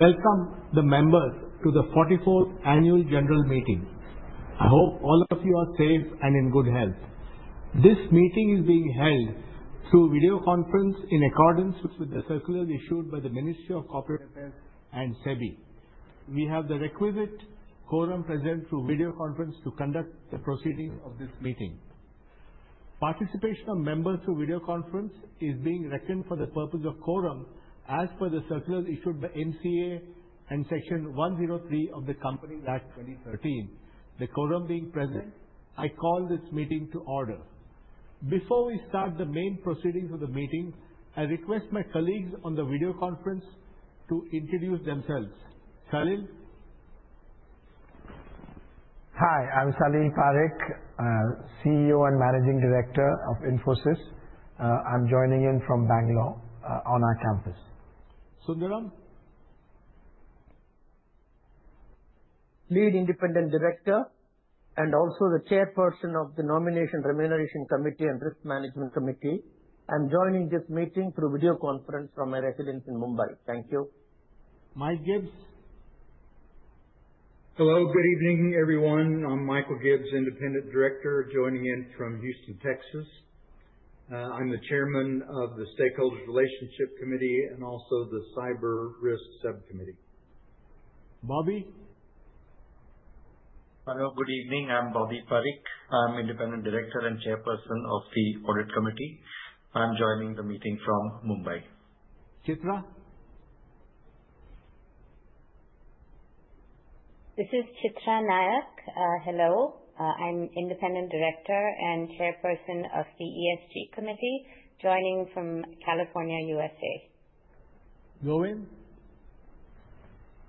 Welcome, the members, to the 44th Annual General Meeting. I hope all of you are safe and in good health. This meeting is being held through video conference in accordance with the circulars issued by the Ministry of Corporate Affairs and SEBI. We have the requisite quorum present through video conference to conduct the proceedings of this meeting. Participation of members through video conference is being reckoned for the purpose of quorum, as per the circulars issued by MCA and Section 103 of the Company Act 2013. The quorum being present, I call this meeting to order. Before we start the main proceedings of the meeting, I request my colleagues on the video conference to introduce themselves. Salil? Hi, I'm Salil Parekh, CEO and Managing Director of Infosys. I'm joining in from Bangalore on our campus. Sundaram? Lead Independent Director and also the Chairperson of the Nomination & Remuneration Committee and Risk Management Committee. I'm joining this meeting through video conference from my residence in Mumbai. Thank you. Mike Gibbs? Hello, good evening, everyone. I'm Michael Gibbs, Independent Director joining in from Houston, Texas. I'm the Chairman of the Stakeholders Relationship Committee and also the Cyber Risk Subcommittee. Bobby? Hello, good evening. I'm Bobby Parikh. I'm Independent Director and Chairperson of the Audit Committee. I'm joining the meeting from Mumbai. Chitra? This is Chitra Nayak. Hello. I'm Independent Director and Chairperson of the ESG Committee, joining from California, USA. Govind?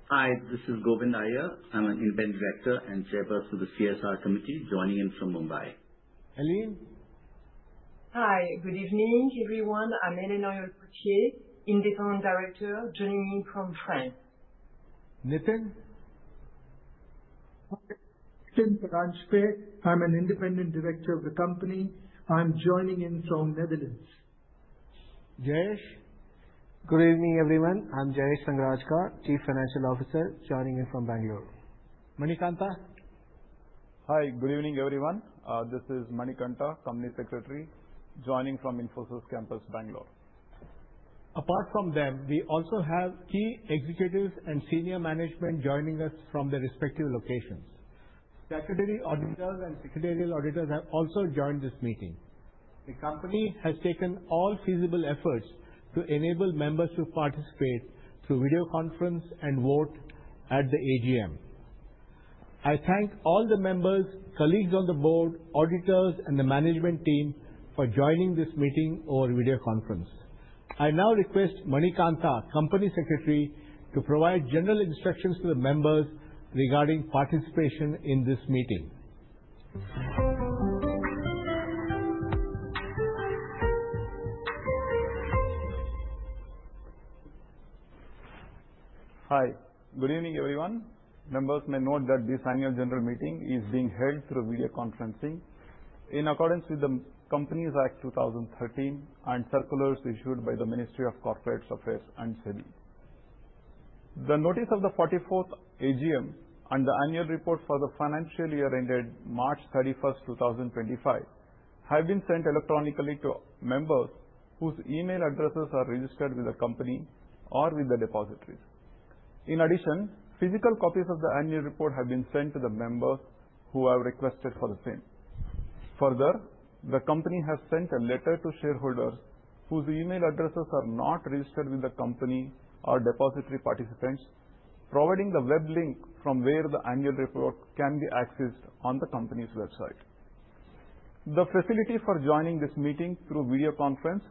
Hi, this is Govind Iyer. I'm an Independent Director and Chairperson of the CSR Committee, joining in from Mumbai. Helene? Hi, good evening, everyone. I'm Helene Auriol Potier, Independent Director joining in from France. Nitin? Nitin Paranjpe. I'm an Independent Director of the Company. I'm joining in from Netherlands. Jayesh? Good evening, everyone. I'm Jayesh Sanghrajka, Chief Financial Officer, joining in from Bangalore. Manikantha? Hi, good evening, everyone. This is Manikantha, Company Secretary, joining from Infosys Campus, Bangalore. Apart from them, we also have key executives and senior management joining us from their respective locations. Statutory Auditors and Secretarial Auditors have also joined this meeting. The company has taken all feasible efforts to enable members to participate through video conference and vote at the AGM. I thank all the members, colleagues on the board, auditors, and the management team for joining this meeting over video conference. I now request Manikantha, Company Secretary, to provide general instructions to the members regarding participation in this meeting. Hi, good evening, everyone. Members may note that this Annual General Meeting is being held through video conferencing in accordance with the Companies Act 2013 and circulars issued by the Ministry of Corporate Affairs and SEBI. The notice of the 44th AGM and the annual report for the financial year ended March 31, 2025, have been sent electronically to members whose email addresses are registered with the Company or with the depositories. In addition, physical copies of the annual report have been sent to the members who have requested for the same. Further, the Company has sent a letter to shareholders whose email addresses are not registered with the Company or depository participants, providing the web link from where the annual report can be accessed on the Company's website. The facility for joining this meeting through video conference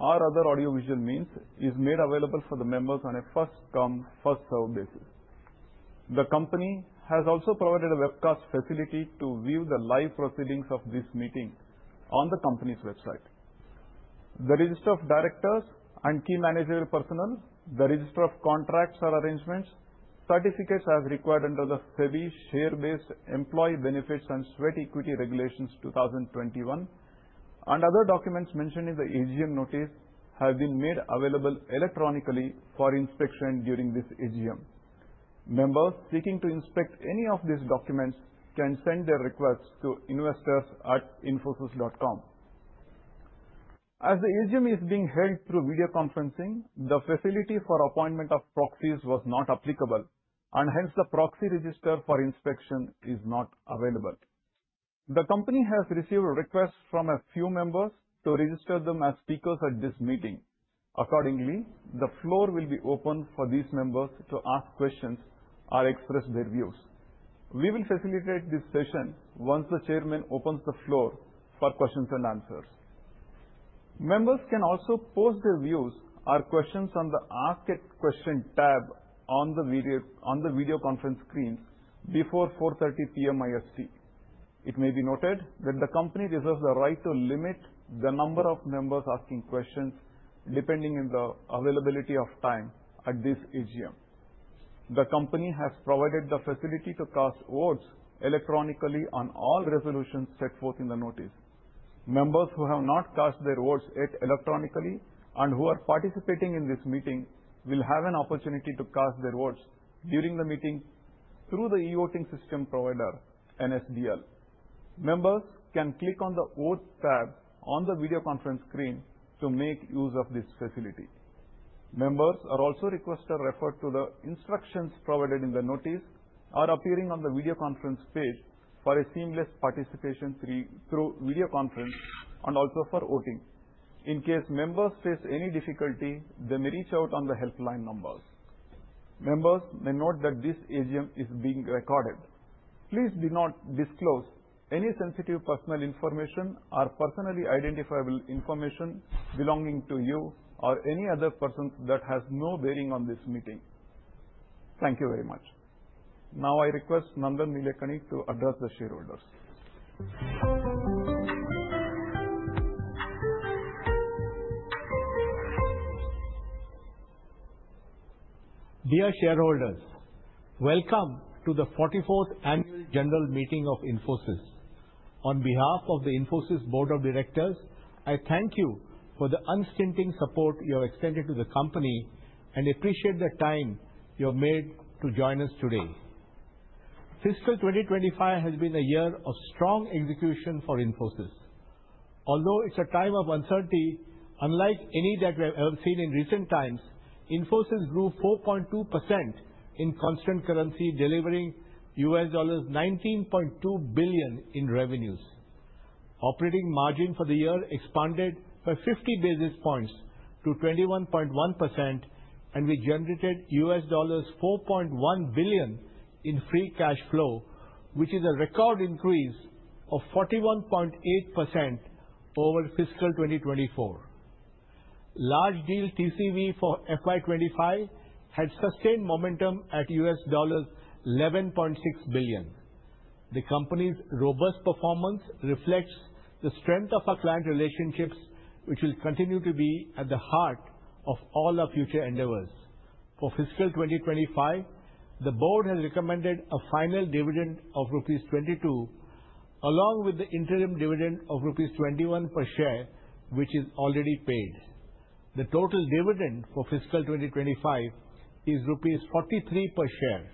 or other audiovisual means is made available for the members on a first-come, first-served basis. The Company has also provided a webcast facility to view the live proceedings of this meeting on the Company's website. The register of directors and key managerial personnel, the register of contracts or arrangements, certificates as required under the SEBI Share-Based Employee Benefits and Sweat Equity Regulations 2021, and other documents mentioned in the AGM notice have been made available electronically for inspection during this AGM. Members seeking to inspect any of these documents can send their requests to investors@infosys.com. As the AGM is being held through video conferencing, the facility for appointment of proxies was not applicable, and hence the proxy register for inspection is not available. The Company has received requests from a few members to register them as speakers at this meeting. Accordingly, the floor will be open for these members to ask questions or express their views. We will facilitate this session once the Chairman opens the floor for questions and answers. Members can also post their views or questions on the Ask a Question tab on the video conference screens before 4:30 P.M. IST. It may be noted that the Company reserves the right to limit the number of members asking questions depending on the availability of time at this AGM. The Company has provided the facility to cast votes electronically on all resolutions set forth in the notice. Members who have not cast their votes yet electronically and who are participating in this meeting will have an opportunity to cast their votes during the meeting through the e-voting system provider, NSDL. Members can click on the Vote tab on the video conference screen to make use of this facility. Members are also requested to refer to the instructions provided in the notice or appearing on the video conference page for a seamless participation through video conference and also for voting. In case members face any difficulty, they may reach out on the helpline numbers. Members may note that this AGM is being recorded. Please do not disclose any sensitive personal information or personally identifiable information belonging to you or any other person that has no bearing on this meeting. Thank you very much. Now, I request Nandan Nilekani to address the shareholders. Dear shareholders, welcome to the 44th Annual General Meeting of Infosys. On behalf of the Infosys Board of Directors, I thank you for the unstinting support you have extended to the company and appreciate the time you have made to join us today. Fiscal 2025 has been a year of strong execution for Infosys. Although it's a time of uncertainty, unlike any that we have ever seen in recent times, Infosys grew 4.2% in constant currency, delivering $19.2 billion in revenues. Operating margin for the year expanded by 50 basis points to 21.1%, and we generated $4.1 billion in free cash flow, which is a record increase of 41.8% over fiscal 2024. Large deal TCV for FY 2025 had sustained momentum at $11.6 billion. The Company's robust performance reflects the strength of our client relationships, which will continue to be at the heart of all our future endeavors. For fiscal 2025, the Board has recommended a final dividend of rupees 22, along with the interim dividend of rupees 21 per share, which is already paid. The total dividend for fiscal 2025 is rupees 43 per share.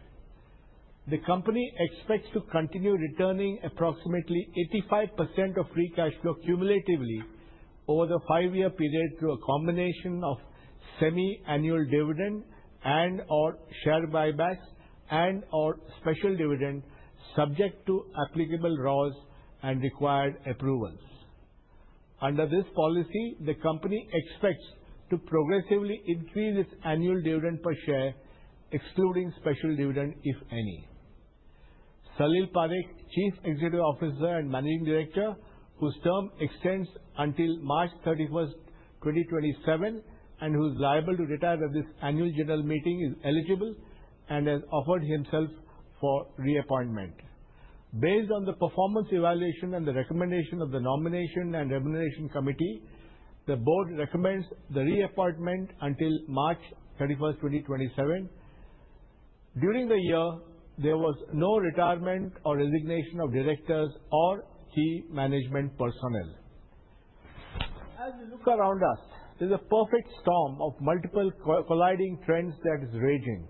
The Company expects to continue returning approximately 85% of free cash flow cumulatively over the five-year period through a combination of semi-annual dividend and/or share buybacks and/or special dividend, subject to applicable ROAS and required approvals. Under this policy, the Company expects to progressively increase its annual dividend per share, excluding special dividend if any. Salil Parekh, Chief Executive Officer and Managing Director, whose term extends until March 31, 2027, and who is liable to retire at this Annual General Meeting, is eligible and has offered himself for reappointment. Based on the performance evaluation and the recommendation of the Nomination and Remuneration Committee, the Board recommends the reappointment until March 31, 2027. During the year, there was no retirement or resignation of directors or key management personnel. As we look around us, there's a perfect storm of multiple colliding trends that is raging.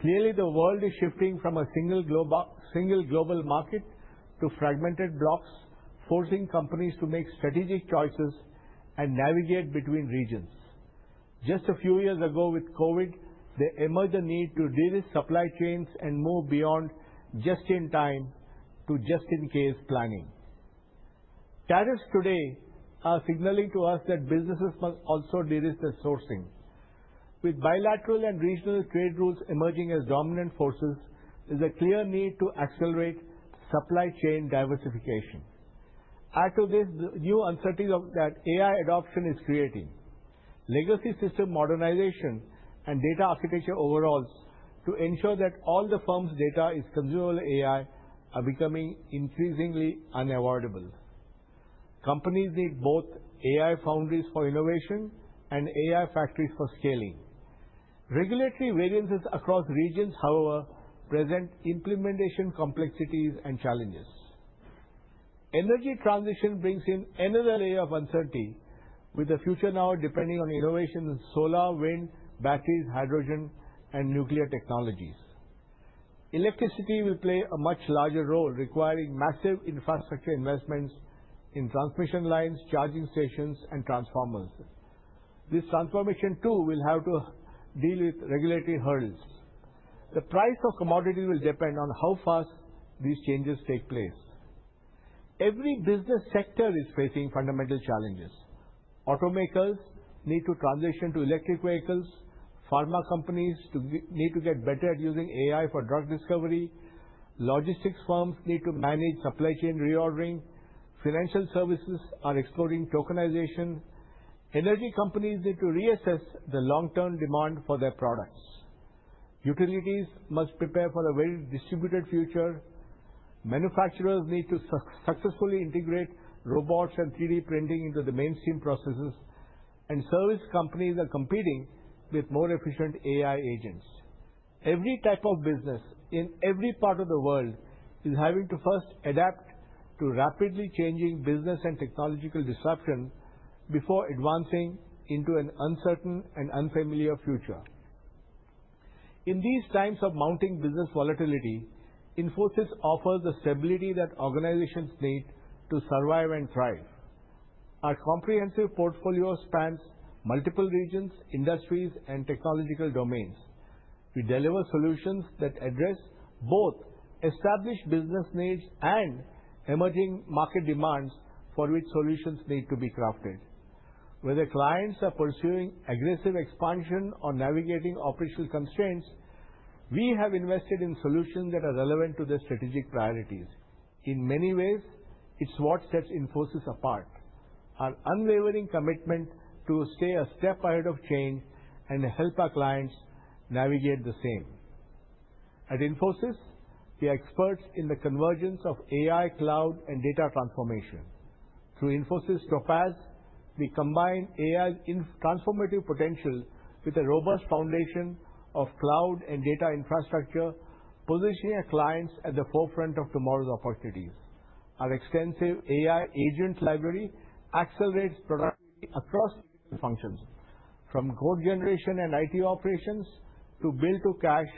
Clearly, the world is shifting from a single global market to fragmented blocs, forcing companies to make strategic choices and navigate between regions. Just a few years ago, with COVID, there emerged a need to de-risk supply chains and move beyond just-in-time to just-in-case planning. Tariffs today are signaling to us that businesses must also de-risk their sourcing. With bilateral and regional trade rules emerging as dominant forces, there's a clear need to accelerate supply chain diversification. Add to this the new uncertainty that AI adoption is creating. Legacy system modernization and data architecture overhauls to ensure that all the firms' data is consumable AI are becoming increasingly unavoidable. Companies need both AI foundries for innovation and AI factories for scaling. Regulatory variances across regions, however, present implementation complexities and challenges. Energy transition brings in another layer of uncertainty, with the future now depending on innovation in solar, wind, batteries, hydrogen, and nuclear technologies. Electricity will play a much larger role, requiring massive infrastructure investments in transmission lines, charging stations, and transformers. This transformation, too, will have to deal with regulatory hurdles. The price of commodities will depend on how fast these changes take place. Every business sector is facing fundamental challenges. Automakers need to transition to electric vehicles. Pharma companies need to get better at using AI for drug discovery. Logistics firms need to manage supply chain reordering. Financial services are exploring tokenization. Energy companies need to reassess the long-term demand for their products. Utilities must prepare for a very distributed future. Manufacturers need to successfully integrate robots and 3D printing into the mainstream processes, and service companies are competing with more efficient AI agents. Every type of business in every part of the world is having to first adapt to rapidly changing business and technological disruption before advancing into an uncertain and unfamiliar future. In these times of mounting business volatility, Infosys offers the stability that organizations need to survive and thrive. Our comprehensive portfolio spans multiple regions, industries, and technological domains. We deliver solutions that address both established business needs and emerging market demands for which solutions need to be crafted. Whether clients are pursuing aggressive expansion or navigating operational constraints, we have invested in solutions that are relevant to their strategic priorities. In many ways, it is what sets Infosys apart: our unwavering commitment to stay a step ahead of change and help our clients navigate the same. At Infosys, we are experts in the convergence of AI, cloud, and data transformation. Through Infosys Topaz, we combine AI's transformative potential with a robust foundation of cloud and data infrastructure, positioning our clients at the forefront of tomorrow's opportunities. Our extensive AI agent library accelerates productivity across multiple functions, from code generation and IT operations to bill-to-cash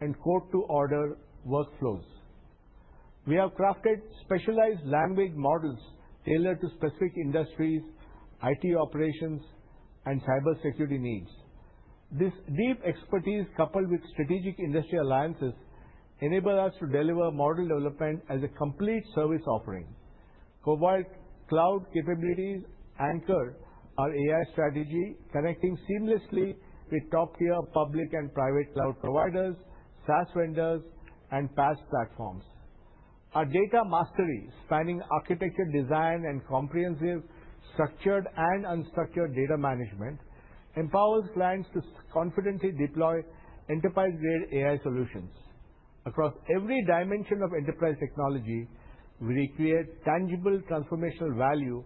and code-to-order workflows. We have crafted specialized language models tailored to specific industries, IT operations, and cybersecurity needs. This deep expertise, coupled with strategic industry alliances, enables us to deliver model development as a complete service offering. Cobalt Cloud Capabilities anchor our AI strategy, connecting seamlessly with top-tier public and private cloud providers, SaaS vendors, and PaaS platforms. Our data mastery, spanning architecture design and comprehensive structured and unstructured data management, empowers clients to confidently deploy enterprise-grade AI solutions. Across every dimension of enterprise technology, we create tangible transformational value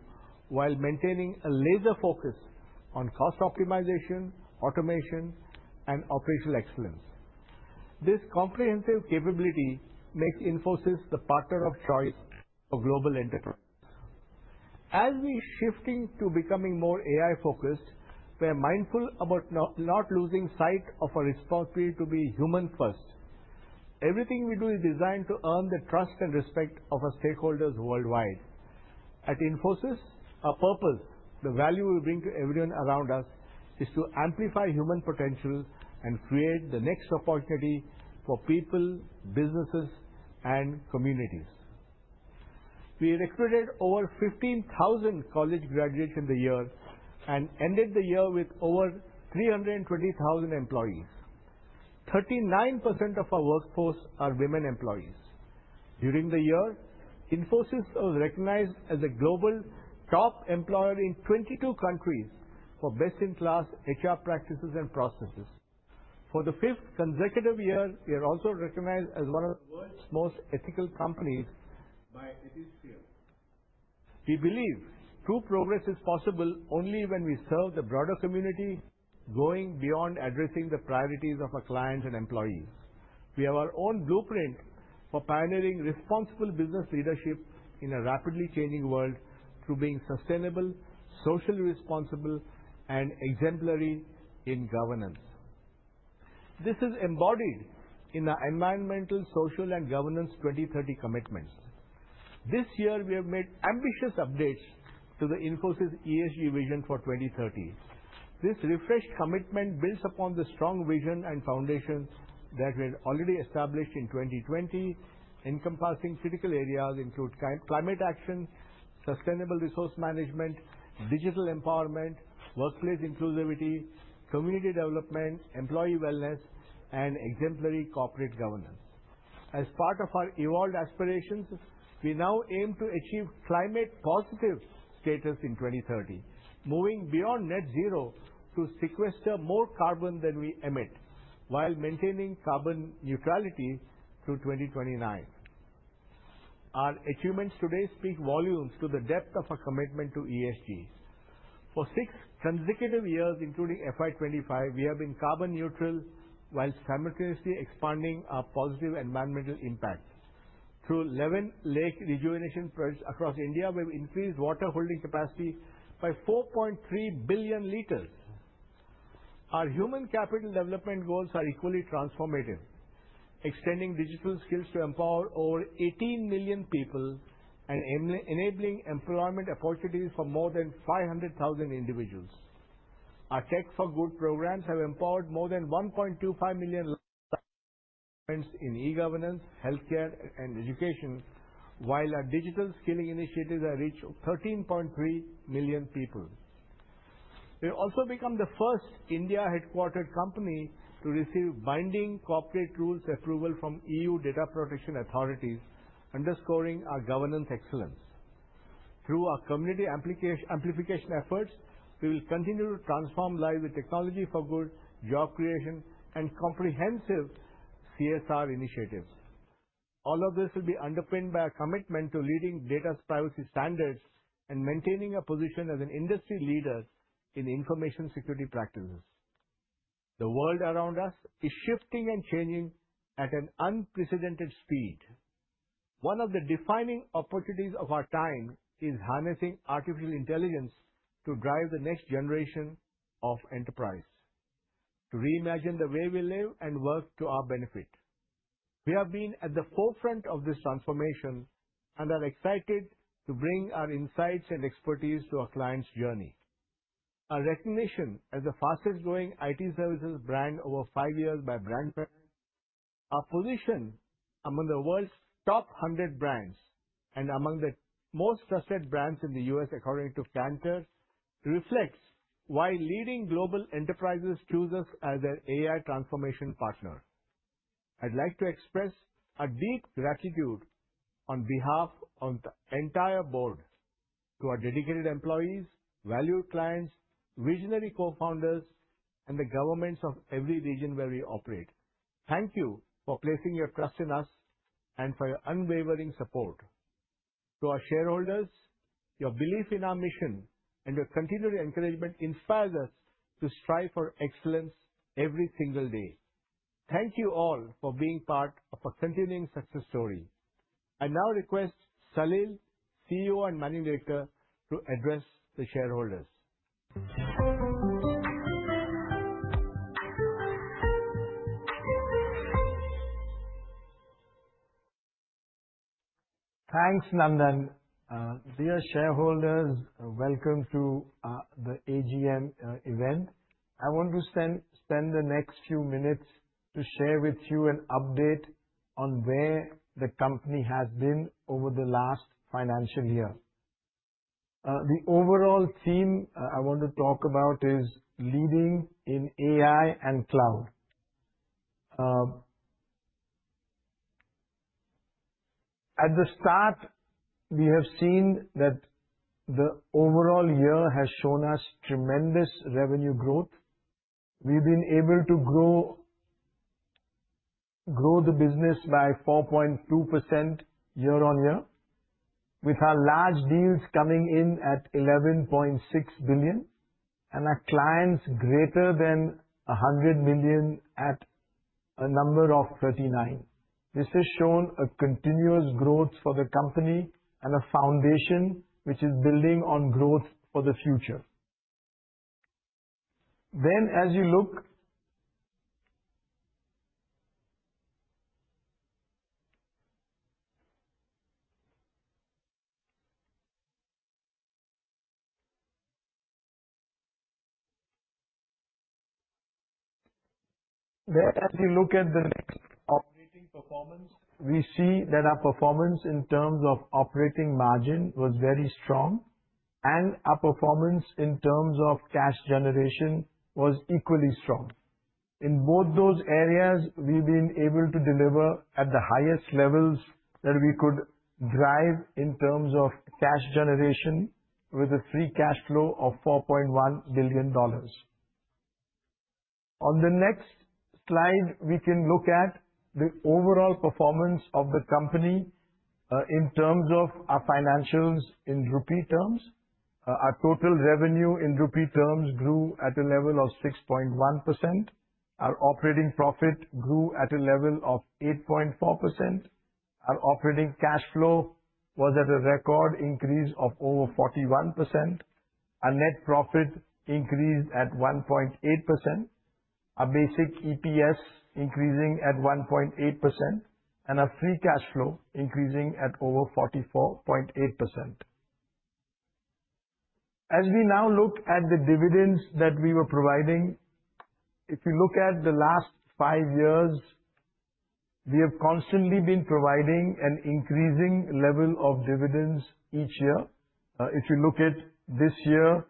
while maintaining a laser focus on cost optimization, automation, and operational excellence. This comprehensive capability makes Infosys the partner of choice for global enterprises. As we are shifting to becoming more AI-focused, we are mindful about not losing sight of our responsibility to be human-first. Everything we do is designed to earn the trust and respect of our stakeholders worldwide. At Infosys, our purpose, the value we bring to everyone around us, is to amplify human potential and create the next opportunity for people, businesses, and communities. We recruited over 15,000 college graduates in the year and ended the year with over 320,000 employees. 39% of our workforce are women employees. During the year, Infosys was recognized as a global top employer in 22 countries for best-in-class HR practices and processes. For the fifth consecutive year, we are also recognized as one of the world's most ethical companies by Ethisphere. We believe true progress is possible only when we serve the broader community, going beyond addressing the priorities of our clients and employees. We have our own blueprint for pioneering responsible business leadership in a rapidly changing world through being sustainable, socially responsible, and exemplary in governance. This is embodied in our Environmental, Social, and Governance 2030 commitments. This year, we have made ambitious updates to the Infosys ESG vision for 2030. This refreshed commitment builds upon the strong vision and foundation that we had already established in 2020, encompassing critical areas including climate action, sustainable resource management, digital empowerment, workplace inclusivity, community development, employee wellness, and exemplary corporate governance. As part of our evolved aspirations, we now aim to achieve climate-positive status in 2030, moving beyond net zero to sequester more carbon than we emit while maintaining carbon neutrality through 2029. Our achievements today speak volumes to the depth of our commitment to ESG. For six consecutive years, including FY 2025, we have been carbon neutral while simultaneously expanding our positive environmental impact. Through 11 lake rejuvenation projects across India, we have increased water holding capacity by 4.3 billion liters. Our human capital development goals are equally transformative, extending digital skills to empower over 18 million people and enabling employment opportunities for more than 500,000 individuals. Our Tech for Good programs have empowered more than 1.25 million lives in e-governance, healthcare, and education, while our digital skilling initiatives have reached 13.3 million people. We have also become the first India-headquartered company to receive binding corporate rules approval from EU Data Protection Authorities, underscoring our governance excellence. Through our community amplification efforts, we will continue to transform lives with technology for good, job creation, and comprehensive CSR initiatives. All of this will be underpinned by our commitment to leading data privacy standards and maintaining a position as an industry leader in information security practices. The world around us is shifting and changing at an unprecedented speed. One of the defining opportunities of our time is harnessing artificial intelligence to drive the next generation of enterprise, to reimagine the way we live and work to our benefit. We have been at the forefront of this transformation and are excited to bring our insights and expertise to our clients' journey. Our recognition as the fastest-growing IT services brand over five years by Brand Finance, our position among the world's top 100 brands, and among the most trusted brands in the US, according to Kantar, reflects why leading global enterprises choose us as their AI transformation partner. I'd like to express our deep gratitude on behalf of the entire board to our dedicated employees, valued clients, visionary co-founders, and the governments of every region where we operate. Thank you for placing your trust in us and for your unwavering support. To our shareholders, your belief in our mission and your continued encouragement inspires us to strive for excellence every single day. Thank you all for being part of our continuing success story. I now request Salil, CEO and Managing Director, to address the shareholders. Thanks, Nandan. Dear shareholders, welcome to the AGM event. I want to spend the next few minutes to share with you an update on where the company has been over the last financial year. The overall theme I want to talk about is leading in AI and cloud. At the start, we have seen that the overall year has shown us tremendous revenue growth. We've been able to grow the business by 4.2% Year-on-Year, with our large deals coming in at $11.6 billion and our clients greater than $100 million at a number of 39. This has shown a continuous growth for the company and a foundation which is building on growth for the future. As you look at the next operating performance, we see that our performance in terms of operating margin was very strong, and our performance in terms of cash generation was equally strong. In both those areas, we've been able to deliver at the highest levels that we could drive in terms of cash generation, with a free cash flow of $4.1 billion. On the next slide, we can look at the overall performance of the company in terms of our financials in rupee terms. Our total revenue in rupee terms grew at a level of 6.1%. Our operating profit grew at a level of 8.4%. Our operating cash flow was at a record increase of over 41%. Our net profit increased at 1.8%. Our basic EPS increased at 1.8%, and our free cash flow increased at over 44.8%. As we now look at the dividends that we were providing, if you look at the last five years, we have constantly been providing an increasing level of dividends each year. If you look at this year,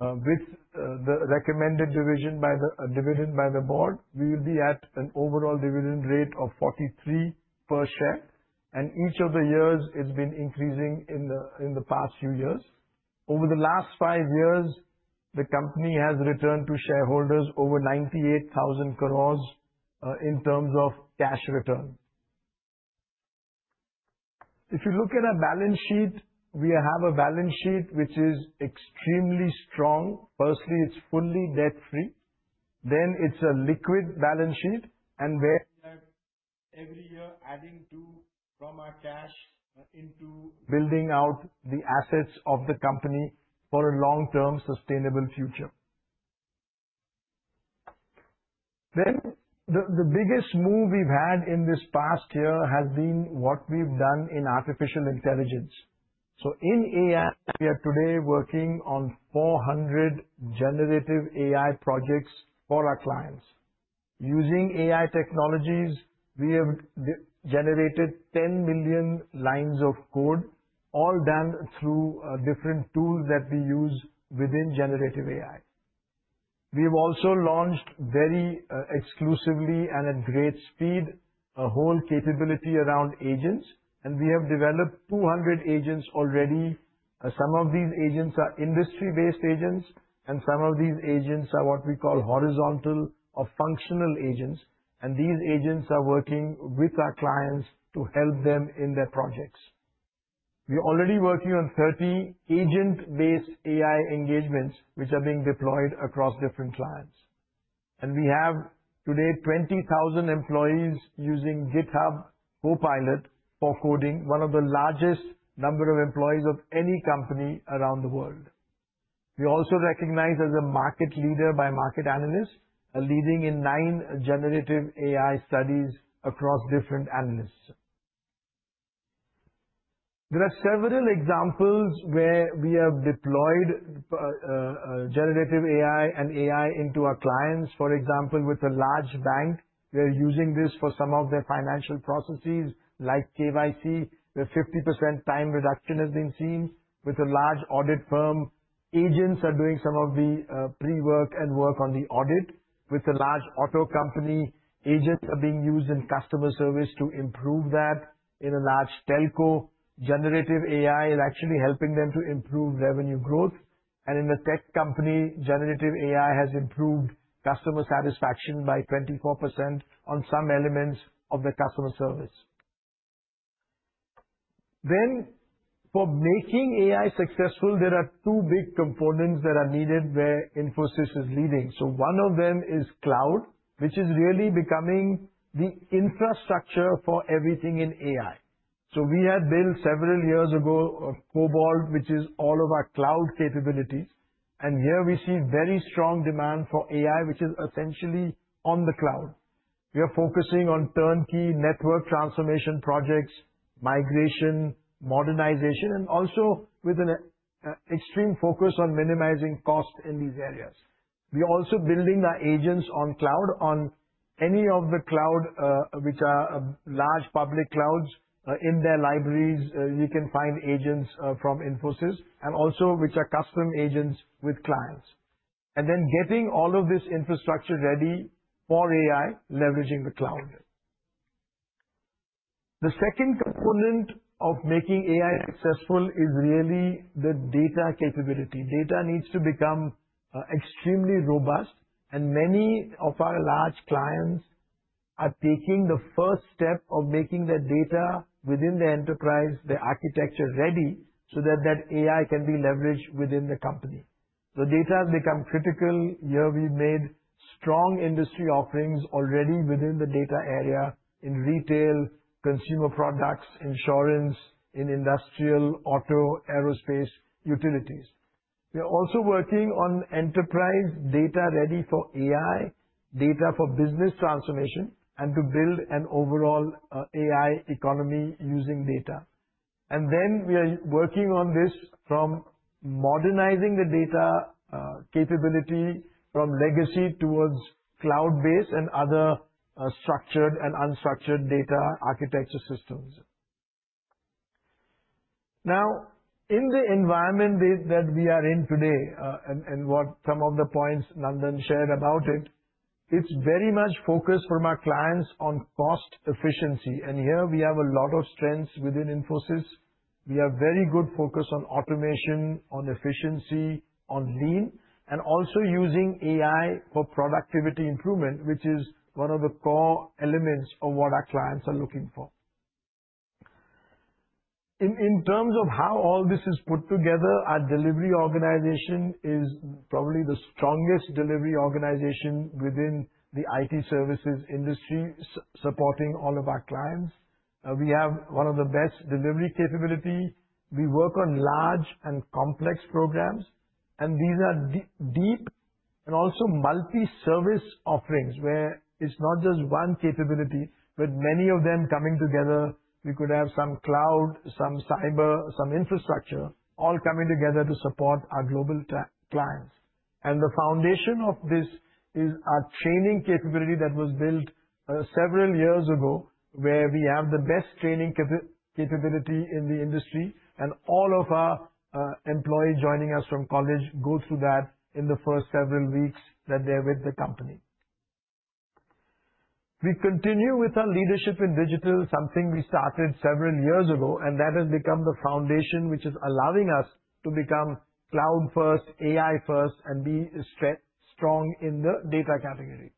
with the recommended dividend by the board, we will be at an overall dividend rate of 43 per share. Each of the years, it's been increasing in the past few years. Over the last five years, the company has returned to shareholders over 98,000 crore in terms of cash return. If you look at our balance sheet, we have a balance sheet which is extremely strong. Firstly, it's fully debt-free. It is a liquid balance sheet, and where we are every year adding to from our cash into building out the assets of the company for a long-term sustainable future. The biggest move we have had in this past year has been what we have done in artificial intelligence. In AI, we are today working on 400 generative AI projects for our clients. Using AI technologies, we have generated 10 million lines of code, all done through different tools that we use within generative AI. We have also launched very exclusively and at great speed a whole capability around agents, and we have developed 200 agents already. Some of these agents are industry-based agents, and some of these agents are what we call horizontal or functional agents. These agents are working with our clients to help them in their projects. We are already working on 30 agent-based AI engagements which are being deployed across different clients. We have today 20,000 employees using GitHub Copilot for coding, one of the largest numbers of employees of any company around the world. We are also recognized as a market leader by market analysts, leading in nine generative AI studies across different analysts. There are several examples where we have deployed generative AI and AI into our clients. For example, with a large bank, we are using this for some of their financial processes like KYC, where 50% time reduction has been seen. With a large audit firm, agents are doing some of the pre-work and work on the audit. With a large auto company, agents are being used in customer service to improve that. In a large telco, generative AI is actually helping them to improve revenue growth. In a tech company, generative AI has improved customer satisfaction by 24% on some elements of their customer service. For making AI successful, there are two big components that are needed where Infosys is leading. One of them is cloud, which is really becoming the infrastructure for everything in AI. We had built several years ago Cobalt, which is all of our cloud capabilities. Here, we see very strong demand for AI, which is essentially on the cloud. We are focusing on turnkey network transformation projects, migration, modernization, and also with an extreme focus on minimizing cost in these areas. We are also building our agents on cloud, on any of the clouds which are large public clouds. In their libraries, you can find agents from Infosys, and also which are custom agents with clients. Getting all of this infrastructure ready for AI, leveraging the cloud. The second component of making AI successful is really the data capability. Data needs to become extremely robust, and many of our large clients are taking the first step of making their data within their enterprise, their architecture ready, so that AI can be leveraged within the company. Data has become critical. Here, we've made strong industry offerings already within the data area in retail, consumer products, insurance, industrial, auto, aerospace, utilities. We are also working on enterprise data ready for AI, data for business transformation, and to build an overall AI economy using data. We are working on this from modernizing the data capability from legacy towards cloud-based and other structured and unstructured data architecture systems. Now, in the environment that we are in today and what some of the points Nandan shared about it, it's very much focused from our clients on cost efficiency. Here, we have a lot of strengths within Infosys. We have very good focus on automation, on efficiency, on lean, and also using AI for productivity improvement, which is one of the core elements of what our clients are looking for. In terms of how all this is put together, our delivery organization is probably the strongest delivery organization within the IT services industry, supporting all of our clients. We have one of the best delivery capabilities. We work on large and complex programs, and these are deep and also multi-service offerings where it's not just one capability, but many of them coming together. We could have some cloud, some cyber, some infrastructure, all coming together to support our global clients. The foundation of this is our training capability that was built several years ago, where we have the best training capability in the industry, and all of our employees joining us from college go through that in the first several weeks that they're with the company. We continue with our leadership in digital, something we started several years ago, and that has become the foundation which is allowing us to become cloud-first, AI-first, and be strong in the data category.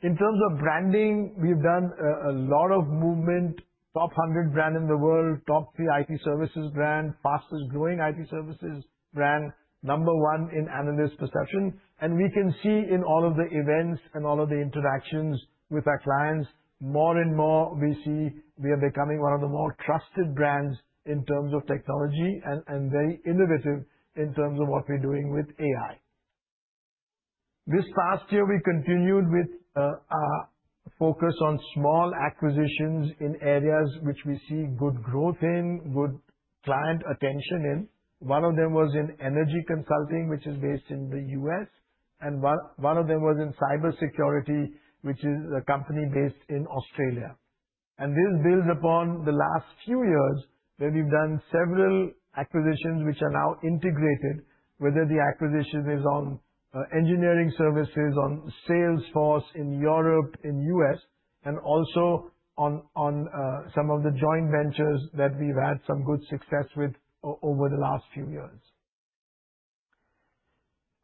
In terms of branding, we've done a lot of movement, top 100 brand in the world, top three IT services brand, fastest-growing IT services brand, number one in analyst perception. We can see in all of the events and all of the interactions with our clients, more and more we see we are becoming one of the more trusted brands in terms of technology and very innovative in terms of what we're doing with AI. This past year, we continued with our focus on small acquisitions in areas which we see good growth in, good client attention in. One of them was in energy consulting, which is based in the US, and one of them was in cybersecurity, which is a company based in Australia. This builds upon the last few years where we've done several acquisitions which are now integrated, whether the acquisition is on engineering services, on Salesforce in Europe, in the US, and also on some of the joint ventures that we've had some good success with over the last few years.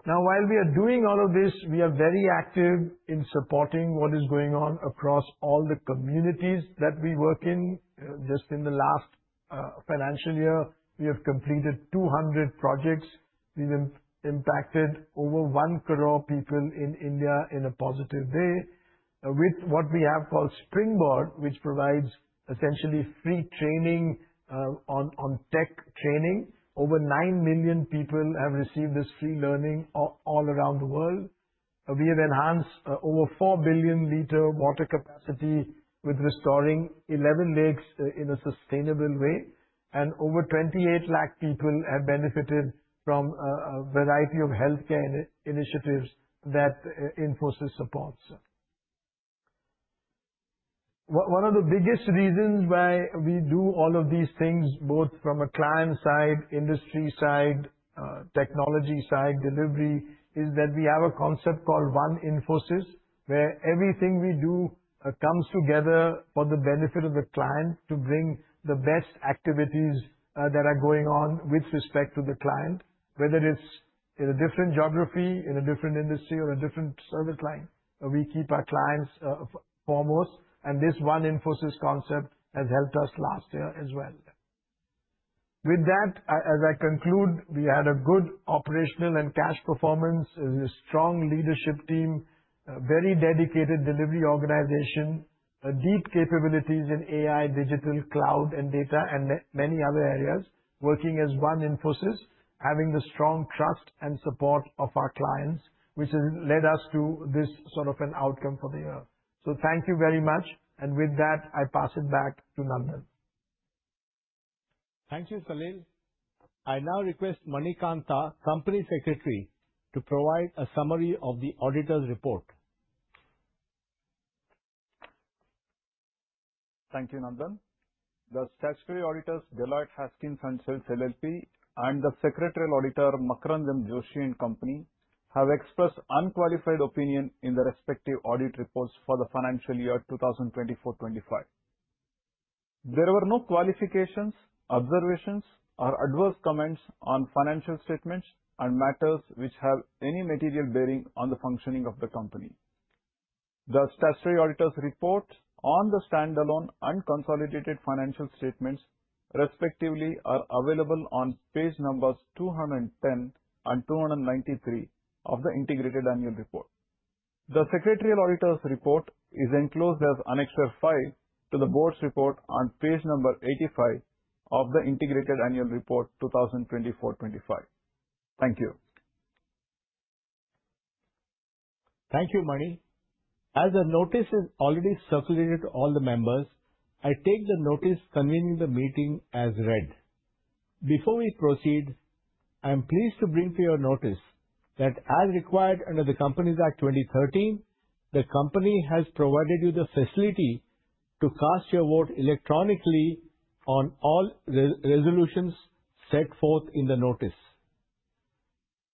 Now, while we are doing all of this, we are very active in supporting what is going on across all the communities that we work in. Just in the last financial year, we have completed 200 projects. We have impacted over 10 million people in India in a positive way with what we have called Springboard, which provides essentially free training on tech training. Over 9 million people have received this free learning all around the world. We have enhanced over 4 billion liters of water capacity with restoring 11 lakes in a sustainable way. Over 2.8 million people have benefited from a variety of healthcare initiatives that Infosys supports. One of the biggest reasons why we do all of these things, both from a client side, industry side, technology side, delivery, is that we have a concept called One Infosys, where everything we do comes together for the benefit of the client to bring the best activities that are going on with respect to the client, whether it's in a different geography, in a different industry, or a different service line. We keep our clients foremost, and this One Infosys concept has helped us last year as well. With that, as I conclude, we had a good operational and cash performance, a strong leadership team, a very dedicated delivery organization, deep capabilities in AI, digital, cloud, and data, and many other areas, working as One Infosys, having the strong trust and support of our clients, which has led us to this sort of an outcome for the year. Thank you very much. With that, I pass it back to Nandan. Thank you, Salil. I now request Manikantha, Company Secretary, to provide a summary of the auditor's report. Thank you, Nandan. The Statutory Auditors, Deloitte Haskins & Sells LLP, and the Secretarial Auditor, Makarand M. Joshi & Company, have expressed unqualified opinion in the respective audit reports for the financial year 2024-2025. There were no qualifications, observations, or adverse comments on financial statements and matters which have any material bearing on the functioning of the company. The Statutory Auditor's report on the standalone and consolidated financial statements, respectively, are available on page numbers 210 and 293 of the integrated annual report. The Secretarial Auditor's report is enclosed as Annexure 5 to the Board's report on page number 85 of the integrated annual report 2024-2025. Thank you. Thank you, Mani. As the notice has already circulated to all the members, I take the notice convening the meeting as read. Before we proceed, I am pleased to bring to your notice that, as required under the Companies Act 2013, the company has provided you the facility to cast your vote electronically on all resolutions set forth in the notice.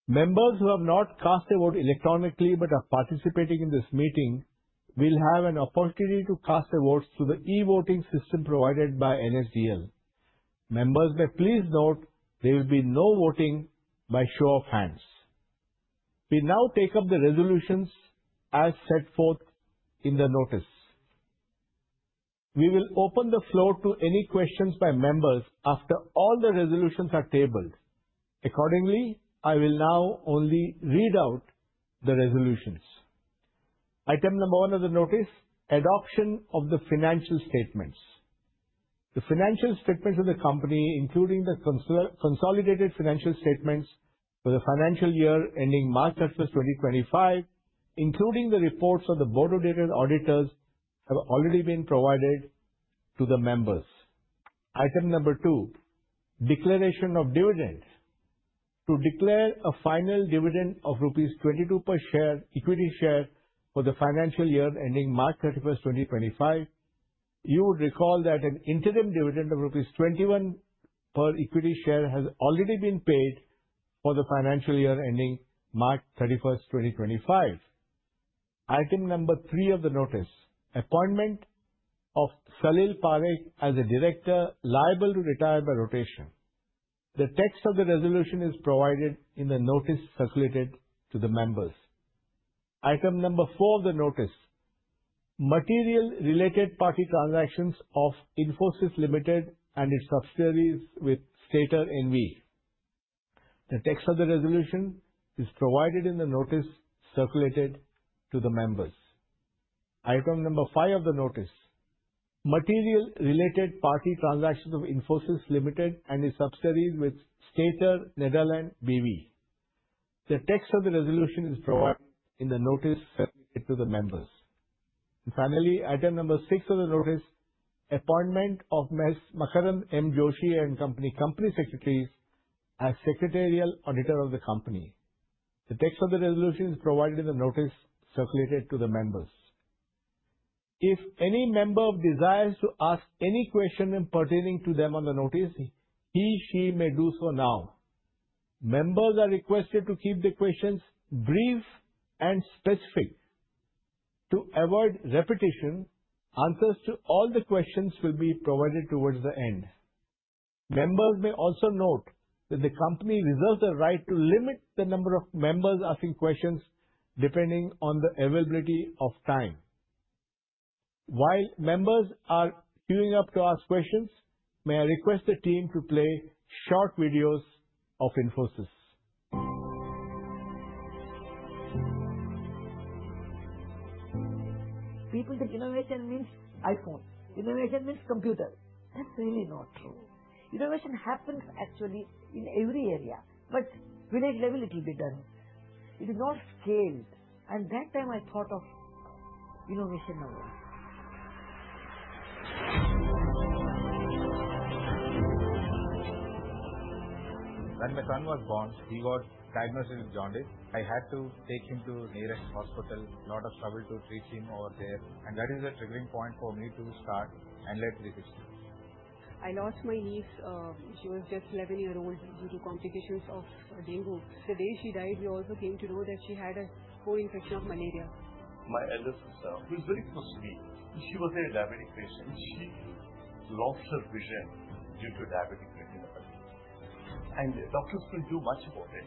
Members who have not cast their vote electronically but are participating in this meeting will have an opportunity to cast their votes through the e-voting system provided by NSDL. Members, may please note there will be no voting by show of hands. We now take up the resolutions as set forth in the notice. We will open the floor to any questions by members after all the resolutions are tabled. Accordingly, I will now only read out the resolutions. Item number one of the notice: Adoption of the financial statements. The financial statements of the company, including the consolidated financial statements for the financial year ending March 31, 2025, including the reports of the board-appointed auditors, have already been provided to the members. Item number two: Declaration of dividends. To declare a final dividend of rupees 22 per equity share for the financial year ending March 31, 2025, you would recall that an interim dividend of rupees 21 per equity share has already been paid for the financial year ending March 31, 2025. Item number three of the notice: Appointment of Salil Parekh as a Director, liable to retire by rotation. The text of the resolution is provided in the notice circulated to the members. Item number four of the notice: Material related party transactions of Infosys Limited and its subsidiaries with Stater N.V. The text of the resolution is provided in the notice circulated to the members. Item number five of the notice: Material related party transactions of Infosys Limited and its subsidiaries with Stater Netherlands B.V. The text of the resolution is provided in the notice circulated to the members. Finally, item number six of the notice: Appointment of Makarand M. Joshi & Company, Company Secretaries, as Secretarial Auditor of the company. The text of the resolution is provided in the notice circulated to the members. If any member desires to ask any question pertaining to them on the notice, he/she may do so now. Members are requested to keep the questions brief and specific. To avoid repetition, answers to all the questions will be provided towards the end. Members may also note that the company reserves the right to limit the number of members asking questions depending on the availability of time. While members are queuing up to ask questions, may I request the team to play short videos of Infosys? People think innovation means iPhone. Innovation means computer. That's really not true. Innovation happens actually in every area, but village level it will be done. It is not scaled. That time I thought of innovation a lot. When my son was born, he was diagnosed with jaundice. I had to take him to the nearest hospital. A lot of trouble to treat him over there. That is the triggering point for me to start and let this happen. I lost my niece. She was just 11 years old due to complications of dengue. The day she died, we also came to know that she had a co-infection of malaria. My eldest daughter, who is very close to me, she was a diabetic patient. She lost her vision due to diabetic retinopathy. Doctors could not do much about it.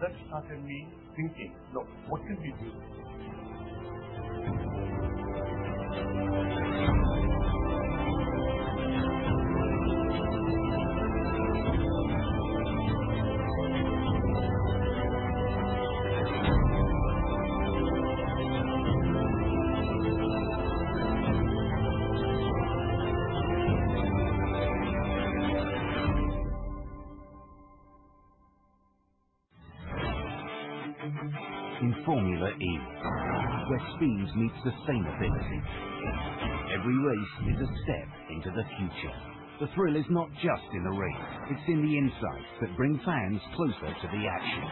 That started me thinking, look, what can we do? In Formula E, where speed meets sustainability, every race is a step into the future. The thrill is not just in the race. It is in the insights that bring fans closer to the action.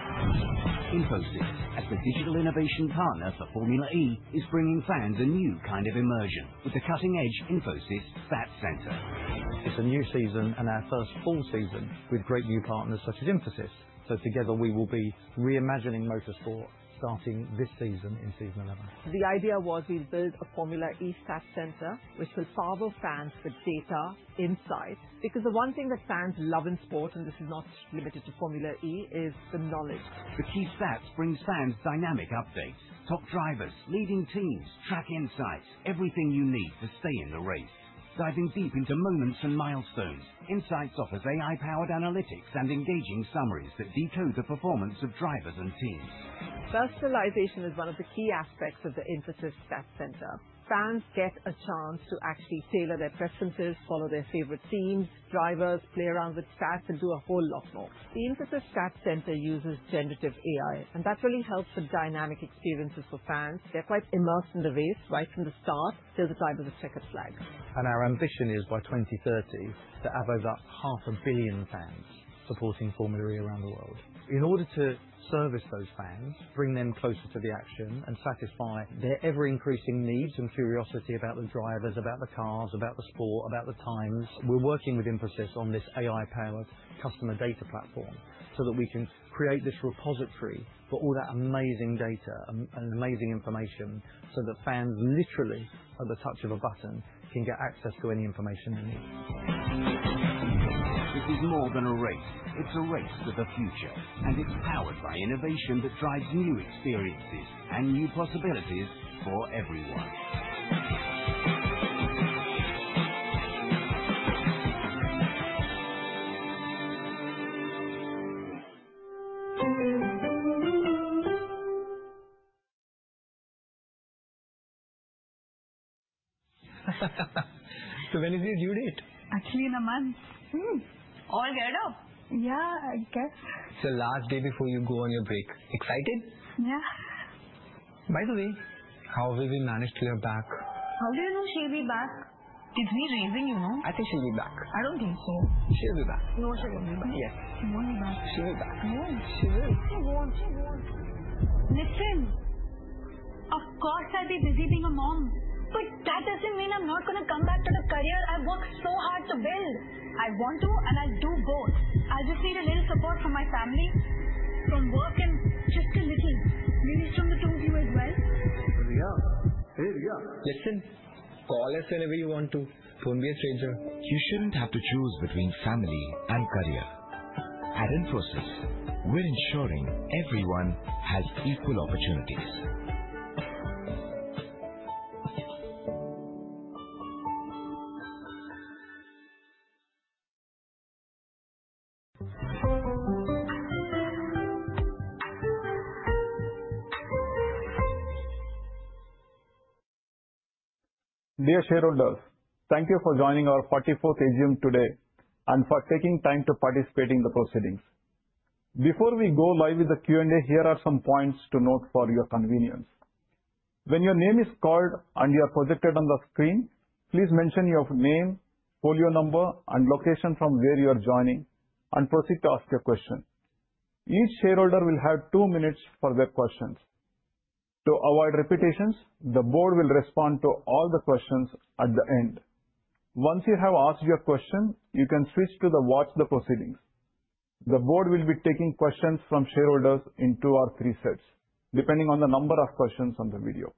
Infosys, as the digital innovation partner for Formula E, is bringing fans a new kind of immersion with the cutting-edge Infosys SAT Center. It's a new season and our first full season with great new partners such as Infosys. Together, we will be reimagining motorsport starting this season in Season 11. The idea was we'd build a Formula E SAT Center which will power fans with data insights. Because the one thing that fans love in sport, and this is not limited to Formula E, is the knowledge. The key SAT brings fans dynamic updates, top drivers, leading teams, track insights, everything you need to stay in the race. Diving deep into moments and milestones, Insights offers AI-powered analytics and engaging summaries that decode the performance of drivers and teams. Personalization is one of the key aspects of the Infosys SAT Center. Fans get a chance to actually tailor their preferences, follow their favorite teams, drivers, play around with stats, and do a whole lot more. The Infosys SAT Center uses generative AI, and that really helps for dynamic experiences for fans. They're quite immersed in the race right from the start till the time of the checkered flag. Our ambition is by 2030 to average up 500,000,000 fans supporting Formula E around the world. In order to service those fans, bring them closer to the action, and satisfy their ever-increasing needs and curiosity about the drivers, about the cars, about the sport, about the times, we are working with Infosys on this AI-powered customer data platform so that we can create this repository for all that amazing data and amazing information so that fans literally at the touch of a button can get access to any information they need. This is more than a race. It is a race for the future. It is powered by innovation that drives new experiences and new possibilities for everyone. When is your due date? Actually, in a month. All get it up? Yeah, I guess. It's the last day before you go on your break. Excited? Yeah. By the way, how have we managed to be back? How do you know she'll be back? It's me raising, you know? I think she'll be back. I don't think so. She'll be back. No, she won't be back. Yes. She won't be back. She'll be back. No, she will. She won't, she won't. Nitin, of course, I'll be busy being a mom. That doesn't mean I'm not going to come back to the career I've worked so hard to build. I want to, and I'll do both. I'll just need a little support from my family, from work, and just a little. Maybe from the two of you as well. There we go. Nitin, call us whenever you want to. Don't be a stranger. You shouldn't have to choose between family and career. At Infosys, we're ensuring everyone has equal opportunities. Dear shareholders, thank you for joining our 44th AGM today and for taking time to participate in the proceedings. Before we go live with the Q&A, here are some points to note for your convenience. When your name is called and you are projected on the screen, please mention your name, folio number, and location from where you are joining, and proceed to ask your question. Each shareholder will have two minutes for their questions. To avoid repetitions, the board will respond to all the questions at the end. Once you have asked your question, you can switch to the "Watch the Proceedings." The board will be taking questions from shareholders in two or three sets, depending on the number of questions on the video.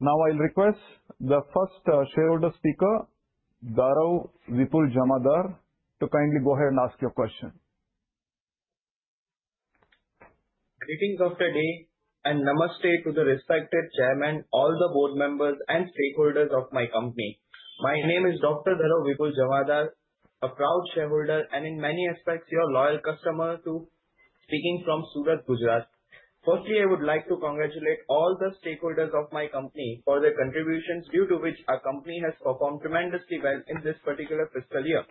Now, I'll request the first shareholder speaker, Dharav Vipul Jamadar, to kindly go ahead and ask your question. Greetings of the day and namaste to the respected Chairman, all the board members, and stakeholders of my company. My name is Dr. Dharav Vipul Jamadar, a proud shareholder and in many aspects your loyal customer too, speaking from Surat, Gujarat. Firstly, I would like to congratulate all the stakeholders of my company for their contributions due to which our company has performed tremendously well in this particular fiscal year.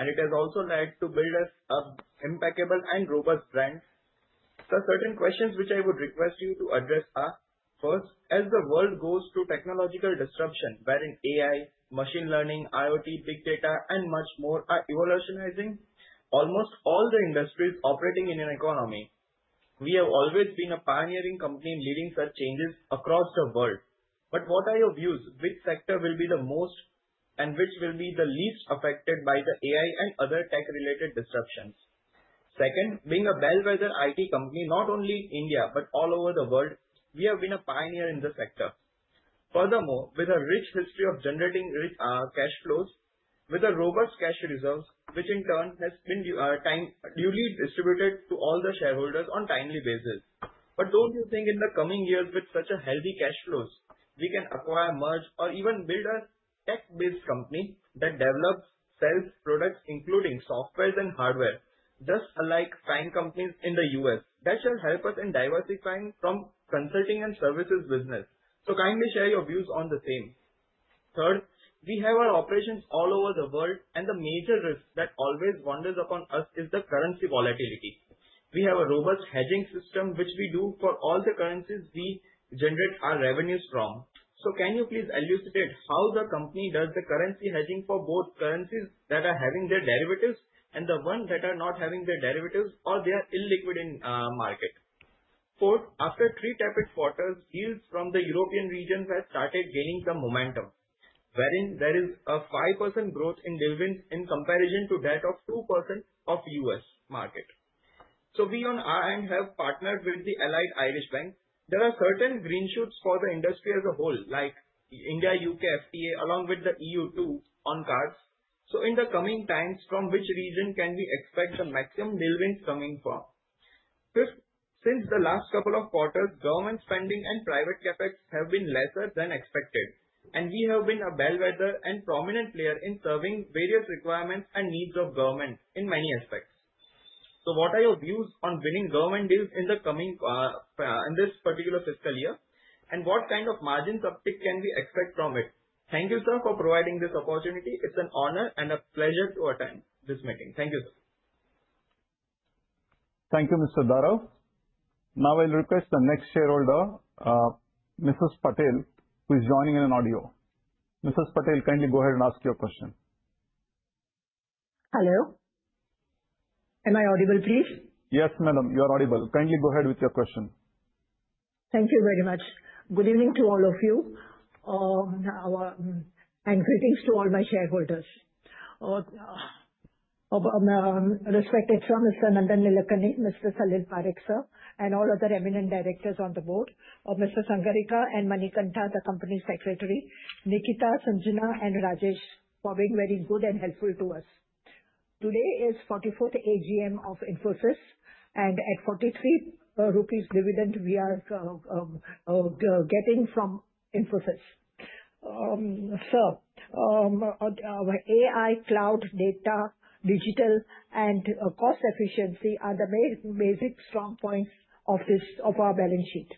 It has also led to build an impeccable and robust brand. The certain questions which I would request you to address are, first, as the world goes to technological disruption, wherein AI, machine learning, IoT, big data, and much more are revolutionizing almost all the industries operating in an economy, we have always been a pioneering company leading such changes across the world. What are your views? Which sector will be the most and which will be the least affected by the AI and other tech-related disruptions? Second, being a bellwether IT company, not only in India but all over the world, we have been a pioneer in the sector. Furthermore, with a rich history of generating cash flows, with robust cash reserves, which in turn has been duly distributed to all the shareholders on a timely basis. Don't you think in the coming years with such healthy cash flows, we can acquire, merge, or even build a tech-based company that develops sales products, including software and hardware, just like fine companies in the US? That shall help us in diversifying from consulting and services business. Kindly share your views on the same. Third, we have our operations all over the world, and the major risk that always wanders upon us is the currency volatility. We have a robust hedging system, which we do for all the currencies we generate our revenues from. Can you please elucidate how the company does the currency hedging for both currencies that are having their derivatives and the ones that are not having their derivatives or they are illiquid in the market? Fourth, after three tapered quarters, yields from the European regions have started gaining some momentum, wherein there is a 5% growth in dividends in comparison to that of 2% of the U.S. market. We on our end have partnered with the Allied Irish Bank. There are certain green shoots for the industry as a whole, like India, U.K. FTA, along with the EU to on cards. In the coming times, from which region can we expect the maximum dividends coming from? Fifth, since the last couple of quarters, government spending and private CapEx have been lesser than expected, and we have been a bellwether and prominent player in serving various requirements and needs of government in many aspects. What are your views on winning government deals in this particular fiscal year? What kind of margin uptick can we expect from it? Thank you, sir, for providing this opportunity. It's an honor and a pleasure to attend this meeting. Thank you, sir. Thank you, Mr. Dharav. Now, I'll request the next shareholder, Mrs. Patel, who is joining in audio. Mrs. Patel, kindly go ahead and ask your question. Hello. Am I audible, please? Yes, madam, you are audible. Kindly go ahead with your question. Thank you very much. Good evening to all of you. Greetings to all my shareholders. Respected Sir Mr. Nandan Nilekani, Mr. Salil Parekh, sir, and all other eminent directors on the board, Mr. Jayesh Sanghrajka and Manikantha, the Company Secretary, Nikita, Sanjana, and Rajesh for being very good and helpful to us. Today is the 44th AGM of Infosys, and at 43 rupees dividend, we are getting from Infosys. Sir, AI, cloud, data, digital, and cost efficiency are the basic strong points of our balance sheet.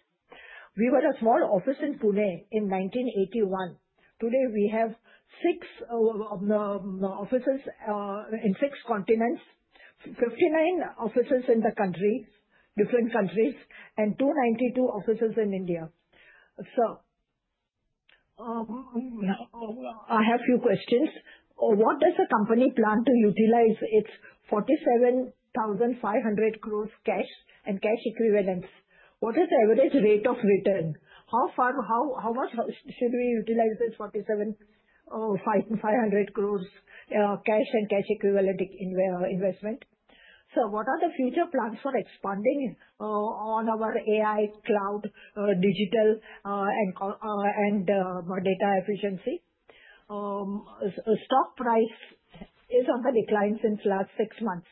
We were a small office in Pune in 1981. Today, we have six offices in six continents, 59 offices in different countries, and 292 offices in India. Sir, I have a few questions. What does the company plan to utilize its 47,500 crore cash and cash equivalents? What is the average rate of return? How much should we utilize this 47,500 crore cash and cash equivalent investment? Sir, what are the future plans for expanding on our AI, cloud, digital, and data efficiency? Stock price is on the decline since the last six months.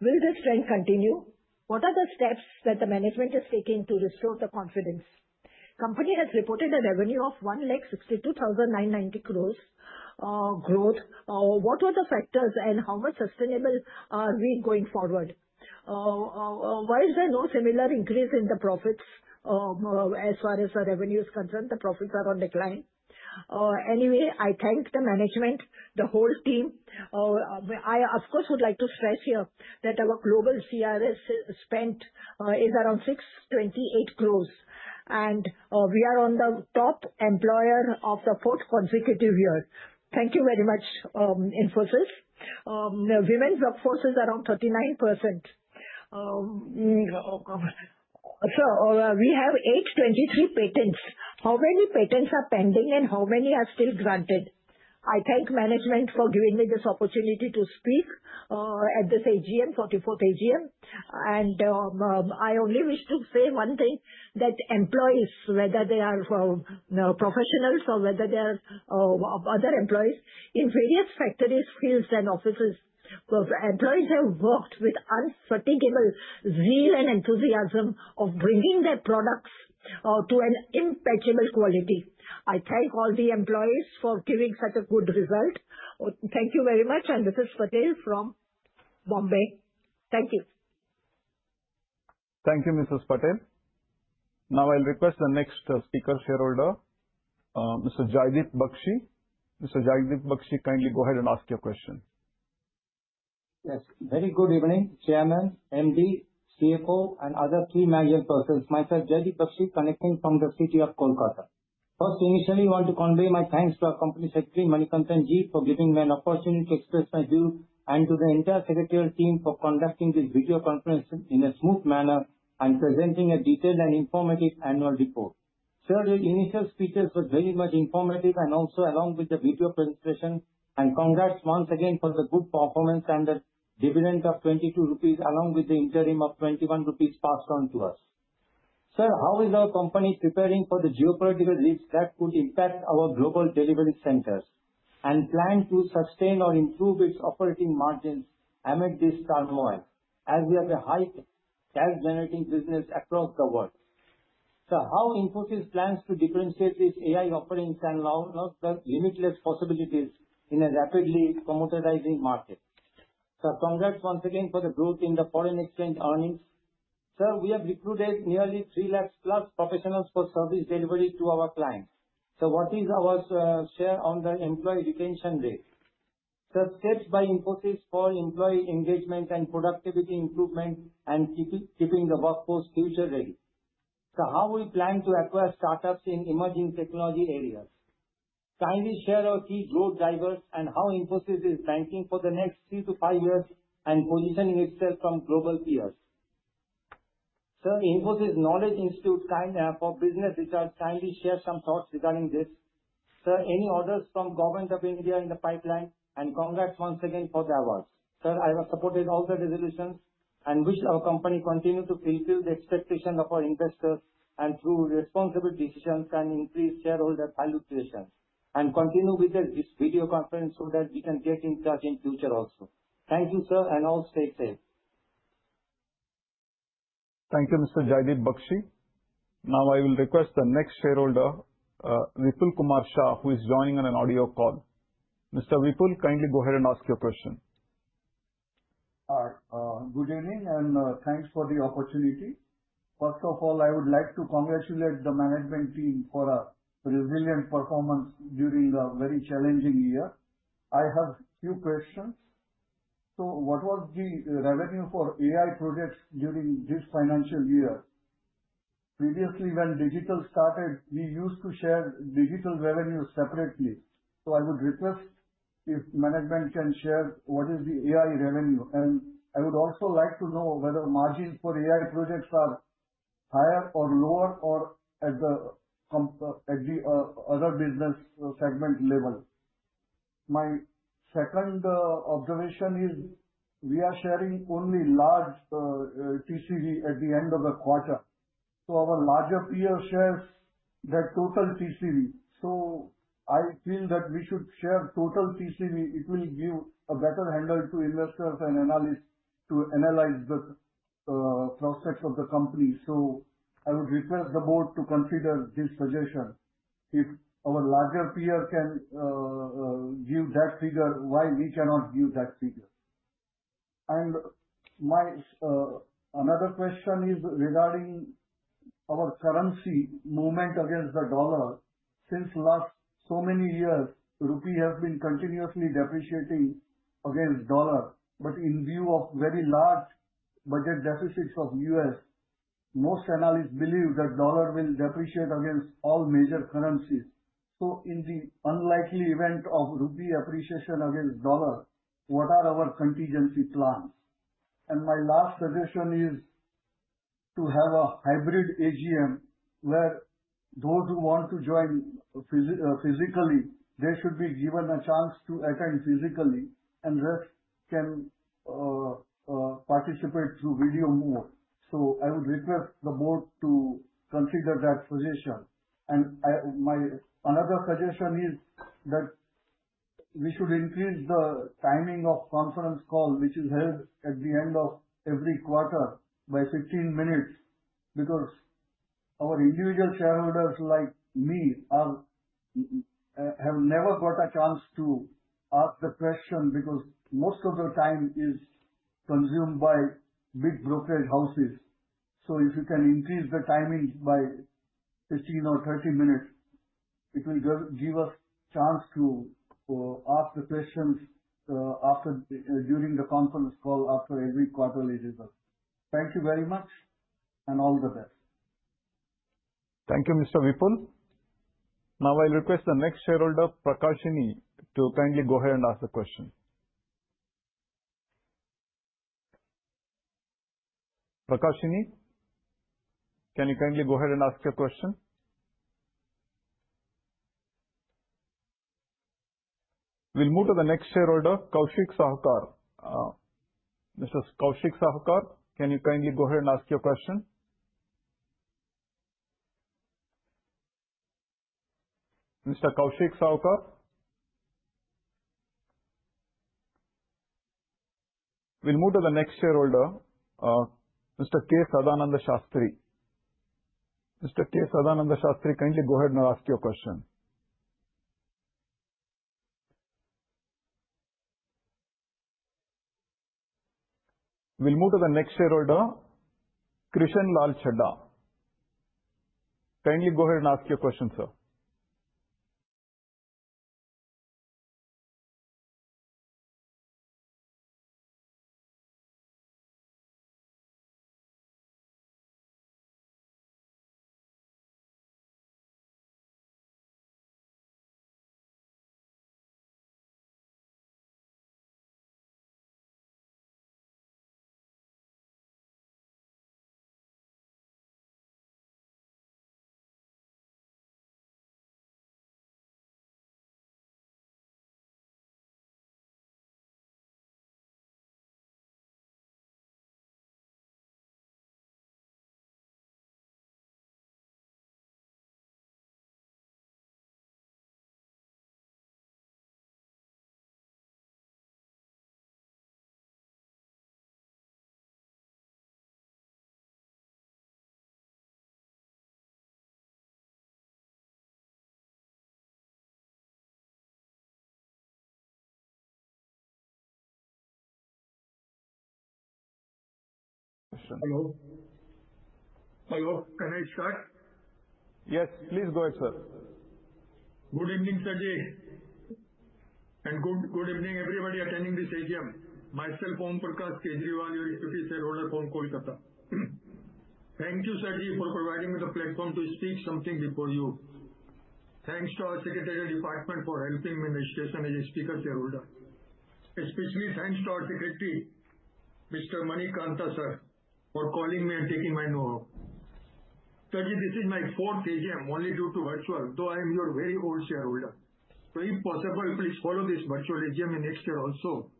Will this trend continue? What are the steps that the management is taking to restore the confidence? The company has reported a revenue of 162,990 crore growth. What were the factors, and how much sustainable are we going forward? Why is there no similar increase in the profits as far as the revenue is concerned? The profits are on decline. Anyway, I thank the management, the whole team. I, of course, would like to stress here that our global CSR spend is around 628 crore, and we are on the top employer for the fourth consecutive year. Thank you very much, Infosys. Women's workforce is around 39%. Sir, we have 823 patents. How many patents are pending, and how many are still granted? I thank management for giving me this opportunity to speak at this AGM, 44th AGM. I only wish to say one thing that employees, whether they are professionals or whether they are other employees, in various factories, fields, and offices, employees have worked with unforgettable zeal and enthusiasm of bringing their products to an impenetrable quality. I thank all the employees for giving such a good result. Thank you very much, and this is Patel from Bombay. Thank you. Thank you, Mrs. Patel. Now, I'll request the next speaker shareholder, Mr. Jaydip Bakshi. Mr. Jaydip Bakshi, kindly go ahead and ask your question. Yes. Very good evening, Chairman, MD, CFO, and other key managerial persons. Myself, Jaydip Bakshi, connecting from the city of Kolkata. First, initially, I want to convey my thanks to our Company Secretary, Manikantha Ji, for giving me an opportunity to express my view and to the entire secretarial team for conducting this video conference in a smooth manner and presenting a detailed and informative annual report. Sir, your initial speeches were very much informative and also along with the video presentation, and congrats once again for the good performance and the dividend of 22 rupees along with the interim of 21 rupees passed on to us. Sir, how is our company preparing for the geopolitical risks that could impact our global delivery centers and plan to sustain or improve its operating margins amid this turmoil as we have a high cash-generating business across the world? Sir, how does Infosys plan to differentiate these AI offerings and allow the limitless possibilities in a rapidly commoditizing market? Sir, congrats once again for the growth in the foreign exchange earnings. Sir, we have recruited nearly 300,000 plus professionals for service delivery to our clients. Sir, what is our share on the employee retention rate? Sir, steps by Infosys for employee engagement and productivity improvement and keeping the workforce future-ready. Sir, how do we plan to acquire startups in emerging technology areas? Kindly share our key growth drivers and how Infosys is banking for the next three to five years and positioning itself from global peers. Sir, Infosys Knowledge Institute for Business Research, kindly share some thoughts regarding this. Sir, any orders from the Government of India in the pipeline? Congrats once again for the awards. Sir, I have supported all the resolutions and wish our company continues to fulfill the expectations of our investors and through responsible decisions can increase shareholder valuation and continue with this video conference so that we can get in touch in the future also. Thank you, sir, and all stay safe. Thank you, Mr. Jaydip Bakshi. Now, I will request the next shareholder, Vipul Kumar Shah, who is joining on an audio call. Mr. Vipul, kindly go ahead and ask your question. Good evening and thanks for the opportunity. First of all, I would like to congratulate the management team for a resilient performance during a very challenging year. I have a few questions. What was the revenue for AI projects during this financial year? Previously, when digital started, we used to share digital revenues separately. I would request if management can share what is the AI revenue. I would also like to know whether margins for AI projects are higher or lower or at the other business segment level. My second observation is we are sharing only large TCV at the end of the quarter. Our larger peer shares that total TCV. I feel that we should share total TCV. It will give a better handle to investors and analysts to analyze the prospects of the company. I would request the board to consider this suggestion. If our larger peer can give that figure, why can we not give that figure? Another question is regarding our currency movement against the dollar. Since last so many years, the rupee has been continuously depreciating against the dollar. In view of very large budget deficits of the US, most analysts believe that the dollar will depreciate against all major currencies. In the unlikely event of rupee appreciation against the dollar, what are our contingency plans? My last suggestion is to have a hybrid AGM where those who want to join physically should be given a chance to attend physically, and the rest can participate through video mode. I would request the board to consider that suggestion. My other suggestion is that we should increase the timing of the conference call, which is held at the end of every quarter, by 15 minutes because our individual shareholders like me have never got a chance to ask the question because most of the time is consumed by big brokerage houses. If you can increase the timing by 15 or 30 minutes, it will give us a chance to ask the questions during the conference call after every quarterly result. Thank you very much and all the best. Thank you, Mr. Vipul. Now, I'll request the next shareholder, Prakashini, to kindly go ahead and ask the question. Prakashini, can you kindly go ahead and ask your question? We'll move to the next shareholder, Kaushik Sahukar. Mr. Kaushik Sahukar, can you kindly go ahead and ask your question? Mr. Kaushik Sahukar, we'll move to the next shareholder, Mr. K. Sadanand Shastri. Mr. K. Sadanand Shastri, kindly go ahead and ask your question. We'll move to the next shareholder, Krishan Lal Chedda. Kindly go ahead and ask your question, sir. Hello. Hello. Can I start? Yes, please go ahead, sir. Good evening, sir, and good evening, everybody attending this AGM. Myself, Om Prakash Kejriwal, your Deputy Shareholder from Kolkata. Thank you, sir, for providing me the platform to speak something before you. Thanks to our Secretarial Department for helping me in registration as a Speaker Shareholder. Especially thanks to our Secretary, Mr. Manikantha sir, for calling me and taking my note. Sir, this is my fourth AGM, only due to virtual, though I am your very old shareholder. If possible, please follow this virtual AGM in the next year also,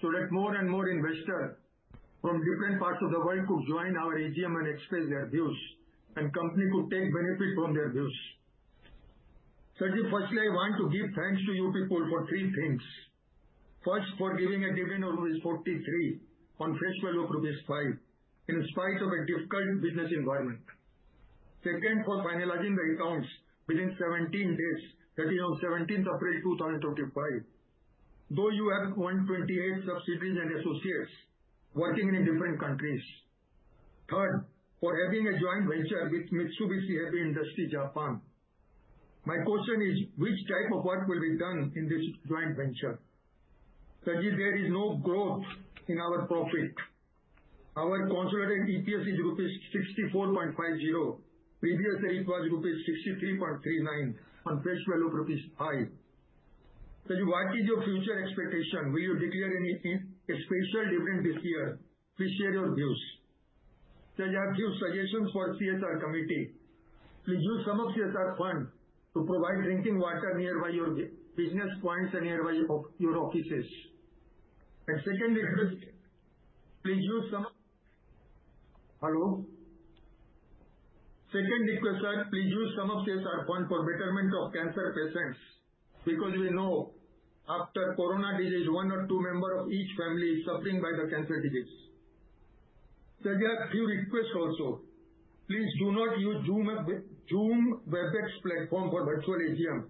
so that more and more investors from different parts of the world could join our AGM and express their views, and the company could take benefit from their views. Sir, firstly, I want to give thanks to you people for three things. First, for giving a dividend of INR 43 per share. 43 on fresh rupees 12.05 in spite of a difficult business environment. Second, for finalizing the accounts within 17 days, that is on 17 April 2025, though you have 128 subsidiaries and associates working in different countries. Third, for having a joint venture with Mitsubishi Heavy Industries, Japan. My question is, which type of work will be done in this joint venture? Sir, there is no growth in our profit. Our consolidated EPS is rupees 64.50. Previously, it was rupees 63.39 on fresh INR 12.05. Sir, what is your future expectation? Will you declare any special dividend this year? Please share your views. Sir, do you have suggestions for the CSR committee? Please use some of the CSR funds to provide drinking water nearby your business points and nearby your offices. Second request, please use some of—hello? Second request, sir, please use some of the CSR funds for betterment of cancer patients because we know after corona disease, one or two members of each family are suffering by the cancer disease. Sir, do you have a few requests also? Please do not use Zoom ebex platform for virtual AGM.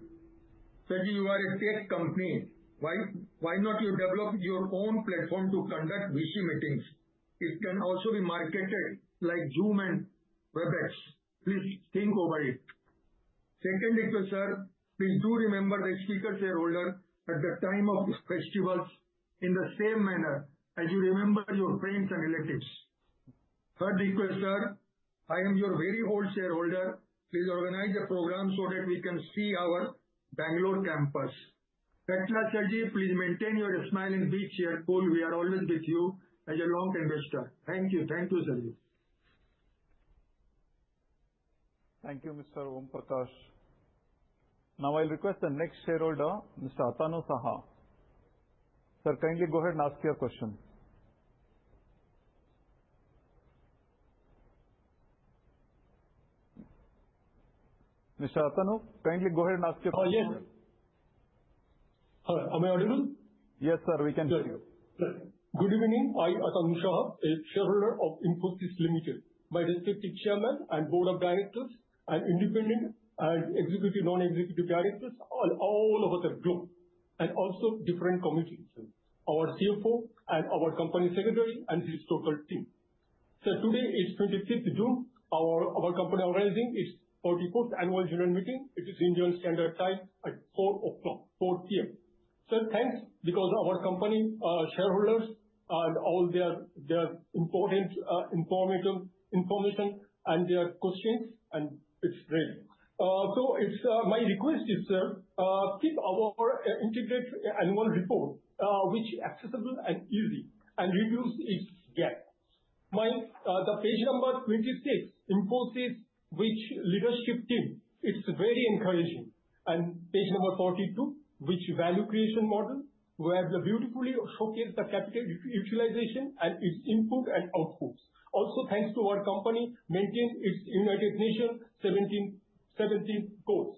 Sir, you are a tech company. Why not develop your own platform to conduct VC meetings? It can also be marketed like Zoom and Webex. Please think over it. Second request, sir, please do remember the Speaker Shareholder at the time of festivals in the same manner as you remember your friends and relatives. Third request, sir, I am your very old shareholder. Please organize a program so that we can see our Bangalore campus. Katla Sharji, please maintain your smile and be cheerful. We are always with you as a long-time investor. Thank you. Thank you, sir. Thank you, Mr. Om Prakash. Now, I'll request the next shareholder, Mr. Atanu Saha. Sir, kindly go ahead and ask your question. Mr. Athanu, kindly go ahead and ask your question. Yes. Am I audible? Yes, sir. We can hear you. Good evening. I am Atanu Shaha, a shareholder of Infosys Limited, my respective Chairman and Board of Directors, and independent and executive non-executive directors all over the globe, and also different committees, our CFO and our Company Secretary and his total team. Sir, today is 25th June. Our company is organizing its 44th Annual General Meeting. It is Indian Standard Time at 4:00 P.M., 4:00 P.M. Sir, thanks because our company shareholders and all their important information and their questions, and it's ready. My request is, sir, keep our integrated annual report, which is accessible and easy and reduces its gap. The page number 26, Infosys's leadership team, it's very encouraging. Page number 42, which is the value creation model, where we beautifully showcase the capital utilization and its input and outputs. Also, thanks to our company, maintain its United Nations 17 goals.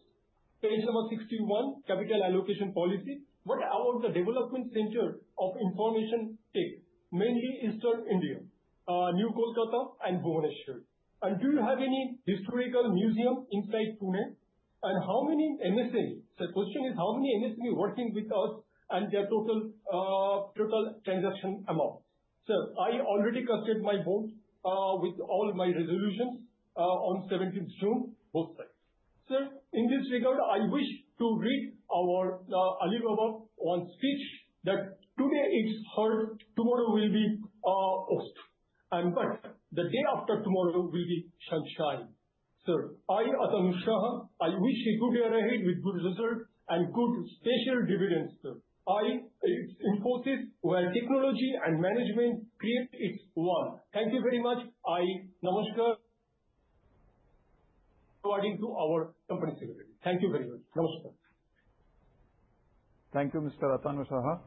Page number 61, capital allocation policy. What about the development center of information tech, mainly Eastern India, New Kolkata, and Bhuvaneshwar? Do you have any historical museum inside Pune? How many MSMEs? Sir, the question is, how many MSMEs are working with us and their total transaction amount? Sir, I already custodied my vote with all my resolutions on 17th June, both sides. Sir, in this regard, I wish to read Alibaba's speech that today it's heard, tomorrow will be host, and the day after tomorrow will be shining. Sir, I, Atanu Shaha, I wish a good year ahead with good results and good special dividends. Sir, I, it's Infosys where technology and management create its world. Thank you very much. I namaskar according to our company secretary. Thank you very much. Namaskar. Thank you, Mr. Athanu Shaha.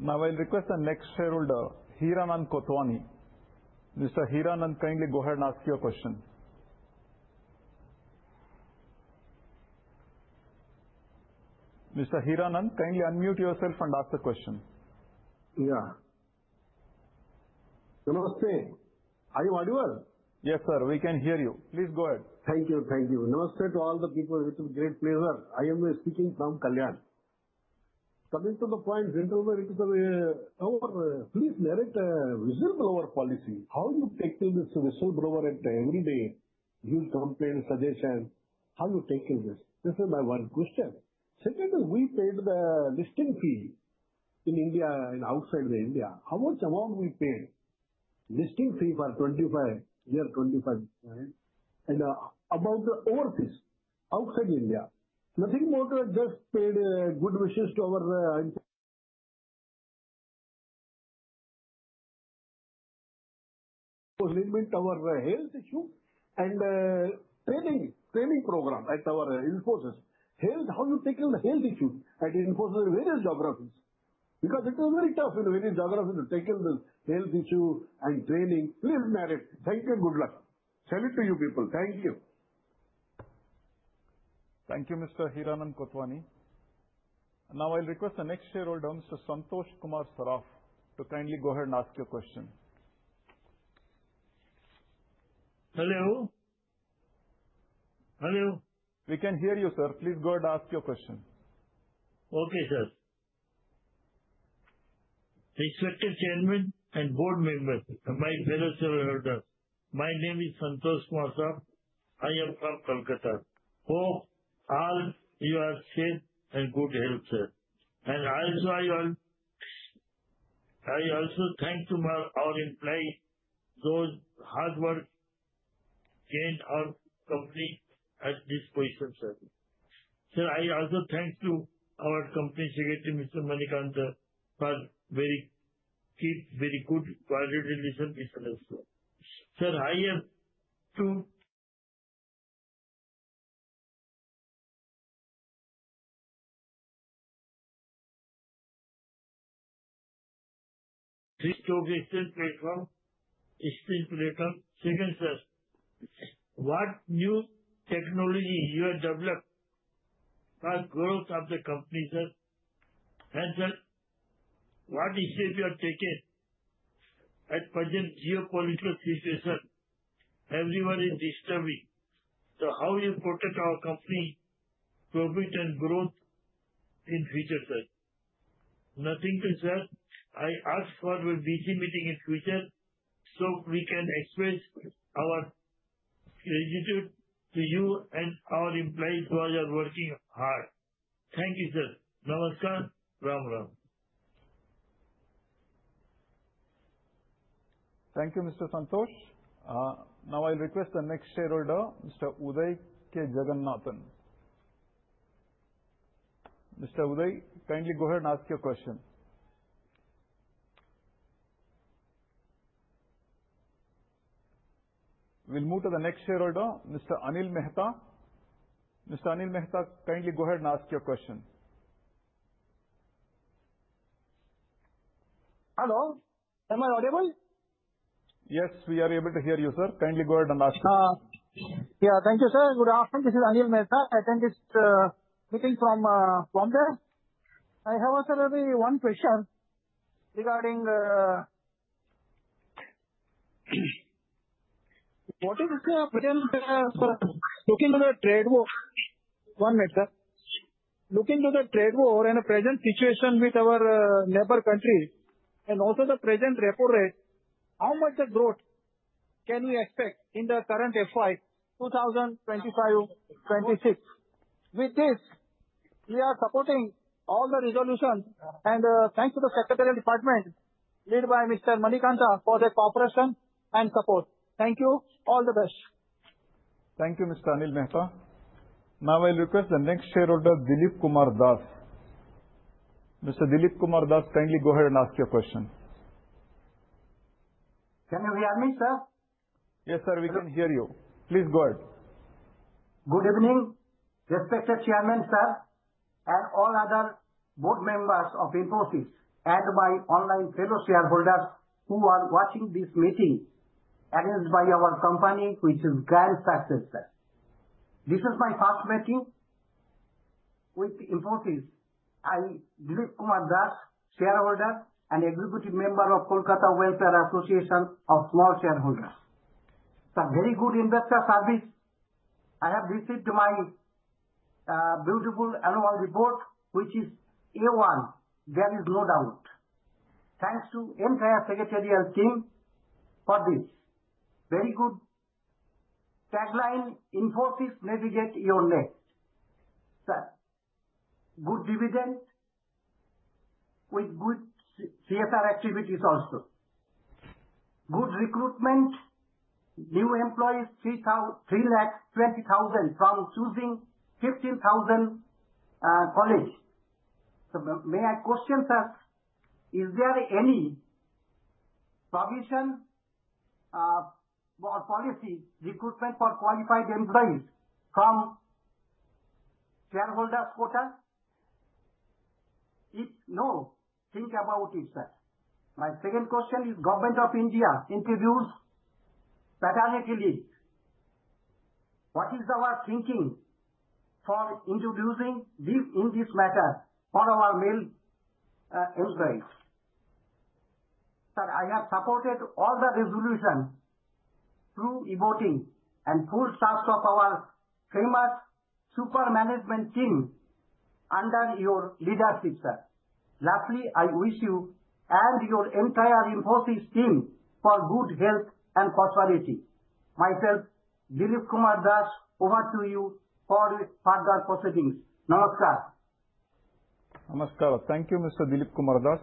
Now, I'll request the next shareholder, Hiranand Kotwani. Mr. Hiranand, kindly go ahead and ask your question. Mr. Hiranand, kindly unmute yourself and ask the question. Yeah. Namaste. Are you audible? Yes, sir. We can hear you. Please go ahead. Thank you. Thank you. Namaste to all the people. It is a great pleasure. I am speaking from Kalyan. Coming to the point, Vindrover, it is our—please merit a whistleblower policy. How do you tackle this whistleblower every day? You campaign suggestion. How do you tackle this? This is my one question. Second, we paid the listing fee in India and outside India. How much amount we paid? Listing fee for 25 years, 25. And about the overfish outside India, nothing more than just paid good wishes to our health issue and training program at our Infosys. Health, how do you tackle the health issue at Infosys in various geographies? Because it is very tough in various geographies to tackle the health issue and training. Please merit. Thank you. Good luck. Send it to you people. Thank you. Thank you, Mr. Hiranand Kotwani. Now, I'll request the next shareholder, Mr. Santosh Kumar Saraf, to kindly go ahead and ask your question. Hello. Hello. We can hear you, sir. Please go ahead and ask your question. Okay, sir. Respected Chairman and Board Members, my fellow shareholders, my name is Santosh Kumar Saraf. I am from Kolkata. Hope all you are safe and good health, sir. I also thank our employees, those hard work, gained our company at this position, sir. I also thank our Company Secretary, Mr. Manikantha, for keeping very good quality listeners also. Sir, I have two three to extend platform, extend platform. Second, sir, what new technology you have developed for growth of the company, sir? What is it you have taken at present geopolitical situation? Everyone is disturbing. How do you protect our company's profit and growth in the future, sir? Nothing, sir. I ask for a BG meeting in the future so we can express our gratitude to you and our employees who are working hard. Thank you, sir. Namaskar. Ram Ram. Thank you, Mr. Santosh. Now, I'll request the next shareholder, Mr. Uday K. Jagannathan. Mr. Uday, kindly go ahead and ask your question. We'll move to the next shareholder, Mr. Anil Mehta. Mr. Anil Mehta, kindly go ahead and ask your question. Hello. Am I audible? Yes, we are able to hear you, sir. Kindly go ahead and ask. Yeah. Thank you, sir. Good afternoon. This is Anil Mehta, attending this meeting from Bombay. I have one question regarding what is the present looking to the trade war? One minute, sir. Looking to the trade war and the present situation with our neighbor country and also the present report rate, how much growth can we expect in the current FY 2025-2026? With this, we are supporting all the resolutions and thanks to the Secretarial Department led by Mr. Manikantha for the cooperation and support. Thank you. All the best. Thank you, Mr. Anil Mehta. Now, I'll request the next shareholder, Dilip Kumar Das. Mr. Dilip Kumar Das, kindly go ahead and ask your question. Can you hear me, sir? Yes, sir. We can hear you. Please go ahead. Good evening, respected Chairman, sir, and all other board members of Infosys and my online fellow shareholders who are watching this meeting arranged by our company, which is grand success, sir. This is my first meeting with Infosys. I, Dilip Kumar Das, shareholder and executive member of Kolkata Welfare Association of Small Shareholders. Sir, very good investor service. I have received my beautiful annual report, which is A1. There is no doubt. Thanks to the entire Secretarial Team for this. Very good tagline, "Infosys Navigate Your Nest." Sir, good dividend with good CSR activities also. Good recruitment, new employees 320,000 from choosing 15,000 colleges. Sir, may I question, sir, is there any provision or policy recruitment for qualified employees from shareholders' quota? If no, think about it, sir. My second question is, the Government of India introduced paternity leave. What is our thinking for introducing leave in this matter for our male employees? Sir, I have supported all the resolutions through voting and full trust of our famous super management team under your leadership, sir. Lastly, I wish you and your entire Infosys team for good health and prosperity. Myself, Dilip Kumar Das, over to you for further proceedings. Namaskar. Namaskar. Thank you, Mr. Dilip Kumar Das.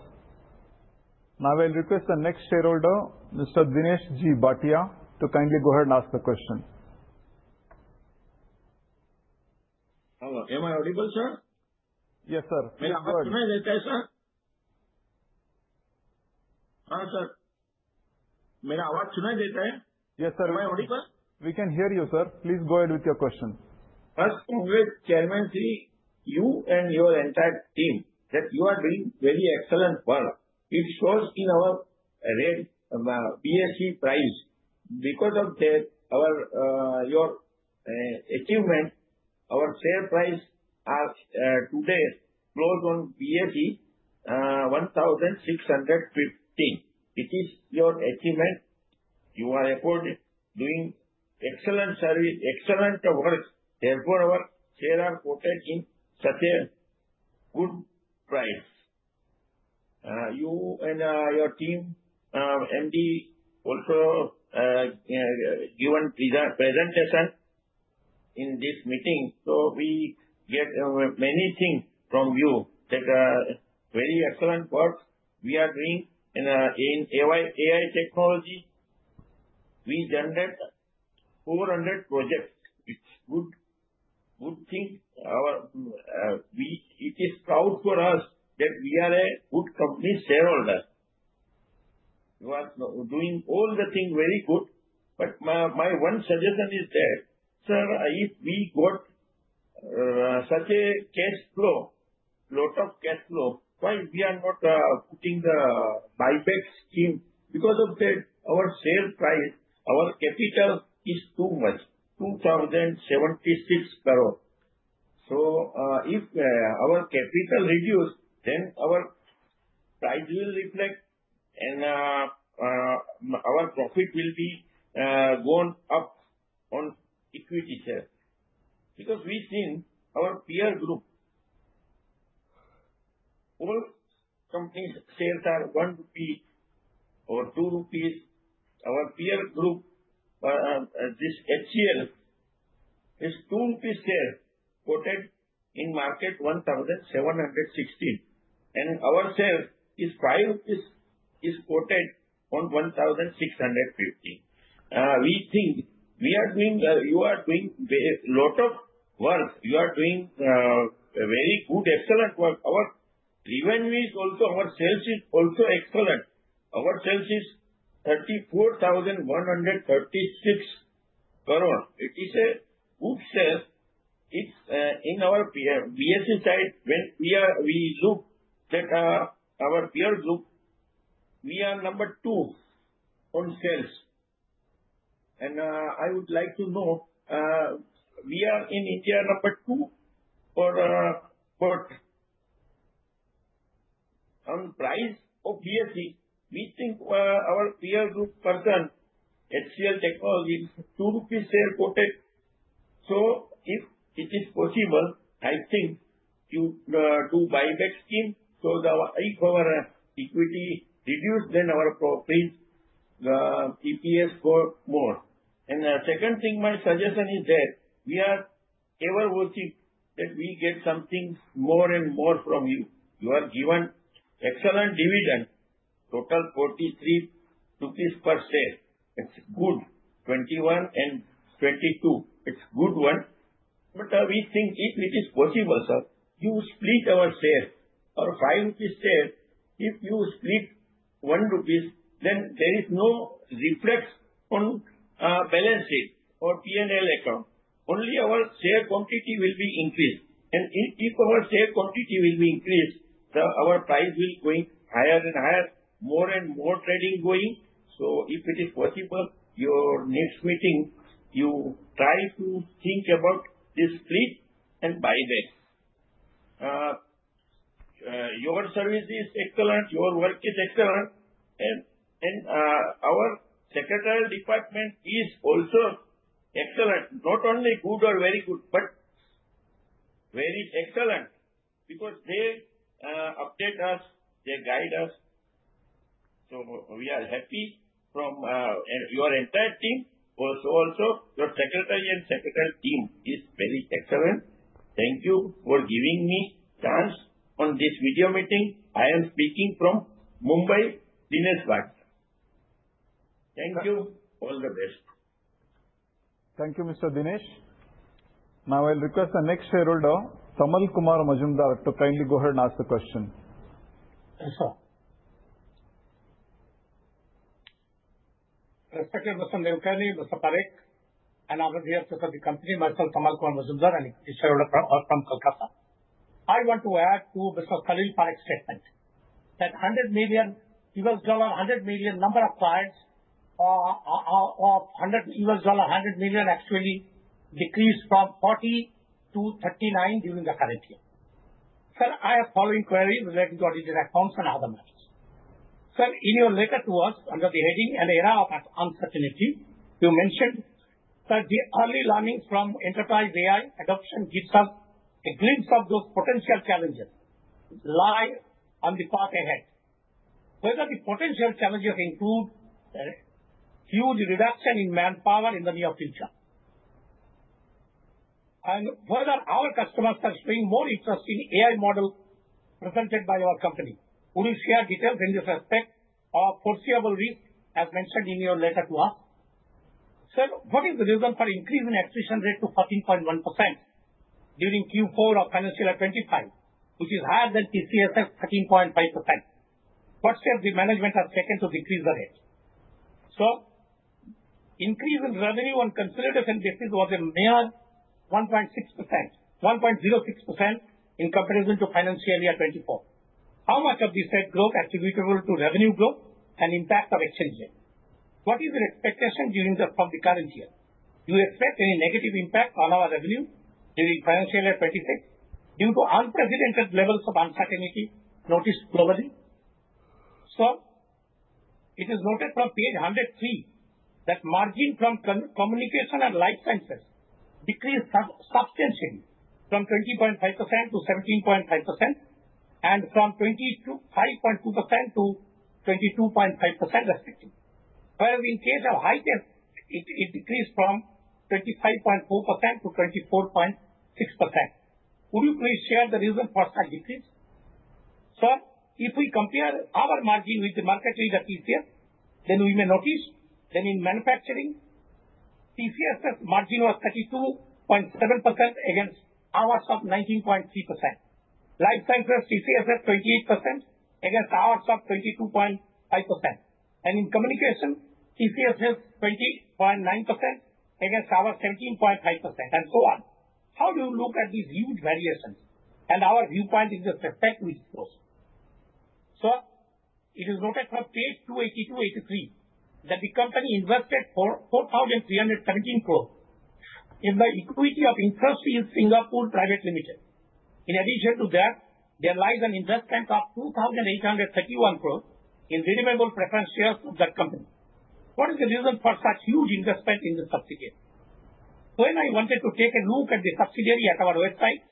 Now, I'll request the next shareholder, Mr. Dinesh G. Bhatia, to kindly go ahead and ask the question. Hello. Am I audible, sir? Yes, sir. Hi, sir. My voice is heard, sir. Yes, sir. We can hear you, sir. Please go ahead with your question. First, congratulations, Chairman Sri, you and your entire team that you are doing very excellent work. It shows in our BSE prize. Because of your achievement, our share price today closed on BSE at 1,615. It is your achievement. You are reported doing excellent work. Therefore, our shares are quoted in such a good price. You and your team, MD, also given presentation in this meeting. So, we get many things from you that are very excellent work we are doing in AI technology. We generate 400 projects. It's a good thing. It is proud for us that we are a good company shareholder. You are doing all the things very good. My one suggestion is that, sir, if we got such a cash flow, a lot of cash flow, why are we not putting the buyback scheme? Because of that, our share price, our capital is too much, 2,076 crore. If our capital reduces, then our price will reflect and our profit will be gone up on equity, sir. Because we've seen our peer group, all companies' shares are 1 rupee or 2 rupees. Our peer group, this HCL, is 2 rupees share quoted in market 1,716. Our share is 5 quoted on 1,615. We think we are doing, you are doing a lot of work. You are doing very good, excellent work. Our revenue is also, our sales is also excellent. Our sales is 34,136 crore. It is a good sale. It is in our BSE side. When we look at our peer group, we are number two on sales. I would like to know, we are in India number two on price of BSE. We think our peer group person, HCL technology, is 2 rupees share quoted. If it is possible, I think to do buyback scheme. If our equity reduces, then our profits, EPS go more. My suggestion is that we are ever worshipped that we get something more and more from you. You are given excellent dividend, total 43 rupees per share. It is good, 21 and 22. It is a good one. We think if it is possible, sir, you split our share. Our 5 rupees share, if you split 1 rupees, then there is no reflex on balance sheet or P&L account. Only our share quantity will be increased. If our share quantity will be increased, our price will be going higher and higher, more and more trading going. If it is possible, your next meeting, you try to think about this split and buyback. Your service is excellent. Your work is excellent. Our Secretarial Department is also excellent. Not only good or very good, but very excellent. Because they update us, they guide us. We are happy from your entire team. Also, your secretary and secretary team is very excellent. Thank you for giving me a chance on this video meeting. I am speaking from Mumbai, Dinesh Bhatia. Thank you. All the best. Thank you, Mr. Dinesh. Now, I'll request the next shareholder, Tamal Kumar Mazumdar, to kindly go ahead and ask the question. Yes, sir. Respected Mr. Nilekani, Mr. Parekh, and I was here to serve the company, myself, Tamal Kumar Mazumdar, and each shareholder from Kolkata. I want to add to Mr. Salil Parekh's statement that $100 million number of clients of $100 million actually decreased from 40 to 39 during the current year. Sir, I have the following query relating to audited accounts and other matters. Sir, in your letter to us under the heading "An Era of Uncertainty," you mentioned that the early learnings from enterprise AI adoption gives us a glimpse of those potential challenges lying on the path ahead. Whether the potential challenges include a huge reduction in manpower in the near future and whether our customers are showing more interest in the AI model presented by our company. Would you share details in this respect of foreseeable risk as mentioned in your letter to us? Sir, what is the reason for the increase in attrition rate to 14.1% during Q4 of financial year 2025, which is higher than TCS's 13.5%? What steps did management take to decrease the rate? Sir, increase in revenue on a consolidated basis was a mere 1.06% in comparison to financial year 2024. How much of this rate growth is attributable to revenue growth and impact of exchange rate? What is the expectation from the current year? Do you expect any negative impact on our revenue during financial year 2026 due to unprecedented levels of uncertainty noticed globally? Sir, it is noted from page 103 that margin from communication and life sciences decreased substantially from 20.5% to 17.5% and from 25.2% to 22.5% respectively. Whereas in case of high tech, it decreased from 25.4% to 24.6%. Would you please share the reason for such decrease? Sir, if we compare our margin with the market rate that is here, then we may notice that in manufacturing, TCSF's margin was 32.7% against ours of 19.3%. Life sciences, TCSF 28% against ours of 22.5%. In communication, TCSF 20.9% against ours 17.5%, and so on. How do you look at these huge variations? Our viewpoint is just respect with those. Sir, it is noted from page 282-83 that the company invested 4,317 crore in the equity of Industrial Singapore Private Limited. In addition to that, there lies an investment of 2,831 crore in renewable preferential shares of that company. What is the reason for such huge investment in the subsidiary? When I wanted to take a look at the subsidiary at our website,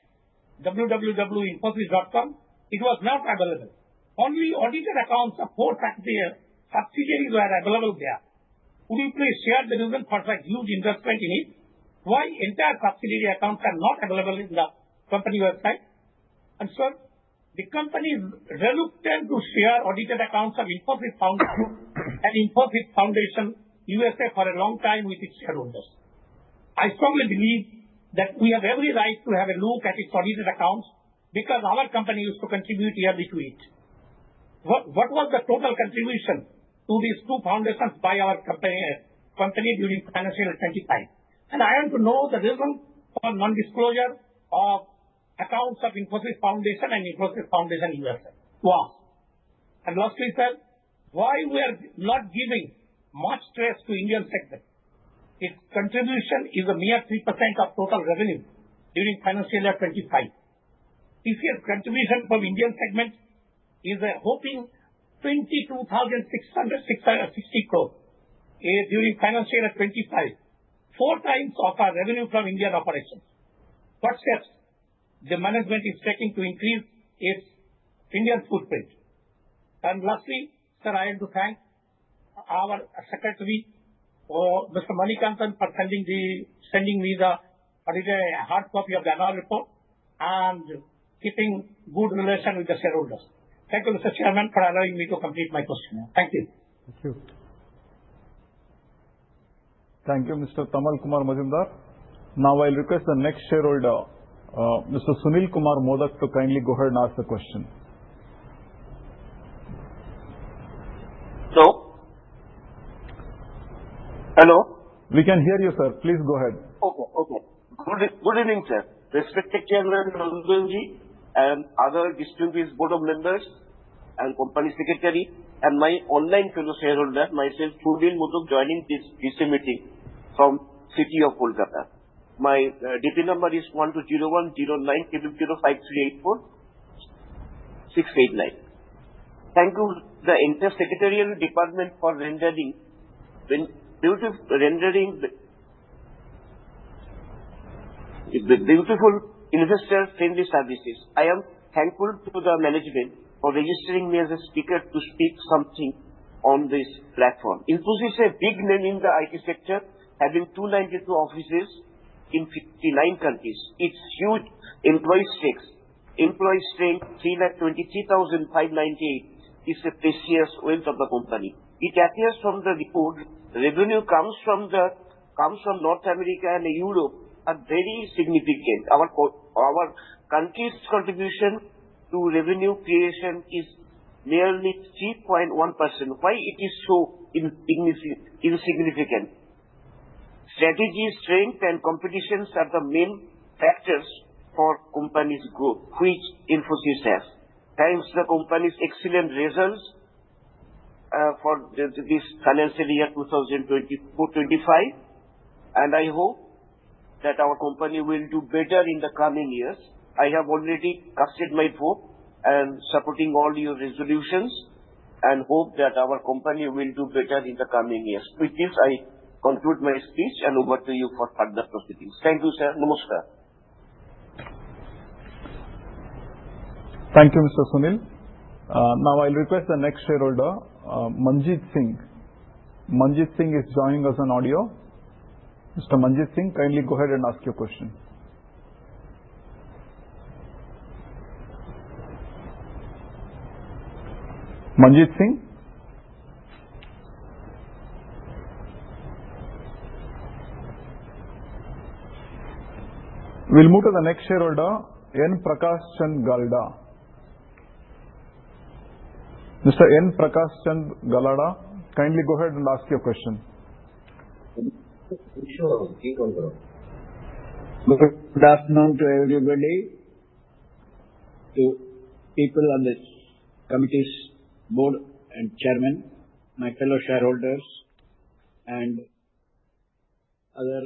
www.infosys.com, it was not available. Only audited accounts of four subsidiaries were available there. Would you please share the reason for such huge investment in it? Why are entire subsidiary accounts not available in the company website? Sir, the company is reluctant to share audited accounts of Infosys Foundation and Infosys Foundation USA for a long time with its shareholders. I strongly believe that we have every right to have a look at its audited accounts because our company used to contribute yearly to it. What was the total contribution to these two foundations by our company during financial year 2025? I want to know the reason for non-disclosure of accounts of Infosys Foundation and Infosys Foundation USA to us. Lastly, sir, why are we not giving much stress to the Indian segment? Its contribution is a mere 3% of total revenue during financial year 2025. TCSF contribution from the Indian segment is hoping 22,660 crore during financial year 2025, four times of our revenue from Indian operations. What steps the management is taking to increase its Indian footprint? Lastly, sir, I want to thank our Secretary, Mr. Manikantha, for sending me the hard copy of the annual report and keeping good relations with the shareholders. Thank you, Mr. Chairman, for allowing me to complete my question. Thank you. Thank you. Thank you, Mr. Tamal Kumar Mazumdar. Now, I'll request the next shareholder, Mr. Sunil Kumar Modak, to kindly go ahead and ask the question. Hello? We can hear you, sir. Please go ahead. Okay. Good evening, sir. Respected Chairman Mazumdarji and other distinguished Board members and Company Secretary. My online fellow shareholder, myself, Surveel Modok, joining this meeting from the city of Kolkata. My DP number is 120109705384689. Thank you, the Secretarial Department, for rendering beautiful investor-friendly services. I am thankful to the management for registering me as a speaker to speak something on this platform. Infosys is a big name in the IT sector, having 292 offices in 59 countries. Its huge employee stakes, employee strength, 323,598, is a precious wealth of the company. It appears from the report, revenue comes from North America and Europe are very significant. Our country's contribution to revenue creation is nearly 3.1%. Why is it so insignificant? Strategy, strength, and competition are the main factors for the company's growth, which Infosys has. Thanks to the company's excellent results for this financial year 2024-2025, and I hope that our company will do better in the coming years. I have already cast my vote in supporting all your resolutions and hope that our company will do better in the coming years. With this, I conclude my speech and over to you for further proceedings. Thank you, sir. Namaskar. Thank you, Mr. Sunil. Now, I'll request the next shareholder, Manjeet Singh. Manjeet Singh is joining us on audio. Mr. Manjeet Singh, kindly go ahead and ask your question. Manjeet Singh? We'll move to the next shareholder, N. Prakash Chand Galada. Mr. N. Prakash Chand Galada, kindly go ahead and ask your question. Sure. Good afternoon to everybody, to people on the committee's board and Chairman, my fellow shareholders, and other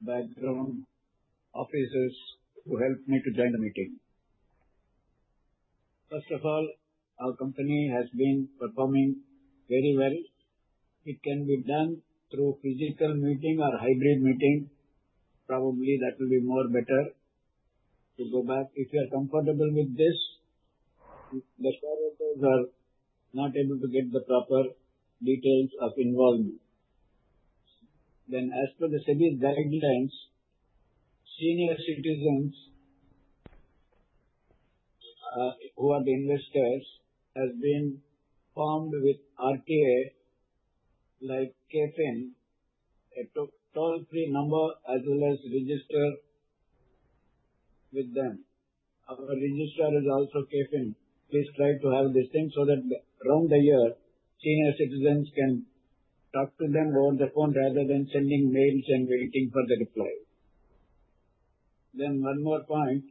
background officers who helped me to join the meeting. First of all, our company has been performing very well. It can be done through a physical meeting or a hybrid meeting. Probably that will be better to go back. If you are comfortable with this, the shareholders are not able to get the proper details of involvement. As per the SEBI guidelines, senior citizens who are the investors have been formed with RTA, like KFIN, a toll-free number as well as a register with them. Our register is also KFIN. Please try to have this thing so that around the year, senior citizens can talk to them over the phone rather than sending mails and waiting for the reply. One more point.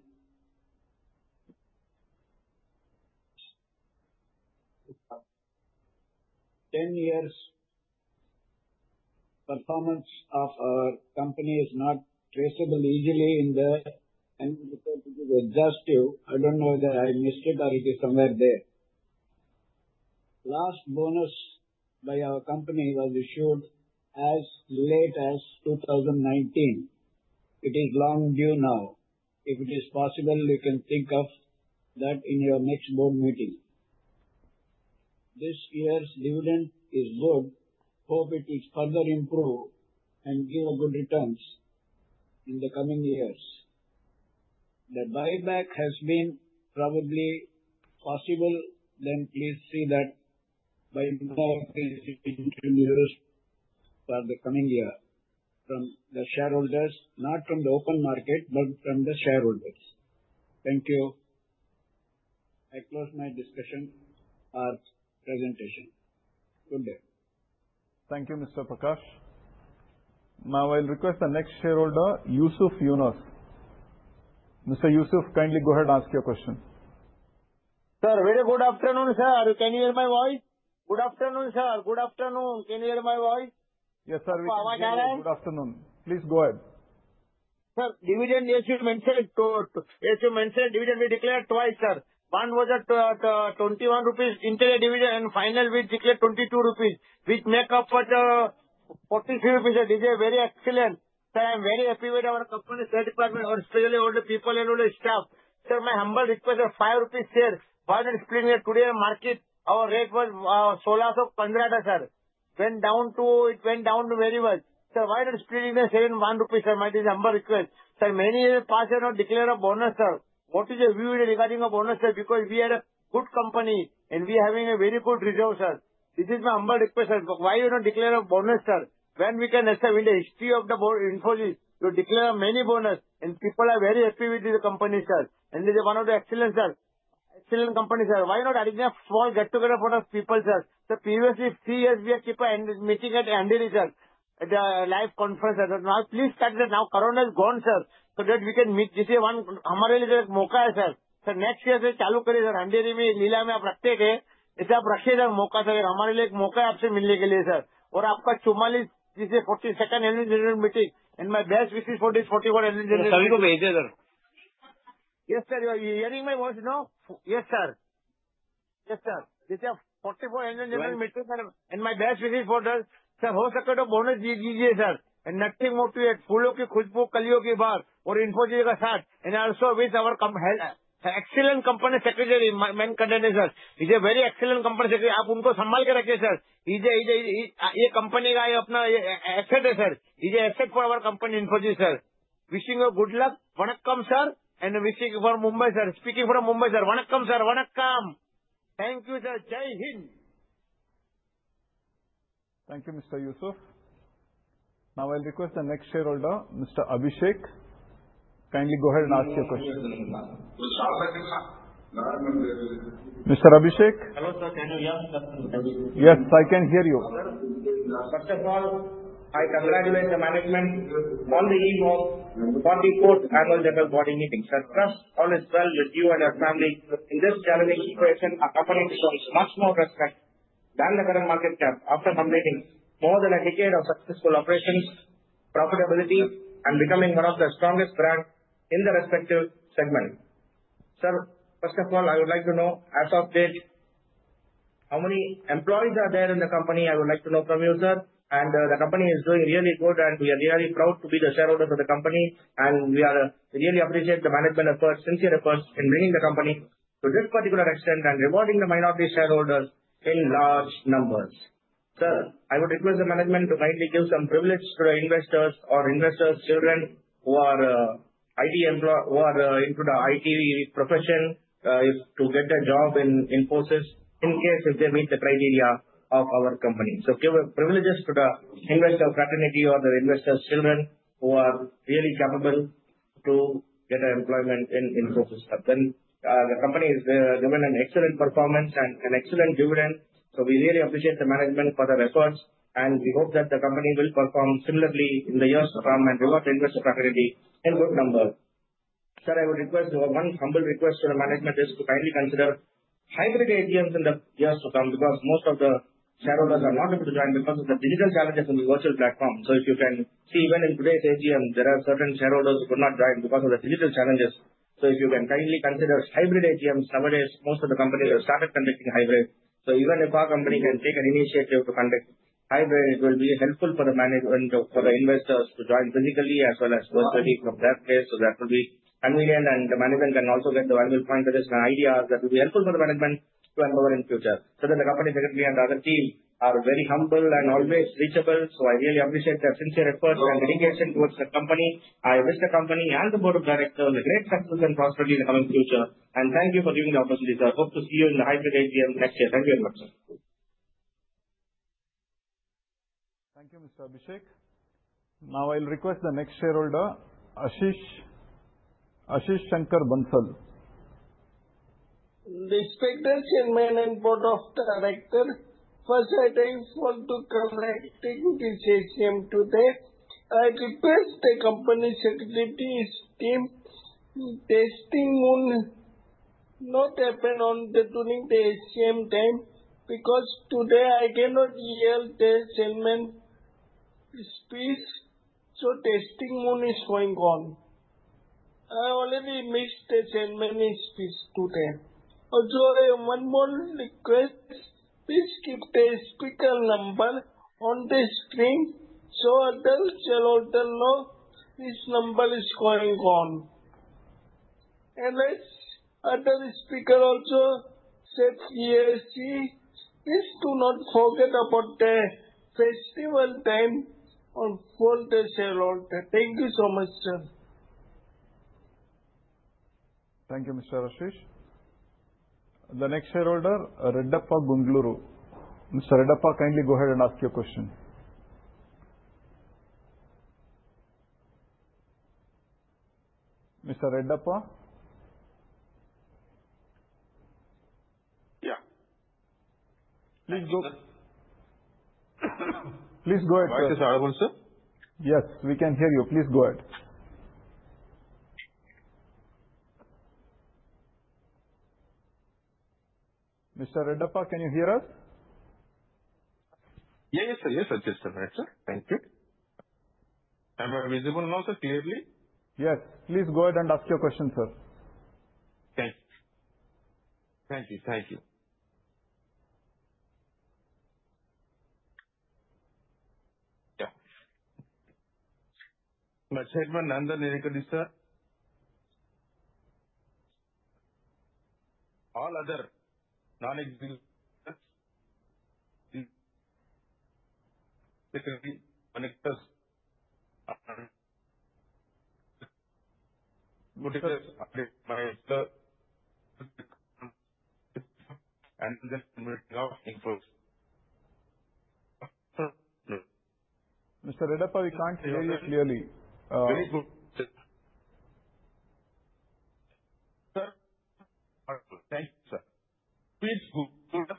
Ten years' performance of our company is not traceable easily in the. And it is adjust to. I don't know whether I missed it or it is somewhere there. Last bonus by our company was issued as late as 2019. It is long due now. If it is possible, you can think of that in your next board meeting. This year's dividend is good. Hope it is further improved and gives good returns in the coming years. The buyback has been probably possible. Please see that by. Now, it is introduced for the coming year from the shareholders, not from the open market, but from the shareholders. Thank you. I close my discussion or presentation. Good day. Thank you, Mr. Prakash. Now, I'll request the next shareholder, Yusuf Yunus. Mr. Yusuf, kindly go ahead and ask your question. Sir, very good afternoon, sir. Can you hear my voice? Good afternoon, sir. Good afternoon. Can you hear my voice? Yes, sir. Good afternoon. Please go ahead. Sir, dividend issued mentioned dividend we declared twice, sir. One was 21 rupees interim dividend and final we declared 22 rupees, which makes up for the 43 rupees. It is a very excellent. Sir, I am very happy with our company's third department, especially all the people and all the staff. Sir, my humble request is 5 rupees share. Why not splitting it today? Market, our rate was INR 1,615, sir. Went down to it went down to very well. Sir, why not splitting the share in 1 rupees, sir? My humble request. Sir, many years passed, I not declared a bonus, sir. What is your view regarding a bonus, sir? Because we are a good company and we are having a very good reserve, sir. This is my humble request, sir. Why you not declare a bonus, sir? When we can accept in the history of Infosys to declare many bonus and people are very happy with the company, sir. It is one of the excellent, sir, excellent company, sir. Why not adding a small get-together for our people, sir? Sir, previously, three years we had keep a meeting at Andheri, sir, at the live conference. Now, please start that. Now, Corona is gone, sir. That way we can meet. Foreign Language. This is one हमारे लिए एक मौका है, sir. Sir, next year से चालू करें, sir. Andheri में लीला में आप रखते हैं, ऐसा आप रखिए, sir, मौका, sir. हमारे लिए एक मौका है आपसे मिलने के लिए, sir. और आपका 44, 42, 43rd annual general meeting and my best wishes for this 44th annual general. सभी को भेजिए, sir. Yes, sir. You are hearing my voice, no? Yes, sir. Foreign Language. Yes, sir. This is a 44th annual general meeting, sir, and my best wishes for us. Sir, हो सके तो bonus दीजिए, sir. And nothing more to add. फूलों की खुशबू, कलियों की बहार, और Infosys का साथ. Also with our excellent Company Secretary, main contention, sir. He is a very excellent Company Secretary. आप उनको संभाल के रखिए, sir. He is a company का अपना asset है, sir. He is an asset for our company Infosys, sir. Wishing you good luck. वणकम, sir. Wishing for Mumbai, sir. Speaking from Mumbai, sir. वणकम, sir. वणकम. Thank you, sir. Jai Hind. Thank you, Mr. Yusuf. Now, I'll request the next shareholder, Mr. Abhishek. Kindly go ahead and ask your question. Mr. Abhishek? Hello, sir. Can you hear me? Yes, I can hear you. First of all, I congratulate the management on the eve of the 44th annual general board meeting. Sir, trust all is well with you and your family in this challenging situation, accompanied with much more respect than the current market cap after completing more than a decade of successful operations, profitability, and becoming one of the strongest brands in the respective segment. Sir, first of all, I would like to know, as of date, how many employees are there in the company? I would like to know from you, sir. The company is doing really good, and we are really proud to be the shareholders of the company, and we really appreciate the management's efforts, sincere efforts in bringing the company to this particular extent and rewarding the minority shareholders in large numbers. Sir, I would request the management to kindly give some privilege to the investors or investors' children who are IT employees who are into the IT profession to get a job in Infosys in case they meet the criteria of our company. Give privileges to the investor fraternity or the investors' children who are really capable to get employment in Infosys. The company has given an excellent performance and an excellent dividend, so we really appreciate the management for their efforts, and we hope that the company will perform similarly in the years to come and reward the investor fraternity in good numbers. Sir, I would request one humble request to the management is to kindly consider hybrid AGMs in the years to come because most of the shareholders are not able to join because of the digital challenges in the virtual platform. If you can see, even in today's AGM, there are certain shareholders who could not join because of the digital challenges. If you can kindly consider hybrid AGMs, nowadays, most of the companies have started conducting hybrid. Even if our company can take an initiative to conduct hybrid, it will be helpful for the management, for the investors to join physically as well as virtually from their place. That will be convenient, and the management can also get the valuable pointers and ideas that will be helpful for the management to empower in the future. The company secretary and the other team are very humble and always reachable, so I really appreciate their sincere efforts and dedication towards the company. I wish the company and the board of directors great success and prosperity in the coming future, and thank you for giving the opportunity. Sir, I hope to see you in the hybrid AGM next year. Thank you very much, sir. Thank you, Mr. Abhishek. Now, I'll request the next shareholder, Ashish Shankar Bansal. Respected Chairman and Board of Directors, first, I want to come back to this AGM today. I request the Company Secretary's team testing won't happen during the AGM time because today I cannot hear the Chairman's speech, so testing won't be going on. I already missed the Chairman's speech today. Also, I have one more request. Please keep the speaker number on the screen so other shareholders know this number is going on. As other speakers also said, please do not forget about the festival time for the shareholders. Thank you so much, sir. Thank you, Mr. Ashish. The next shareholder, Redappa Gundluru. Mr. Redappa, kindly go ahead and ask your question. Mr. Redappa? Yeah. Please go ahead. Mr. Sharavul, sir? Yes, we can hear you. Please go ahead. Mr. Redappa, can you hear us? Yes, sir. Yes, sir. Right, sir. Thank you. Am I visible now, sir, clearly? Yes. Please go ahead and ask your question, sir. Thank you. Thank you. The Chairman and the Secretary, sir, all other non-executive Secretary connectors and the Chairman. Mr. Redappa, we can't hear you clearly. Very good. Sir, thank you, sir. Please go ahead.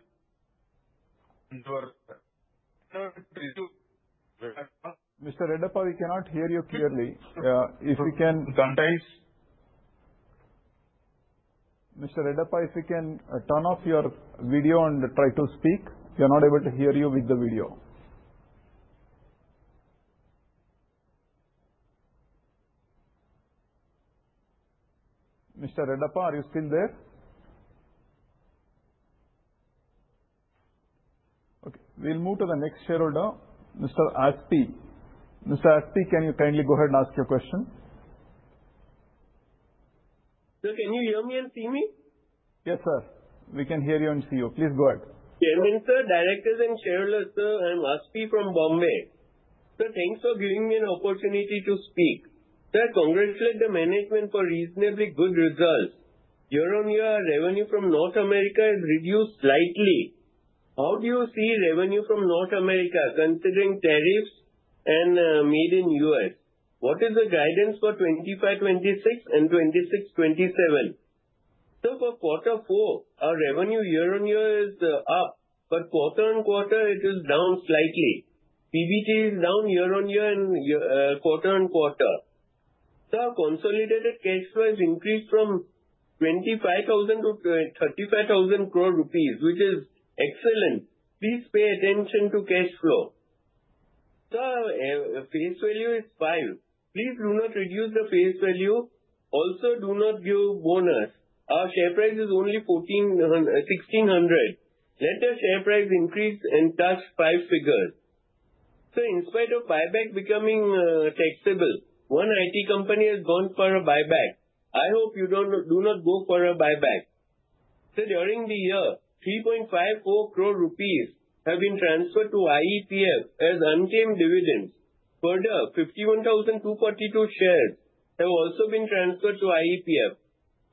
Mr. Redappa, we cannot hear you clearly. If we can—Mr. Redappa, if you can turn off your video and try to speak. We are not able to hear you with the video. Mr. Redappa, are you still there? Okay. We'll move to the next shareholder, Mr. Asti. Mr. Asti, can you kindly go ahead and ask your question? Sir, can you hear me and see me? Yes, sir. We can hear you and see you. Please go ahead. Chairman, sir, directors and shareholders, sir, I'm Asti from Mumbai. Sir, thanks for giving me an opportunity to speak. Sir, congratulate the management for reasonably good results. Year-on-Year, revenue from North America is reduced slightly. How do you see revenue from North America considering tariffs and made in the US? What is the guidance for 2025-2026 and 2026-2027? Sir, for quarter four, our revenue Year-on-Year is up, but quarter on quarter, it is down slightly. PBT is down Year-on-Year and quarter on quarter. Sir, consolidated cash flow has increased from 25,000 crore to 35,000 crore rupees, which is excellent. Please pay attention to cash flow. Sir, face value is five. Please do not reduce the face value. Also, do not give bonus. Our share price is only 1,600. Let the share price increase and touch five figures. Sir, in spite of buyback becoming taxable, one IT company has gone for a buyback. I hope you do not go for a buyback. Sir, during the year, 35.4 million rupees has been transferred to IEPF as unclaimed dividends. Further, 51,242 shares have also been transferred to IEPF.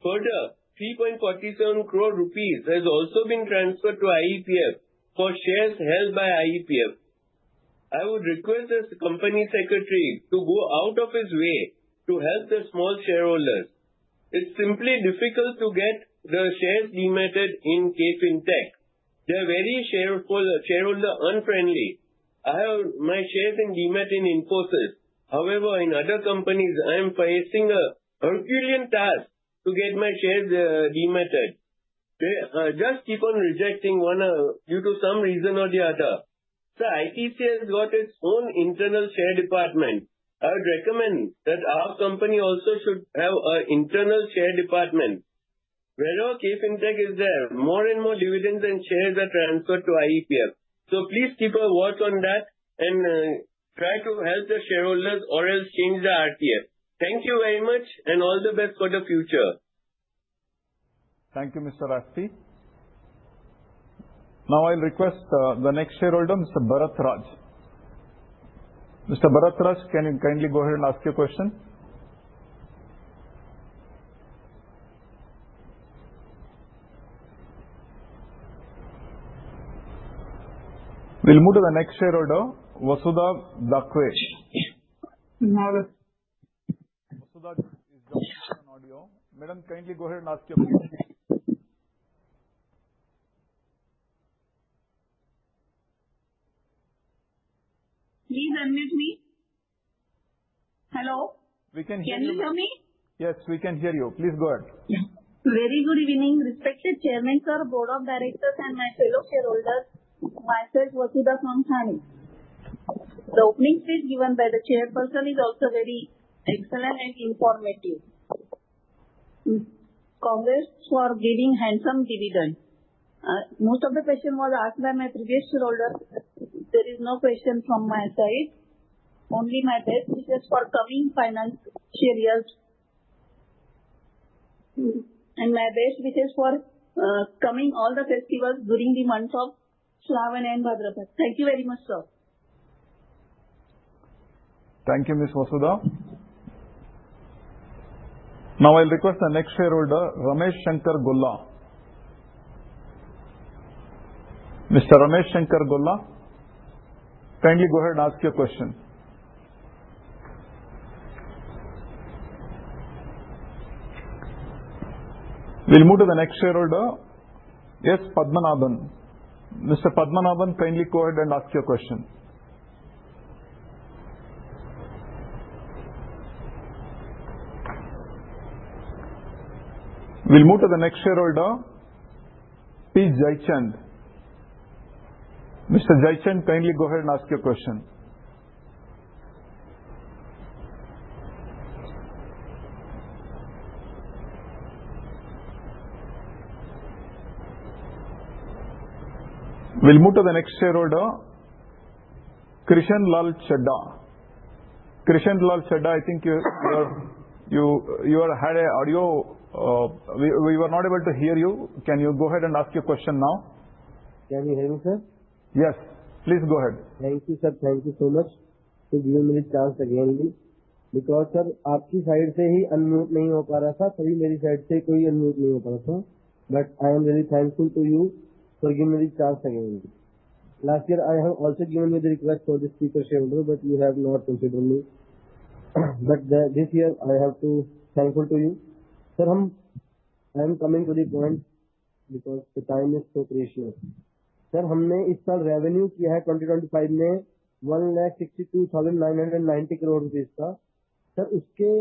Further, INR 34.7 million has also been transferred to IEPF for shares held by IEPF. I would request the Company Secretary to go out of his way to help the small shareholders. It's simply difficult to get the shares dematted in KFINTEC. They're very shareholder unfriendly. I have my shares dematted in Infosys. However, in other companies, I am facing a Herculean task to get my shares dematted. They just keep on rejecting one due to some reason or the other. Sir, ITC has got its own internal share department. I would recommend that our company also should have an internal share department. Wherever KFINTEC is there, more and more dividends and shares are transferred to IEPF. Please keep a watch on that and try to help the shareholders or else change the RTF. Thank you very much and all the best for the future. Thank you, Mr. Asti. Now, I'll request the next shareholder, Mr. Bharathraj. Mr. Bharathraj, can you kindly go ahead and ask your question? We'll move to the next shareholder, Vasudha Dakwe. Vasudha is jumping in on audio. Madam, kindly go ahead and ask your question. Please unmute me. Hello. We can hear you. Can you hear me? Yes, we can hear you. Please go ahead. Very good evening, respected Chairman, sir, Board of Directors, and my fellow shareholders, myself, Vasudha Swamshani. The opening speech given by the Chairperson is also very excellent and informative. Congrats for giving handsome dividends. Most of the questions were asked by my previous shareholders. There is no question from my side. Only my best wishes for coming financial years. My best wishes for coming all the festivals during the months of Shravan and Bhadrapad. Thank you very much, sir. Thank you, Ms. Vasudha. Now, I'll request the next shareholder, Ramesh Shankar Gulla. Mr. Ramesh Shankar Gulla, kindly go ahead and ask your question. We'll move to the next shareholder, S. Padmanabhan. Mr. Padmanabhan, kindly go ahead and ask your question. We'll move to the next shareholder, P. Jaichand. Mr. Jaichand, kindly go ahead and ask your question. We'll move to the next shareholder, Krishan lal Chadha. Krishan lal Chadha, I think you had an audio issue. We were not able to hear you. Can you go ahead and ask your question now? Can you hear me, sir? Yes. Please go ahead. Foreign Language. Thank you, sir. Thank you so much. Please give me a chance again, please. Because, sir, आपकी side से ही unmute नहीं हो पा रहा था, कभी मेरी side से कोई unmute नहीं हो पा रहा था, but I am really thankful to you for giving me this chance again. Last year, I have also given you the request for the speaker shareholder, but you have not considered me. This year, I have to thankful to you. Sir, I am coming to the point because the time is so precious. Sir, हमने इस साल revenue किया है 2025 में INR 162,990 crore का. Sir, उसके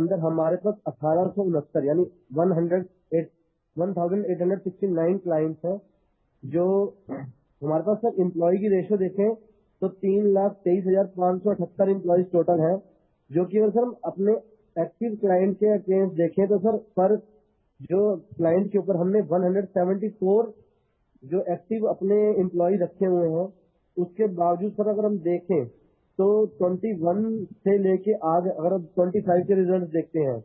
अंदर हमारे पास 1,869 यानी 1,869 clients हैं, जो हमारे पास employee की ratio देखें तो 323,578 employees total हैं, जो कि अगर sir हम अपने active client के against देखें तो sir, per जो client के ऊपर हमने 174 जो active अपने employee रखे हुए हैं, उसके बावजूद sir अगर हम देखें तो 2021 से लेकर आज अगर 2025 के results देखते हैं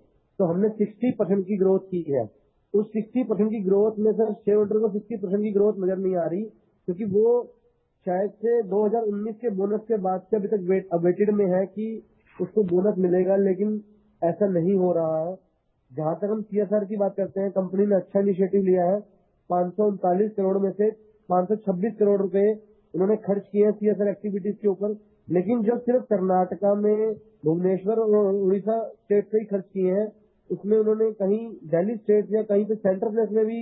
तो हमने 60% की growth की है. उस 60% की growth में sir shareholder को 60% की growth नजर नहीं आ रही क्योंकि वो शायद से 2019 के bonus के बाद से अभी तक waited में है कि उसको bonus मिलेगा, लेकिन ऐसा नहीं हो रहा है. जहां तक हम CSR की बात करते हैं, कंपनी ने अच्छा initiative लिया है. 539 crore में से INR 526 crore उन्होंने खर्च किए हैं CSR activities के ऊपर, लेकिन जो सिर्फ Karnataka में Bhubaneswar और Odisha state से ही खर्च किए हैं, उसमें उन्होंने कहीं Delhi state या कहीं पर center place में भी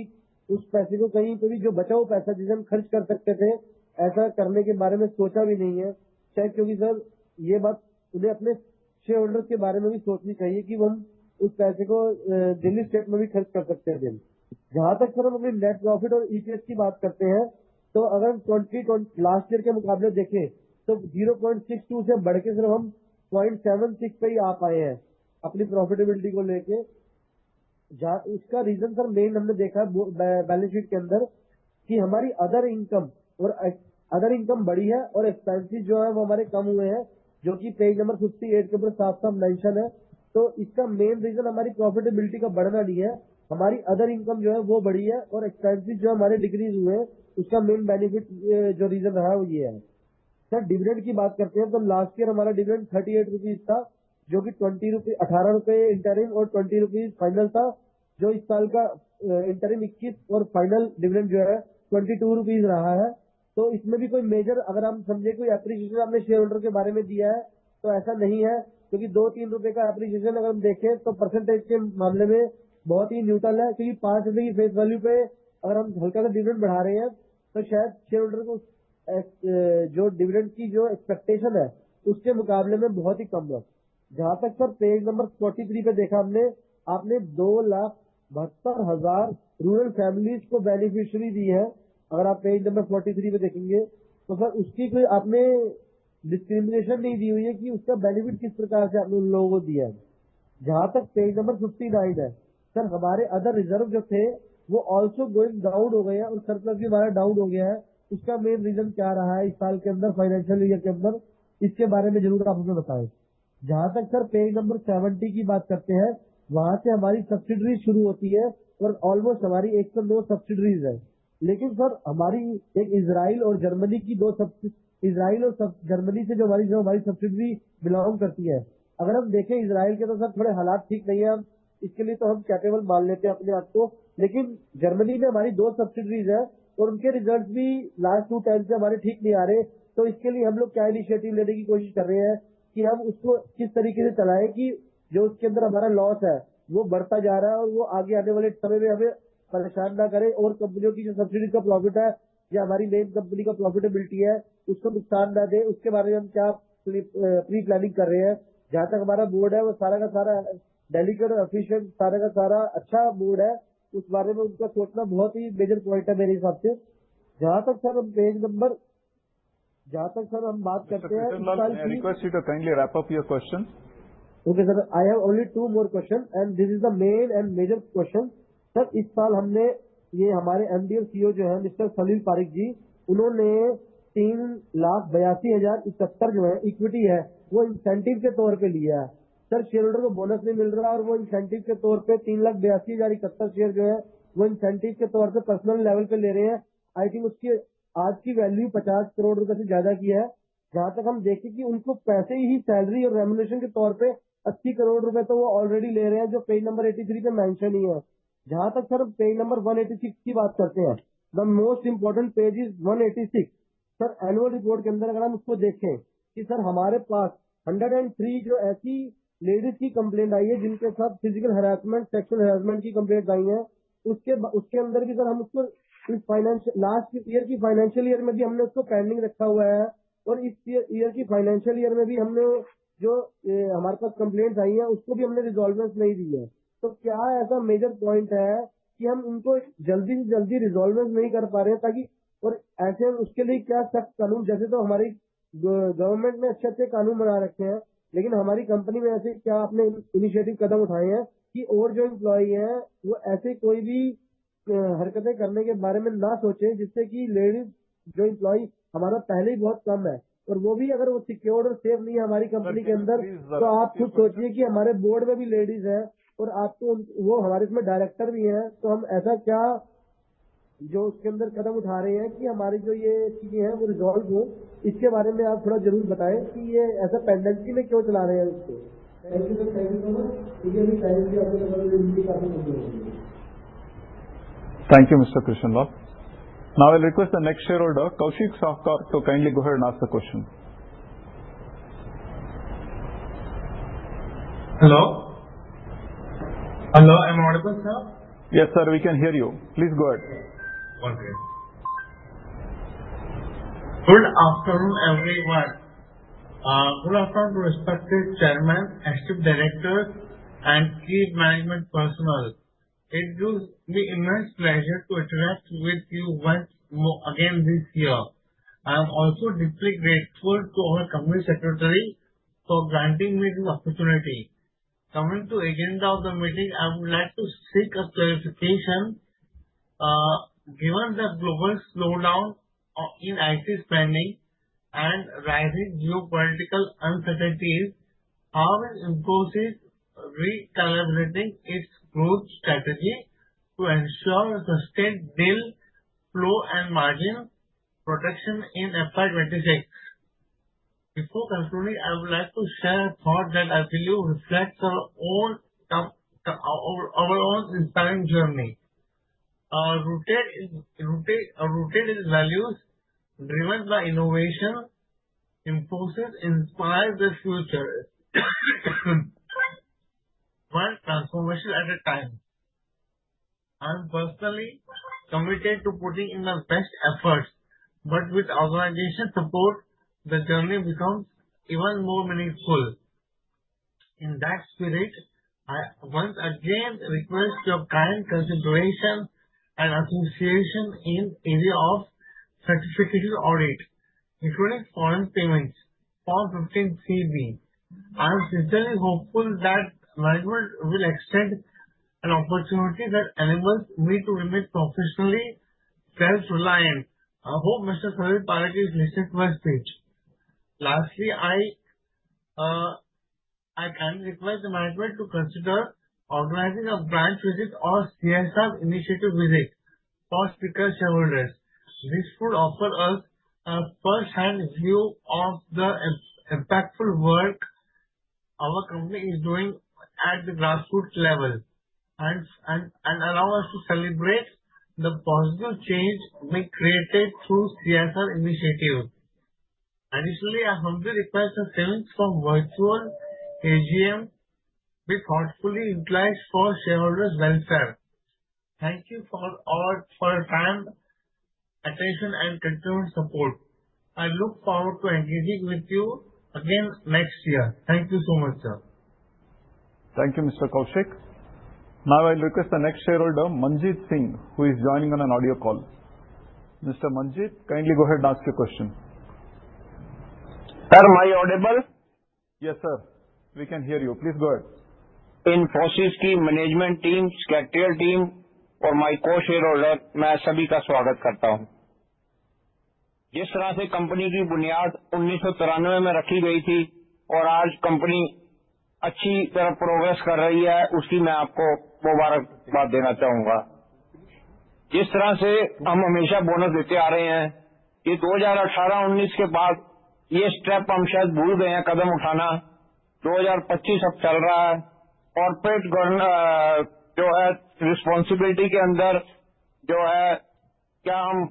उस पैसे को कहीं पर भी जो बचा हुआ पैसा जिसे हम खर्च कर सकते थे, ऐसा करने के बारे में सोचा भी नहीं है. शायद क्योंकि sir यह बात उन्हें अपने shareholders के बारे में भी सोचनी चाहिए कि हम उस पैसे को Delhi state में भी खर्च कर सकते थे. जहां तक sir हम अपनी net profit और EPS की बात करते हैं, तो अगर हम 2020 last year के मुकाबले देखें तो 0.62 से बढ़कर sir हम 0.76 पर ही आ पाए हैं अपनी profitability को लेकर. उसका reason sir main हमने देखा है balance sheet के अंदर कि हमारी other income और other income बढ़ी है और expenses जो हैं वो हमारे कम हुए हैं, जो कि page number 58 के ऊपर साफ-साफ mention है. तो इसका main reason हमारी profitability का बढ़ना नहीं है, हमारी other income जो है वो बढ़ी है और expenses जो हैं हमारे decrease हुए हैं, उसका main benefit जो reason रहा है वो ये है. Sir, dividend की बात करते हैं तो last year हमारा dividend INR 38 था, जो कि INR 18 interim और INR 20 final था, जो इस साल का interim INR 21 और final dividend जो है INR 22 रहा है. तो इसमें भी कोई major अगर हम समझें, कोई appreciation हमने shareholder के बारे में दिया है, तो ऐसा नहीं है क्योंकि दो-तीन रुपए का appreciation अगर हम देखें तो percentage के मामले में बहुत ही neutral है क्योंकि 5,000 की face value पर अगर हम हल्का सा dividend बढ़ा रहे हैं, तो शायद shareholder को जो dividend की जो expectation है, उसके मुकाबले में बहुत ही कम है। जहां तक sir page number 43 पर देखा हमने, आपने 2,72,000 rural families को beneficiary दी है। अगर आप के तौर पर लिया है. Sir, shareholder को bonus नहीं मिल रहा और वो incentive के तौर पर 3,82,071 shares जो हैं, वो incentive के तौर पर personal level पर ले रहे हैं. I think उसकी आज की value INR 50 crore से ज्यादा की है. जहां तक हम देखें कि उनको पैसे ही salary और remuneration के तौर पर INR 80 crore तो वो already ले रहे हैं, जो page number 83 पर mention ही है. जहां तक sir page number 186 की बात करते हैं, the most important page is 186. Sir, annual report के अंदर अगर हम उसको देखें कि sir हमारे पास 103 जो ऐसी ladies की complaint आई है, जिनके साथ physical harassment, sexual harassment की complaints आई हैं, उसके अंदर भी sir हम उसको इस financial last year की financial year में भी हमने उसको pending रखा हुआ है और इस year की financial year में भी हमने जो हमारे पास complaints आई हैं, उसको भी हमने resolvers नहीं दिए हैं. तो क्या ऐसा major point है कि हम उनको जल्दी से जल्दी resolvers नहीं कर पा रहे हैं ताकि और ऐसे उसके लिए क्या सख्त कानून, जैसे तो हमारी government ने अच्छे-अच्छे कानून बना रखे हैं, लेकिन हमारी company में ऐसे क्या आपने initiative कदम उठाए हैं कि और जो employee हैं, वो ऐसे कोई भी हरकतें करने के बारे में न सोचें, जिससे कि ladies जो employee हमारा पहले ही बहुत कम है और वो भी अगर वो secured और safe नहीं है हमारी company के अंदर, तो आप खुद सोचिए कि हमारे board में भी ladies हैं और आपको उन वो हमारे इसमें director भी हैं, तो हम ऐसा क्या जो उसके अंदर कदम उठा रहे हैं कि हमारी जो ये चीजें हैं, वो resolve हों, इसके बारे में आप थोड़ा जरूर बताएं कि ये ऐसा pendency में क्यों चला रहे हैं इसको. Thank you sir, thank you so much. ठीक है, अभी time की आपके पास अभी भी काफी समय हो गया है. Thank you, Mr. Krishanlal. Now, I'll request the next shareholder, Kaushik Sahkar, to kindly go ahead and ask the question. Hello. Hello, am I audible sir? Yes, sir, we can hear you. Please go ahead. Okay. Good afternoon, everyone. Good afternoon, respected Chairman, Executive Director, and key management personnel. It gives me immense pleasure to interact with you once again this year. I am also deeply grateful to our Company Secretary for granting me this opportunity. Coming to the agenda of the meeting, I would like to seek a clarification. Given the global slowdown in IT spending and rising geopolitical uncertainties, how will Infosys re-collaborate its growth strategy to ensure a sustained deal flow and margin protection in FY26? Before concluding, I would like to share a thought that I believe reflects our own inspiring journey. Rooted in values driven by innovation, Infosys inspires the future, while transformation at a time. I am personally committed to putting in the best efforts, but with organization support, the journey becomes even more meaningful. In that spirit, I once again request your kind consideration and association in the area of certificate audit, including foreign payments for 15 CB. I am sincerely hopeful that management will extend an opportunity that enables me to remain professionally self-reliant. I hope Mr. Salil Parekh is listening to my speech. Lastly, I kindly request the management to consider organizing a branch visit or CSR initiative visit for speaker shareholders. This would offer us a first-hand view of the impactful work our company is doing at the grassroots level and allow us to celebrate the positive change we created through CSR initiatives. Additionally, I humbly request a sevensh from virtual AGM be thoughtfully utilized for shareholders' welfare. Thank you for your time, attention, and continued support. I look forward to engaging with you again next year. Thank you so much, sir. Thank you, Mr. Kaushik. Now, I'll request the next shareholder, Manjeet Singh, who is joining on an audio call. Mr. Manjeet, kindly go ahead and ask your question. Sir, am I audible? Yes, sir. We can hear you. Please go ahead. Infosys's key management team, secretarial team, और my co-shareholder, मैं सभी का स्वागत करता हूं. जिस तरह से कंपनी की बुनियाद 1993 में रखी गई थी और आज कंपनी अच्छी तरह प्रोग्रेस कर रही है, उसकी मैं आपको मुबारकबाद देना चाहूंगा. जिस तरह से हम हमेशा बोनस देते आ रहे हैं, ये 2018-2019 के बाद ये स्टेप हम शायद भूल गए हैं, कदम उठाना 2025 अब चल रहा है. कॉर्पोरेट जो है, रिस्पांसिबिलिटी के अंदर जो है, क्या हम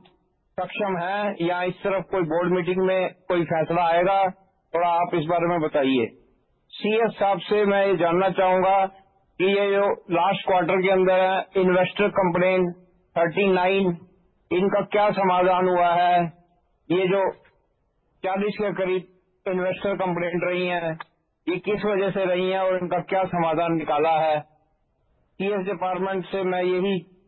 सक्षम हैं या इस तरफ कोई बोर्ड मीटिंग में कोई फैसला आएगा, थोड़ा आप इस बारे में बताइए. CS साहब से मैं ये जानना चाहूंगा कि ये जो लास्ट क्वार्टर के अंदर है, इन्वेस्टर कंप्लेंट 39, इनका क्या समाधान हुआ है? ये जो 40 के करीब इन्वेस्टर कंप्लेंट रही हैं, ये किस वजह से रही हैं और इनका क्या समाधान निकाला है? CS डिपार्टमेंट से मैं यही जानना चाहूंगा कि जो BSC के अंदर हमारी डिस्ट्रिक्ट कंपनी है, 500209 हमारा कोड है और सिंबल INFY, इसका पूरा अगर हम मापदंड रखें, तो ये इस तरह की कंप्लेंटें अगर आती हैं, तो ये किस वजह से है? कॉर्पोरेट गवर्नेंस के अंदर क्या कमियां मारी जाती हैं? थोड़ा आप इस बारे में बताइए। 2012 के अंदर हमने जो फाइनेंशियल सर्विसेज और हेल्थ केयर और अदर की तरफ, कई तरफ हमने अपनी सर्विस प्रोवाइड करी,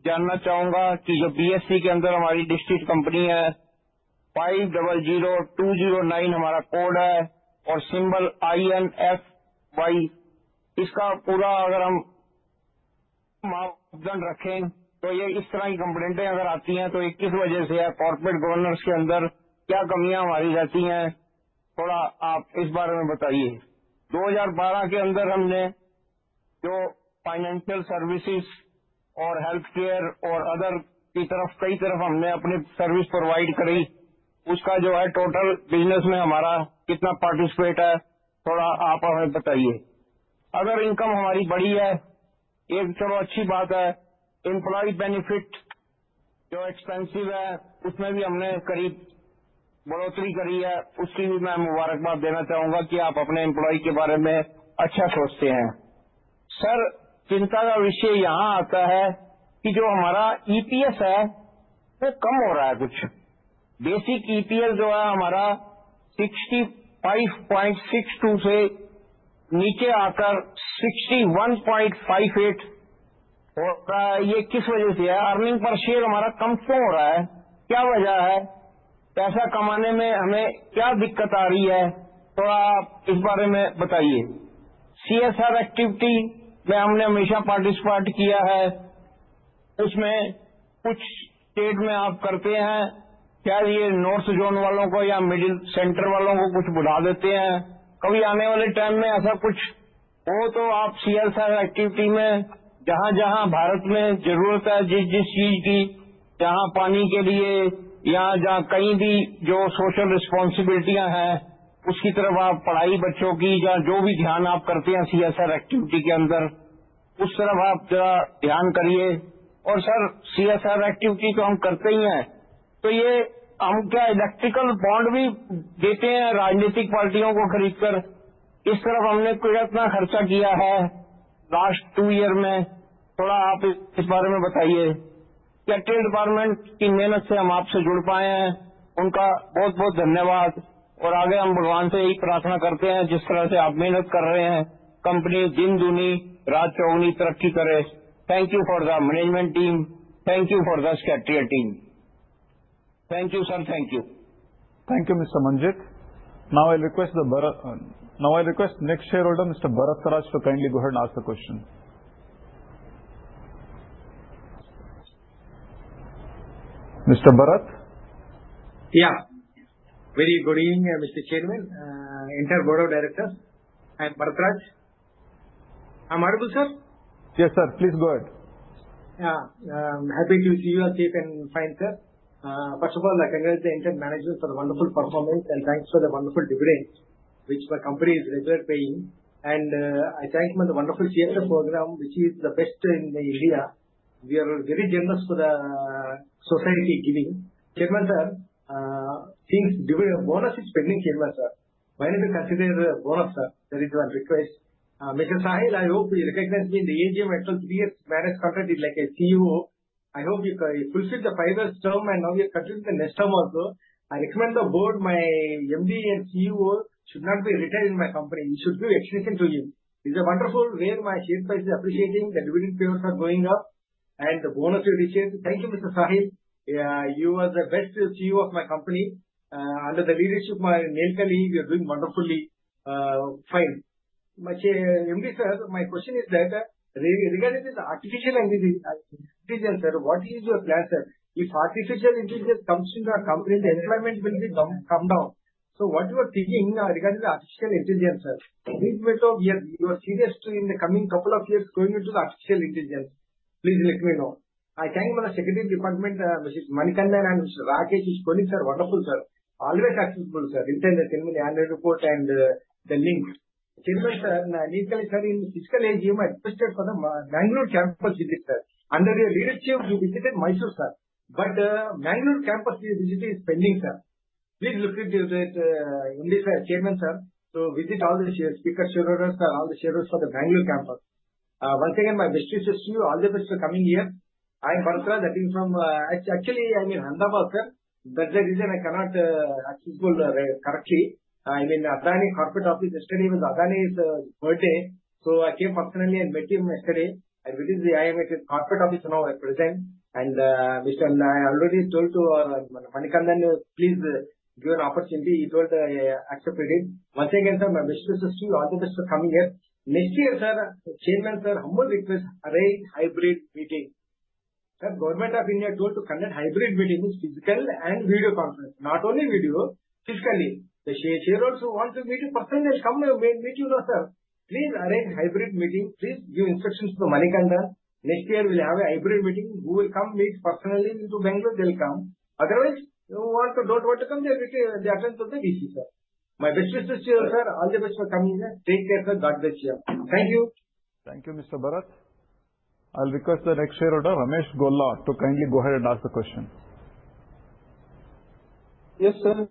उसका जो है टोटल बिजनेस में हमारा कितना पार्टिसिपेट है, थोड़ा आप हमें बताइए। अदर इनकम हमारी बड़ी है, ये चलो अच्छी बात है। एंप्लॉई बेनिफिट जो एक्सपेंसिव है, उसमें भी हमने करीब बढ़ोतरी करी है, उसकी भी मैं मुबारकबाद देना चाहूंगा कि आप अपने एंप्लॉई के बारे में अच्छा सोचते हैं। सर, चिंता का विषय यहां आता है कि जो हमारा EPS है, वो कम हो रहा है। कुछ बेसिक EPS जो है, हमारा 65.62 से नीचे आकर 61.58 हो रहा है. ये किस वजह से है? अर्निंग पर शेयर हमारा कम क्यों हो रहा है? क्या वजह है? पैसा कमाने में हमें क्या दिक्कत आ रही है? थोड़ा आप इस बारे में बताइए. CSR एक्टिविटी में हमने हमेशा पार्टिसिपेट किया है, उसमें कुछ स्टेट में आप करते हैं, शायद ये नॉर्थ जोन वालों को या मिडिल सेंटर वालों को कुछ बुला देते हैं. कभी आने वाले टाइम में ऐसा कुछ हो, तो आप CSR एक्टिविटी में, जहां-जहां भारत में जरूरत है, जिस-जिस चीज की, जहां पानी के लिए, यहां-जहां कहीं भी जो सोशल रिस्पांसिबिलिटी हैं, उसकी तरफ आप पढ़ाई बच्चों की या जो भी ध्यान आप करते हैं CSR एक्टिविटी के अंदर, उस तरफ आप जरा ध्यान करिए. और सर, CSR एक्टिविटी तो हम करते ही हैं, तो ये हम क्या इलेक्ट्रिकल बॉंड भी देते हैं राजनीतिक पार्टियों को खरीदकर? इस तरफ हमने कितना खर्चा किया है लास्ट टू ईयर में? थोड़ा आप इस बारे में बताइए. क्या ट्रेड डिपार्टमेंट की मेहनत से हम आपसे जुड़ पाए हैं? उनका बहुत-बहुत धन्यवाद. आगे हम भगवान से यही प्रार्थना करते हैं, जिस तरह से आप मेहनत कर रहे हैं, कंपनी दिन-दुनी, रात-चौगुनी तरक्की करे. Thank you for the management team. Thank you for the secretary team. Thank you sir. Thank you. Thank you, Mr. Manjeet. Now, I'll request the next shareholder, Mr. Bharatraj, to kindly go ahead and ask the question. Mr. Bharat? Yeah. Very good evening, Mr. Chairman, entire Board of Directors. I'm Bharatraj. I'm audible, sir? Yes, sir. Please go ahead. Yeah. I'm happy to see you are safe and fine, sir. First of all, I congratulate the entire management for the wonderful performance and thanks for the wonderful dividends, which my company is regularly paying. I thank you for the wonderful CSR program, which is the best in India. We are very generous for the society giving. Chairman, sir, things bonus is pending, Chairman, sir. Why not you consider a bonus, sir? There is one request. Mr. Salil, I hope you recognize me in the AGM at all three years managed contract like a CEO. I hope you fulfill the five years term and now you're continuing the next term also. I recommend the board, my MD and CEO should not be retired in my company. We should give accession to him. It is a wonderful way my share price is appreciating, the dividend payments are going up, and the bonus will return. Thank you, Mr. Salil. You are the best CEO of my company. Under the leadership of my Nandan Nilekani, we are doing wonderfully fine. MD sir, my question is that regarding this artificial intelligence, sir, what is your plan, sir? If artificial intelligence comes into our company, the employment will come down. So what you are thinking regarding the artificial intelligence, sir? Will you be serious in the coming couple of years going into the artificial intelligence? Please let me know. I thank my secretary department, Mr. Manikantha and Mr. Rakesh, Mr. Konik, sir. Wonderful, sir. Always accessible, sir. In time, they tell me the annual report and the link. Chairman, sir, Nandan Nilekani, sir, in physical AGM, I requested for the Mangalore campus visit, sir. Under your leadership, we visited Mysuru, sir. Mangalore campus visit is pending, sir. Please look at your MD, sir, Chairman, sir, to visit all the speaker shareholders and all the shareholders for the Mangalore campus. Once again, my best wishes to you. All the best for coming here. I'm Bharatraj. Actually, I'm in Ahmedabad, sir. That's the reason I cannot access correctly. I'm in Adani corporate office yesterday. It was Adani's birthday. I came personally and met him yesterday. I am at his corporate office now at present. I already told to Manikantha, please give an opportunity. He told, accepted it. Once again, sir, my best wishes to you. All the best for coming here. Next year, sir, Chairman, sir, humble request, arrange hybrid meeting. Sir, Government of India told to conduct hybrid meeting, which is physical and video conference. Not only video, physically. The shareholders who want to meet in person, they'll come and meet you, sir. Please arrange hybrid meeting. Please give instructions to Manikantha. Next year, we'll have a hybrid meeting. We will come meet personally into Bangalore. They'll come. Otherwise, don't want to come there. They attend to the DC, sir. My best wishes to you, sir. All the best for coming here. Take care, sir. God bless you. Thank you. Thank you, Mr. Bharat. I'll request the next shareholder, Ramesh Ghola, to kindly go ahead and ask the question. Yes, sir.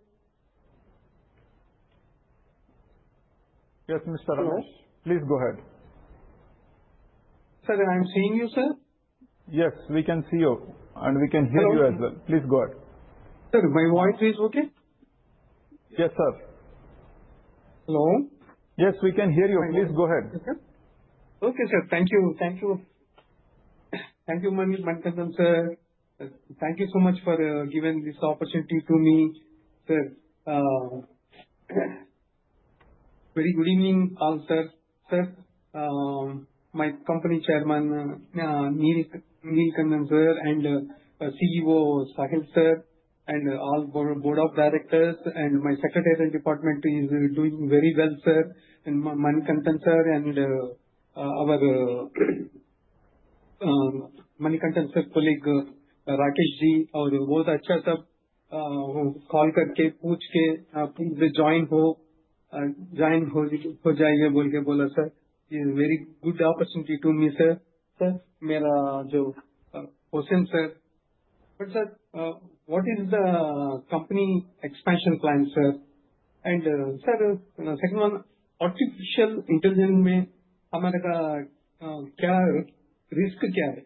Yes, Mr. Ramesh, please go ahead. Sir, I'm seeing you, sir. Yes, we can see you. We can hear you as well. Please go ahead. Sir, my voice is okay? Yes, sir. Hello? Yes, we can hear you. Please go ahead. Okay. Okay, sir. Thank you. Thank you. Thank you, Manikantha, sir. Thank you so much for giving this opportunity to me, sir. Very good evening, all, sir. Sir, my company Chairman, Nandan Nilekani, sir, and CEO Salil, sir, and all board of directors, and my secretarial department is doing very well, sir. And Manikantha, sir, and our Manikantha, sir, colleague, Rakesh ji, और बहुत अच्छा, sir, call करके पूछ के, please join हो, join हो जाइए, बोल के बोला, sir. It is a very good opportunity to me, sir. Sir, मेरा जो question, sir, but sir, what is the company expansion plan, sir? And sir, second one, artificial intelligence में हमारा क्या risk क्या है?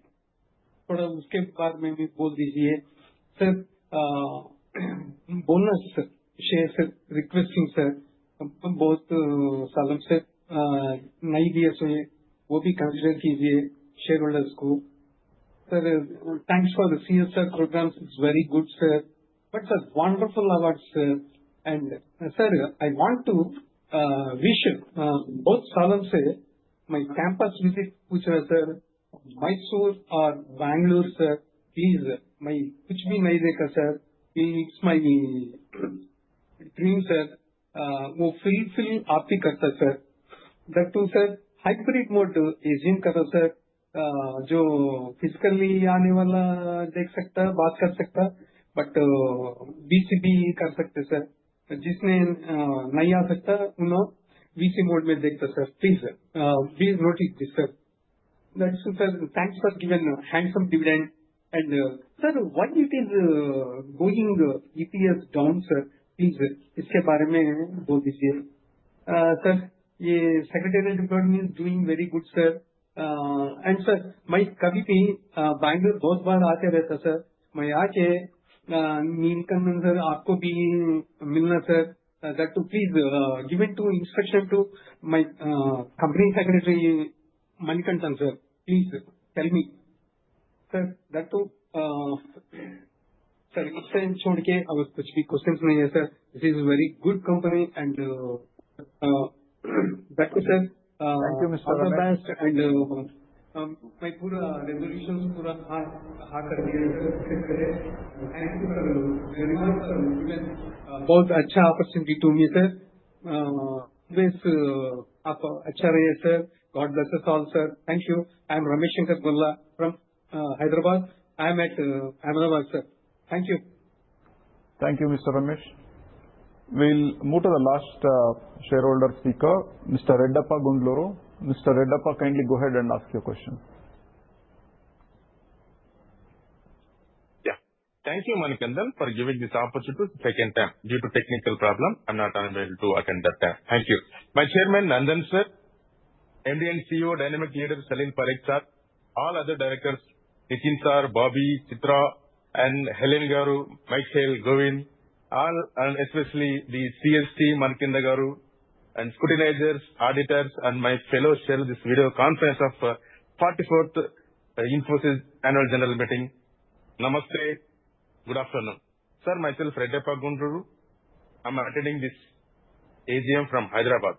थोड़ा उसके बारे में भी बोल दीजिए, sir. Bonus, sir, share, sir, requesting, sir, बहुत सालों से नई भी है, so वो भी consider कीजिए shareholders को. Sir, thanks for the CSR program, it's very good, sir. Wonderful awards, sir. I want to wish बहुत सालों से my campus visit पूछ रहा है, sir, Mysore or Bangalore, sir, please, sir, my कुछ भी नहीं देखा, sir, it's my dream, sir, वो फुलफिल आप ही करता है, sir. The two, sir, hybrid mode agent करो, sir, जो physically आने वाला देख सकता है, बात कर सकता है, but BCB कर सकते हैं, sir, जिसने नहीं आ सकता, उन्हें VC mode में देखता है, sir, please, sir, please notice this, sir. That's it, sir. Thanks for giving handsome dividend. Sir, why it is going EPS down, sir, please, sir, इसके बारे में बोल दीजिए. Sir, ये secretarial department is doing very good, sir. Sir, my कभी भी Bangalore बहुत बार आते रहता है, sir, मैं आके Nandan Nilekani, sir, आपको भी मिलना, sir. That to please give into instruction to my company secretary Manikantha, sir, please tell me. Sir, that to, sir, इस टाइम छोड़ के और कुछ भी questions नहीं है, sir. This is a very good company. Sir, that to, sir, all the best. My पूरा resolutions पूरा हां कर दिया, sir, accept करें. Thank you for the reward for given. बहुत अच्छा opportunity to me, sir. Always आप अच्छा रहे, sir. God bless us all, sir. Thank you. I'm Ramesh Shankar Gholla from Hyderabad. I'm at Ahmedabad, sir. Thank you. Thank you, Mr. Ramesh. We'll move to the last shareholder speaker, Mr. Reddappa Gundloru. Mr. Reddappa, kindly go ahead and ask your question. Yeah. Thank you, Manikanta, for giving this opportunity a second time. Due to technical problem, I'm not unable to attend that time. Thank you. My Chairman, Nandan sir, MD and CEO, dynamic leader, Salil Parekh sir, all other directors, Nitin sir, Bobby, Chitra, and Helene garu, Mike Hale, Govind, all, and especially the CST, Manikantha garu, and scrutinizers, auditors, and my fellows, share this video conference of 44th Infosys Annual General Meeting. Namaste, good afternoon. Sir, myself, Reddappa Gundloru, I'm attending this AGM from Hyderabad.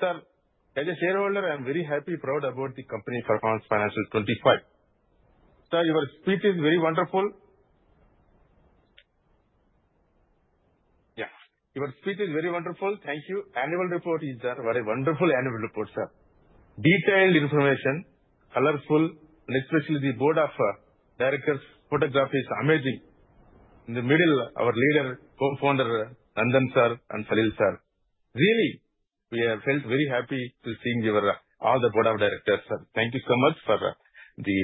Sir, as a shareholder, I'm very happy, proud about the company's performance financial 25. Sir, your speech is very wonderful. Yeah. Your speech is very wonderful. Thank you. Annual report is, sir, very wonderful annual report, sir. Detailed information, colorful, and especially the board of directors' photograph is amazing. In the middle, our leader, co-founder, Nandan sir, and Salil sir. Really, we are felt very happy to see all the board of directors, sir. Thank you so much for the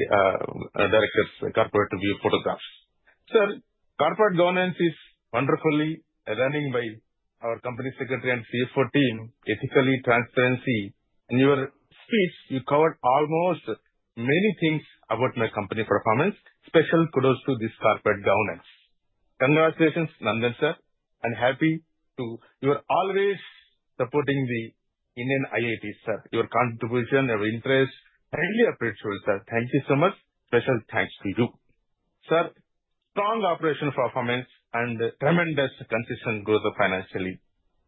directors' corporate view photographs. Sir, corporate governance is wonderfully running by our Company Secretary and CFO team, ethically, transparency. In your speech, you covered almost many things about my company performance. Special kudos to this corporate governance. Congratulations, Nandan sir, and happy to you are always supporting the Indian IIT, sir. Your contribution, your interest, highly appreciated, sir. Thank you so much. Special thanks to you, sir. Strong operational performance and tremendous consistent growth financially.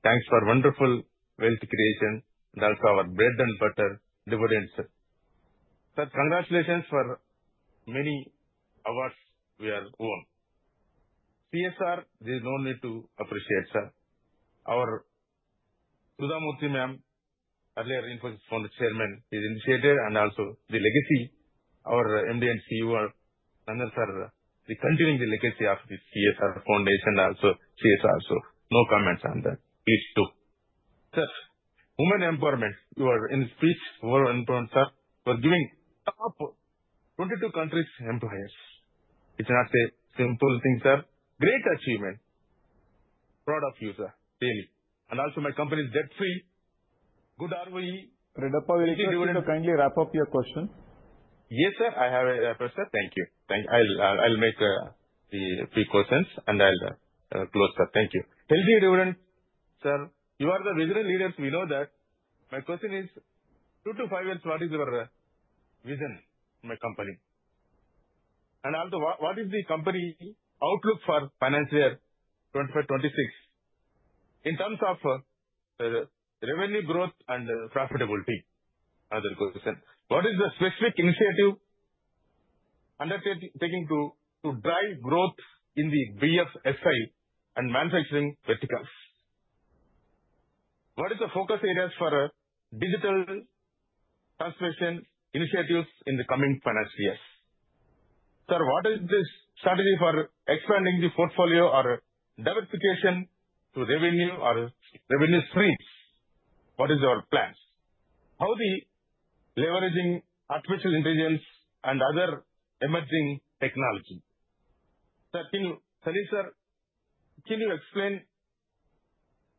Thanks for wonderful wealth creation and also our bread and butter dividends, sir. Sir, congratulations for many awards we are won. CSR, there is no need to appreciate, sir. Our Sudha Murthy ma'am, earlier Infosys founder chairman, she's initiated and also the legacy, our MD and CEO, Nandan sir, we continue the legacy of the CSR foundation and also CSR. No comments on that. Please do. Sir, human empowerment, you are in speech, overall empowerment, sir, for giving up 22 countries' employers. It's not a simple thing, sir. Great achievement. Proud of you, sir. Really. Also my company is debt-free. Good ROE. Reddappa, will you kindly wrap up your question? Yes, sir. I have a question. Thank you. I'll make the three questions and I'll close, sir. Thank you. Healthy dividend, sir. You are the visionary leaders. We know that. My question is, two to five years, what is your vision for my company? And also, what is the company outlook for financial year 2025-2026? In terms of revenue growth and profitability, another question. What is the specific initiative undertaking to drive growth in the BFSI and manufacturing verticals? What are the focus areas for digital transformation initiatives in the coming financial years? Sir, what is the strategy for expanding the portfolio or diversification to revenue or revenue streams? What are your plans? How are we leveraging artificial intelligence and other emerging technology? Sir, can you, Salil sir, can you explain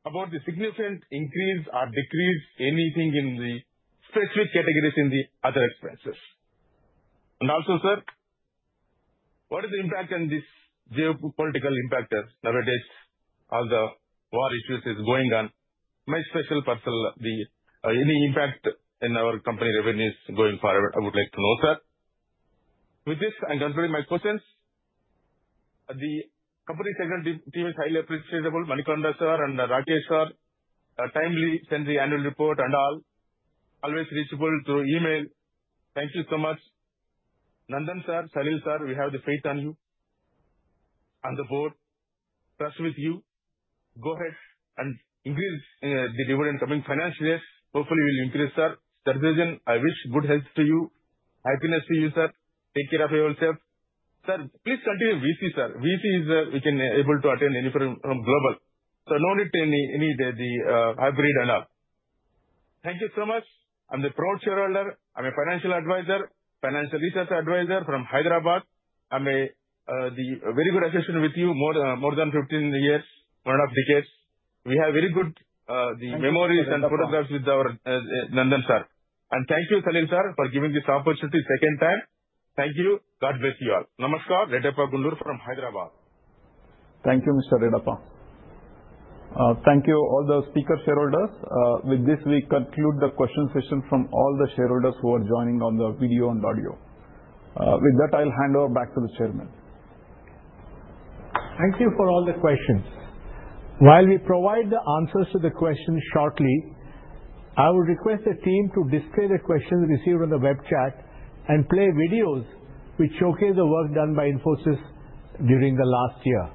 about the significant increase or decrease anything in the specific categories in the other expenses? Also, sir, what is the impact on this geopolitical impact as nowadays all the war issues are going on? My special, personal, any impact in our company revenues going forward, I would like to know, sir. With this, I'm concluding my questions. The company secretary team is highly appreciable, Manikantha sir and Rakesh sir. Timely send the annual report and all. Always reachable through email. Thank you so much. Nandan sir, Salil sir, we have the faith on you. On the board. Trust with you. Go ahead and increase the dividend coming financial years. Hopefully, we'll increase, sir. Sir, I wish good health to you. Happiness to you, sir. Take care of yourself. Sir, please continue VC, sir. VC is we can be able to attend any from global. No need to any the hybrid and all. Thank you so much. I'm the proud shareholder. I'm a financial advisor, financial research advisor from Hyderabad. I have a very good association with you, more than 15 years, one of decades. We have very good memories and photographs with our Nandan sir. Thank you, Salil sir, for giving this opportunity second time. Thank you. God bless you all. Namaskar, Reddappa Gundlu from Hyderabad. Thank you, Mr. Reddappa. Thank you, all the speaker shareholders. With this, we conclude the question session from all the shareholders who are joining on the video and audio. With that, I'll hand over back to the Chairman. Thank you for all the questions. While we provide the answers to the questions shortly, I would request the team to display the questions received on the web chat and play videos which showcase the work done by Infosys during the last year.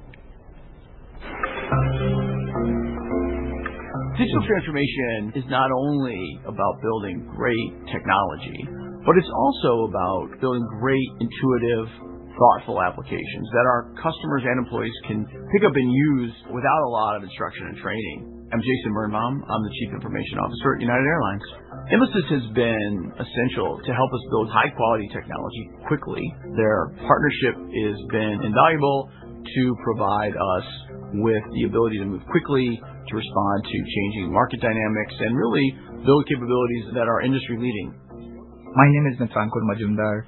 Digital transformation is not only about building great technology, but it's also about building great, intuitive, thoughtful applications that our customers and employees can pick up and use without a lot of instruction and training. I'm Jason Bernbaum. I'm the Chief Information Officer at United Airlines. Infosys has been essential to help us build high-quality technology quickly. Their partnership has been invaluable to provide us with the ability to move quickly, to respond to changing market dynamics, and really build capabilities that are industry-leading. My name is Nithankul Majumdar.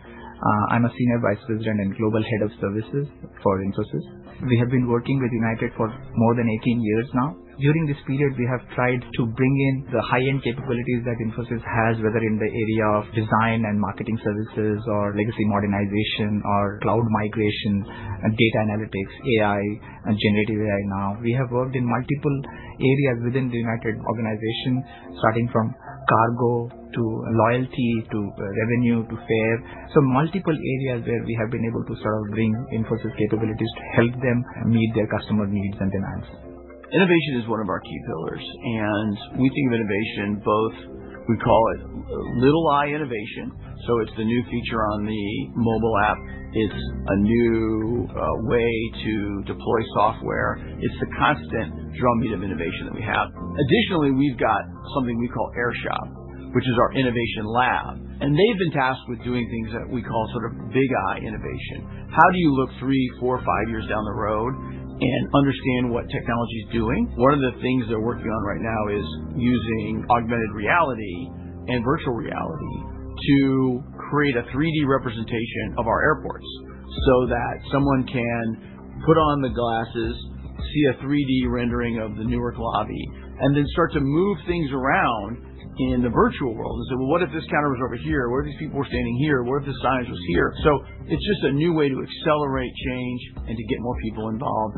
I'm a Senior Vice President and Global Head of Services for Infosys. We have been working with United for more than 18 years now. During this period, we have tried to bring in the high-end capabilities that Infosys has, whether in the area of design and marketing services or legacy modernization or cloud migration and data analytics, AI, and generative AI now. We have worked in multiple areas within the United organization, starting from cargo to loyalty to revenue to fare. Multiple areas where we have been able to sort of bring Infosys capabilities to help them meet their customer needs and demands. Innovation is one of our key pillars. We think of innovation both, we call it little eye innovation. It is the new feature on the mobile app. It is a new way to deploy software. It is the constant drumbeat of innovation that we have. Additionally, we have got something we call AirShop, which is our innovation lab. They have been tasked with doing things that we call sort of big eye innovation. How do you look three, four, five years down the road and understand what technology is doing? One of the things they are working on right now is using augmented reality and virtual reality to create a 3D representation of our airports so that someone can put on the glasses, see a 3D rendering of the Newark lobby, and then start to move things around in the virtual world and say, "What if this counter was over here? What if these people were standing here? What if this signage was here? It's just a new way to accelerate change and to get more people involved.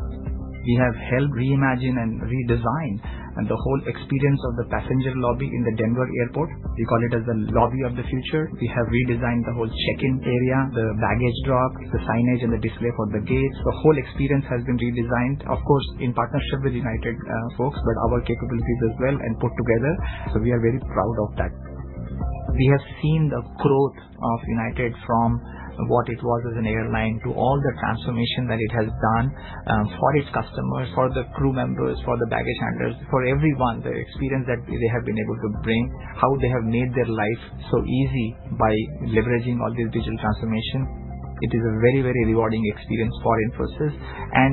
We have helped reimagine and redesign the whole experience of the passenger lobby in the Denver airport. We call it the lobby of the future. We have redesigned the whole check-in area, the baggage drop, the signage, and the display for the gates. The whole experience has been redesigned, of course, in partnership with United folks, but our capabilities as well and put together. We are very proud of that. We have seen the growth of United from what it was as an airline to all the transformation that it has done for its customers, for the crew members, for the baggage handlers, for everyone, the experience that they have been able to bring, how they have made their life so easy by leveraging all this digital transformation. It is a very, very rewarding experience for Infosys.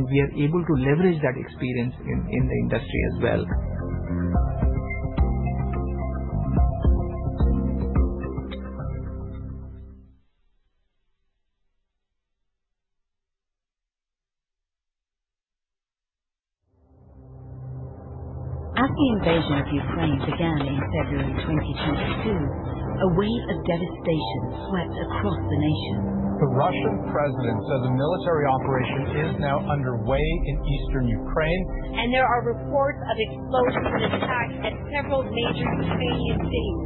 We are able to leverage that experience in the industry as well. As the invasion of Ukraine began in February 2022, a wave of devastation swept across the nation. The Russian president said a military operation is now underway in eastern Ukraine. There are reports of explosions and attacks at several major Ukrainian cities.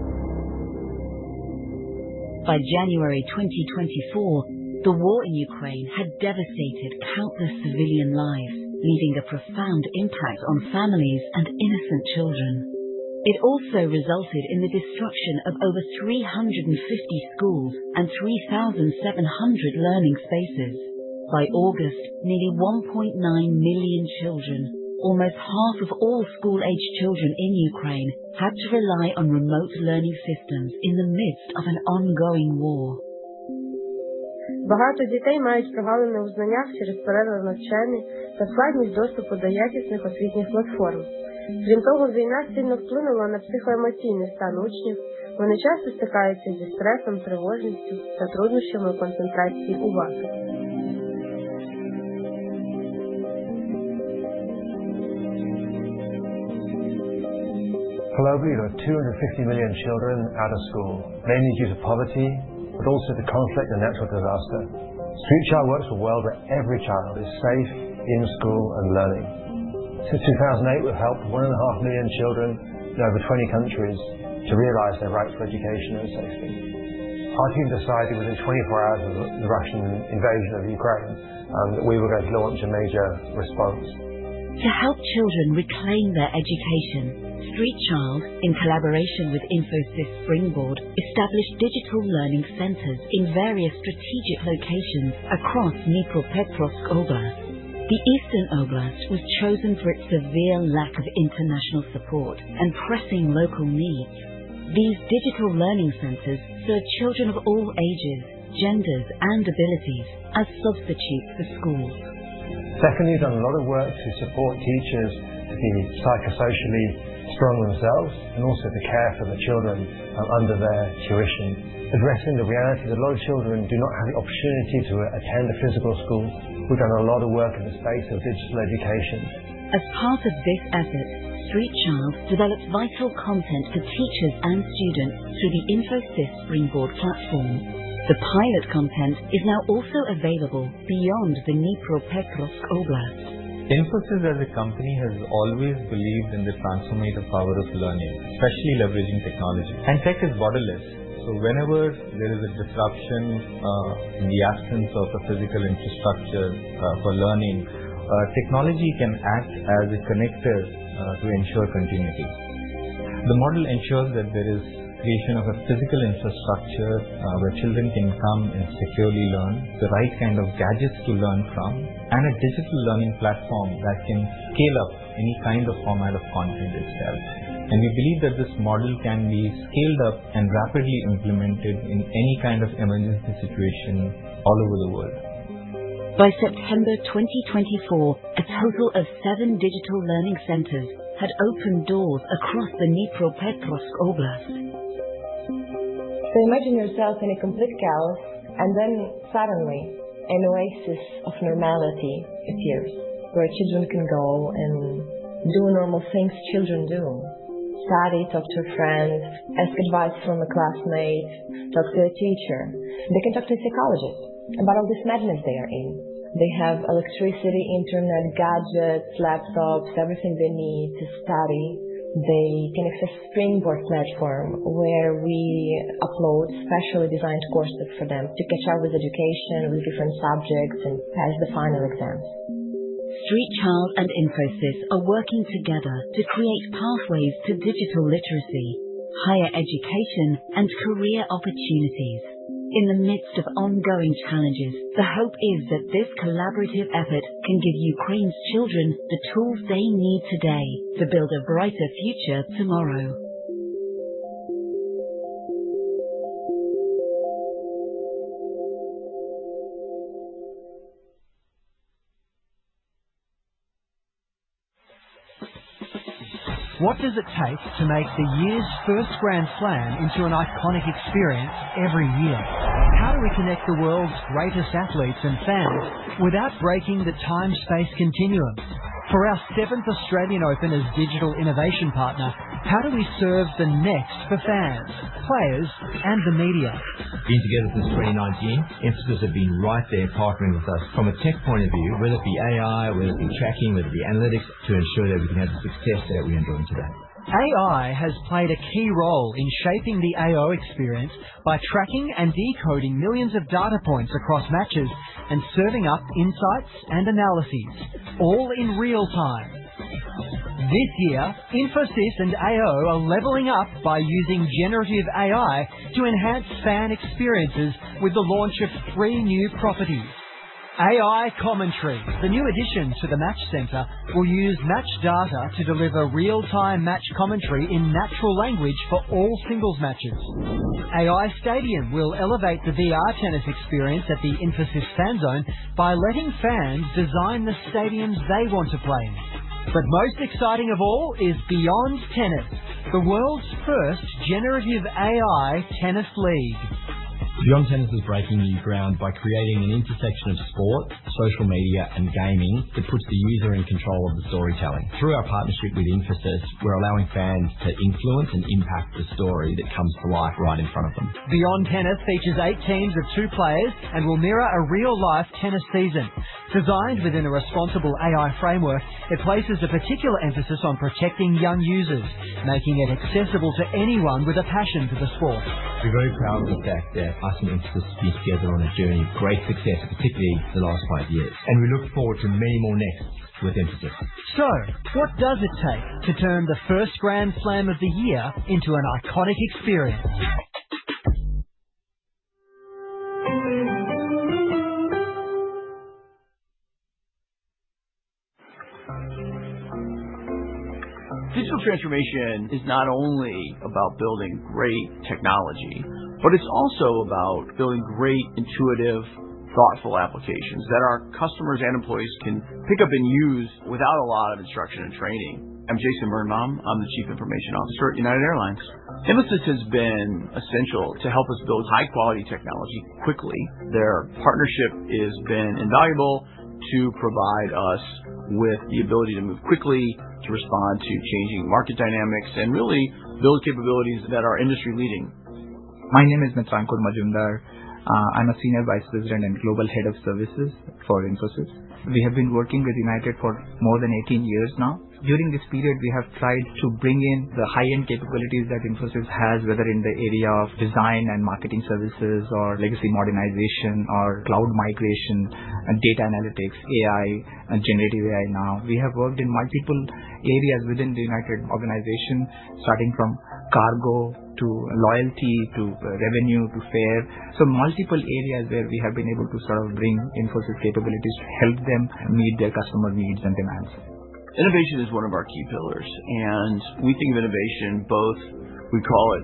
By January 2024, the war in Ukraine had devastated countless civilian lives, leaving a profound impact on families and innocent children. It also resulted in the destruction of over 350 schools and 3,700 learning spaces. By August, nearly 1.9 million children, almost half of all school-aged children in Ukraine, had to rely on remote learning systems in the midst of an ongoing war. Багато дітей мають провалене у знаннях через перерви в навчанні та складність доступу до якісних освітніх платформ. Крім того, війна сильно вплинула на психоемоційний стан учнів. Вони часто стикаються зі стресом, тривожністю та труднощами у концентрації уваги. Globally, there are 250 million children out of school, mainly due to poverty, but also the conflict and natural disaster. Street Child works for a world where every child is safe in school and learning. Since 2008, we've helped 1.5 million children in over 20 countries to realize their right to education and safety. Our team decided within 24 hours of the Russian invasion of Ukraine that we were going to launch a major response. To help children reclaim their education, Street Child, in collaboration with Infosys Springboard, established digital learning centers in various strategic locations across Dnipropetrovsk Oblast. The eastern Oblast was chosen for its severe lack of international support and pressing local needs. These digital learning centers serve children of all ages, genders, and abilities as substitutes for schools. Secondly, we've done a lot of work to support teachers to be psychosocially strong themselves and also to care for the children under their tuition, addressing the reality that a lot of children do not have the opportunity to attend a physical school. We've done a lot of work in the space of digital education. As part of this effort, Street Child developed vital content for teachers and students through the Infosys Springboard platform. The pilot content is now also available beyond the Dnipropetrovsk Oblast. Infosys, as a company, has always believed in the transformative power of learning, especially leveraging technology. Tech is borderless. Whenever there is a disruption in the absence of a physical infrastructure for learning, technology can act as a connector to ensure continuity. The model ensures that there is creation of a physical infrastructure where children can come and securely learn, the right kind of gadgets to learn from, and a digital learning platform that can scale up any kind of format of content itself. We believe that this model can be scaled up and rapidly implemented in any kind of emergency situation all over the world. By September 2024, a total of seven digital learning centers had opened doors across the Dnipropetrovsk Oblast. Imagine yourself in complete chaos, and then suddenly an oasis of normality appears where children can go and do normal things children do: study, talk to a friend, ask advice from a classmate, talk to a teacher. They can talk to a psychologist about all this madness they are in. They have electricity, internet, gadgets, laptops, everything they need to study. They can access the Infosys Springboard platform where we upload specially designed courses for them to catch up with education with different subjects and pass the final exams. Street Child and Infosys are working together to create pathways to digital literacy, higher education, and career opportunities. In the midst of ongoing challenges, the hope is that this collaborative effort can give Ukraine's children the tools they need today to build a brighter future tomorrow. What does it take to make the year's first Grand Slam into an iconic experience every year? How do we connect the world's greatest athletes and fans without breaking the time-space continuum? For our seventh Australian Open as digital innovation partner, how do we serve the next for fans, players, and the media? Being together since 2019, Infosys has been right there partnering with us from a tech point of view, whether it be AI, whether it be tracking, whether it be analytics, to ensure that we can have the success that we enjoy today. AI has played a key role in shaping the AO experience by tracking and decoding millions of data points across matches and serving up insights and analyses, all in real time. This year, Infosys and AO are leveling up by using generative AI to enhance fan experiences with the launch of three new properties. AI Commentary, the new addition to the match center, will use match data to deliver real-time match commentary in natural language for all singles matches. AI Stadium will elevate the VR tennis experience at the Infosys Fan Zone by letting fans design the stadiums they want to play in. Most exciting of all is Beyond Tennis, the world's first generative AI tennis league. Beyond Tennis is breaking new ground by creating an intersection of sport, social media, and gaming that puts the user in control of the storytelling. Through our partnership with Infosys, we're allowing fans to influence and impact the story that comes to life right in front of them. Beyond Tennis features eight teams of two players and will mirror a real-life tennis season. Designed within a responsible AI framework, it places a particular emphasis on protecting young users, making it accessible to anyone with a passion for the sport. We're very proud of the fact that us and Infosys have been together on a journey of great success, particularly the last five years. We look forward to many more next with Infosys. What does it take to turn the first Grand Slam of the year into an iconic experience? Digital transformation is not only about building great technology, but it's also about building great, intuitive, thoughtful applications that our customers and employees can pick up and use without a lot of instruction and training. I'm Jason Bernbaum. I'm the Chief Information Officer at United Airlines. Infosys has been essential to help us build high-quality technology quickly. Their partnership has been invaluable to provide us with the ability to move quickly, to respond to changing market dynamics, and really build capabilities that are industry-leading. My name is Nithankul Majumdar. I'm a Senior Vice President and Global Head of Services for Infosys. We have been working with United for more than 18 years now. During this period, we have tried to bring in the high-end capabilities that Infosys has, whether in the area of design and marketing services or legacy modernization or cloud migration, data analytics, AI, and generative AI now. We have worked in multiple areas within the United organization, starting from cargo to loyalty to revenue to fare. Multiple areas where we have been able to sort of bring Infosys capabilities to help them meet their customer needs and demands. Innovation is one of our key pillars. We think of innovation both, we call it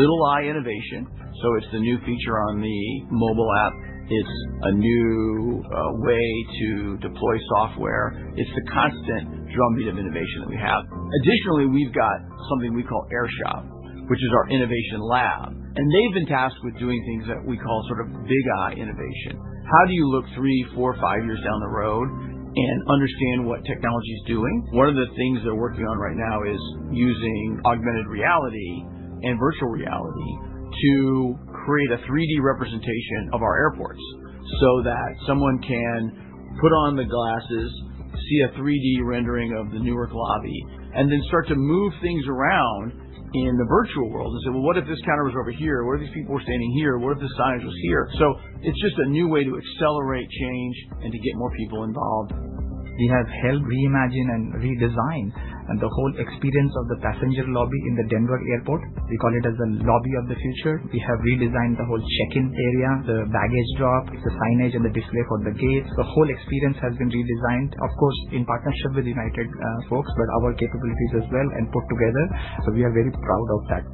little eye innovation. It is the new feature on the mobile app. It is a new way to deploy software. It is the constant drumbeat of innovation that we have. Additionally, we have got something we call AirShop, which is our innovation lab. They have been tasked with doing things that we call sort of big eye innovation. How do you look three, four, five years down the road and understand what technology is doing? One of the things they are working on right now is using augmented reality and virtual reality to create a 3D representation of our airports so that someone can put on the glasses, see a 3D rendering of the Newark lobby, and then start to move things around in the virtual world and say, "What if this counter was over here? What if these people were standing here? What if this signage was here? It is just a new way to accelerate change and to get more people involved. We have helped reimagine and redesign the whole experience of the passenger lobby in the Denver airport. We call it the lobby of the future. We have redesigned the whole check-in area, the baggage drop, the signage, and the display for the gates. The whole experience has been redesigned, of course, in partnership with United folks, but our capabilities as well and put together. We are very proud of that.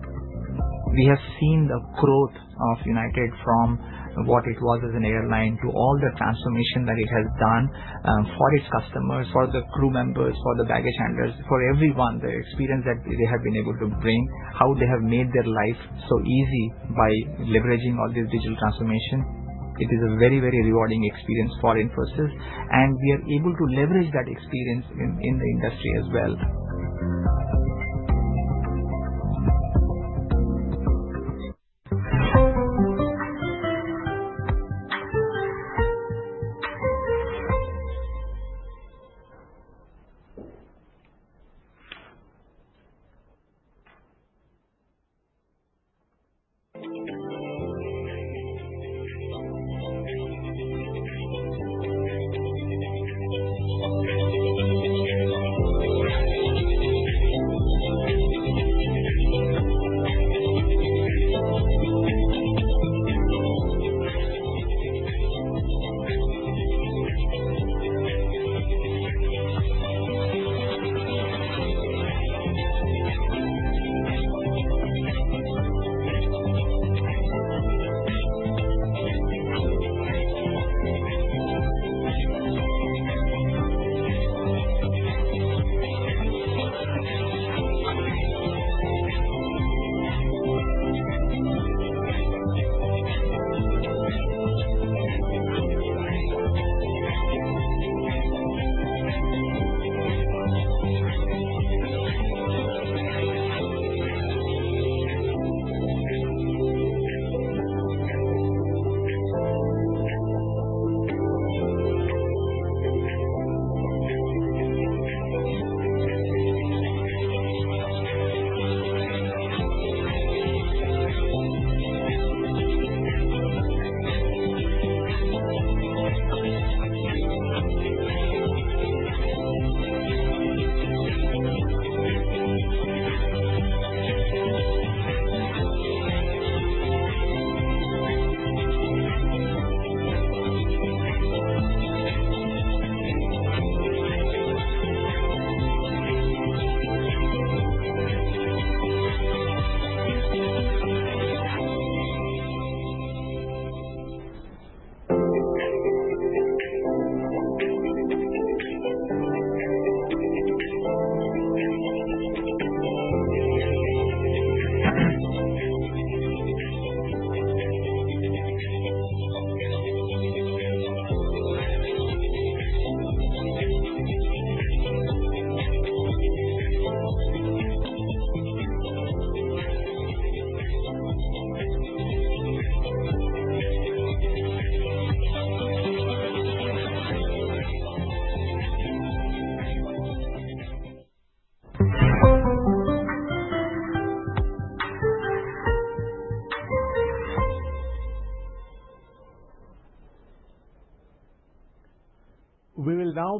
We have seen the growth of United from what it was as an airline to all the transformation that it has done for its customers, for the crew members, for the baggage handlers, for everyone, the experience that they have been able to bring, how they have made their life so easy by leveraging all this digital transformation. It is a very, very rewarding experience for Infosys. We are able to leverage that experience in the industry as well.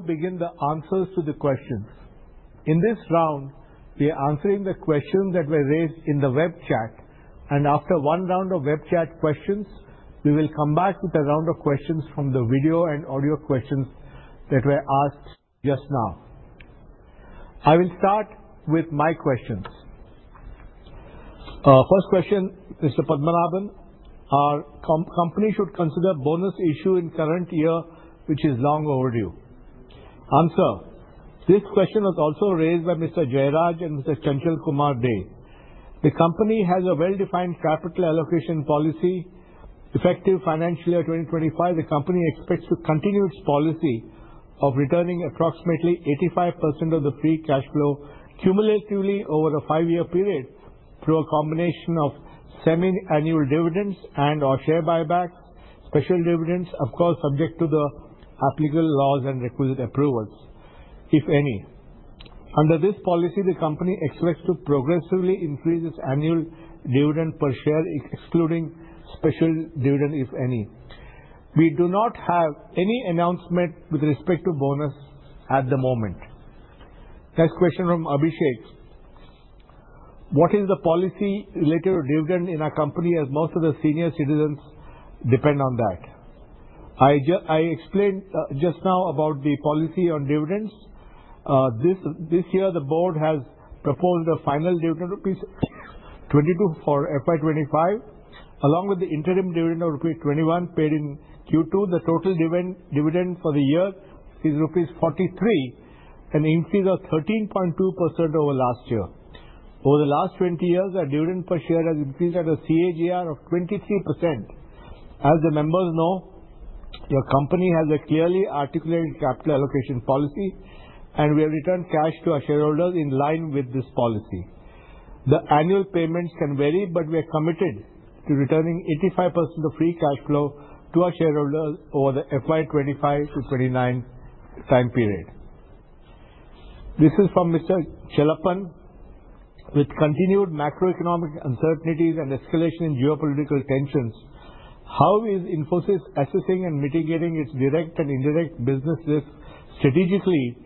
We will now begin the answers to the questions. In this round, we are answering the questions that were raised in the web chat. After one round of web chat questions, we will come back with a round of questions from the video and audio questions that were asked just now. I will start with my questions. First question, Mr. Padmanabhan, our company should consider bonus issue in current year, which is long overdue. Answer: This question was also raised by Mr. Jayraj and Mr. Chanchal Kumar Dey. The company has a well-defined capital allocation policy. Effective financial year 2025, the company expects to continue its policy of returning approximately 85% of the free cash flow cumulatively over a five-year period through a combination of semi-annual dividends and/or share buybacks, special dividends, of course, subject to the applicable laws and requisite approvals, if any. Under this policy, the company expects to progressively increase its annual dividend per share, excluding special dividend, if any. We do not have any announcement with respect to bonus at the moment. Next question from Abhishek. What is the policy related to dividend in our company as most of the senior citizens depend on that? I explained just now about the policy on dividends. This year, the board has proposed a final dividend, rupees 22, for FY 2025, along with the interim dividend of rupees 21 paid in Q2. The total dividend for the year is rupees 43, an increase of 13.2% over last year. Over the last 20 years, our dividend per share has increased at a CAGR of 23%. As the members know, your company has a clearly articulated capital allocation policy, and we have returned cash to our shareholders in line with this policy. The annual payments can vary, but we are committed to returning 85% of free cash flow to our shareholders over the FY 2025-2029 time period. This is from Mr. Chilappan. With continued macroeconomic uncertainties and escalation in geopolitical tensions, how is Infosys assessing and mitigating its direct and indirect business risks, strategically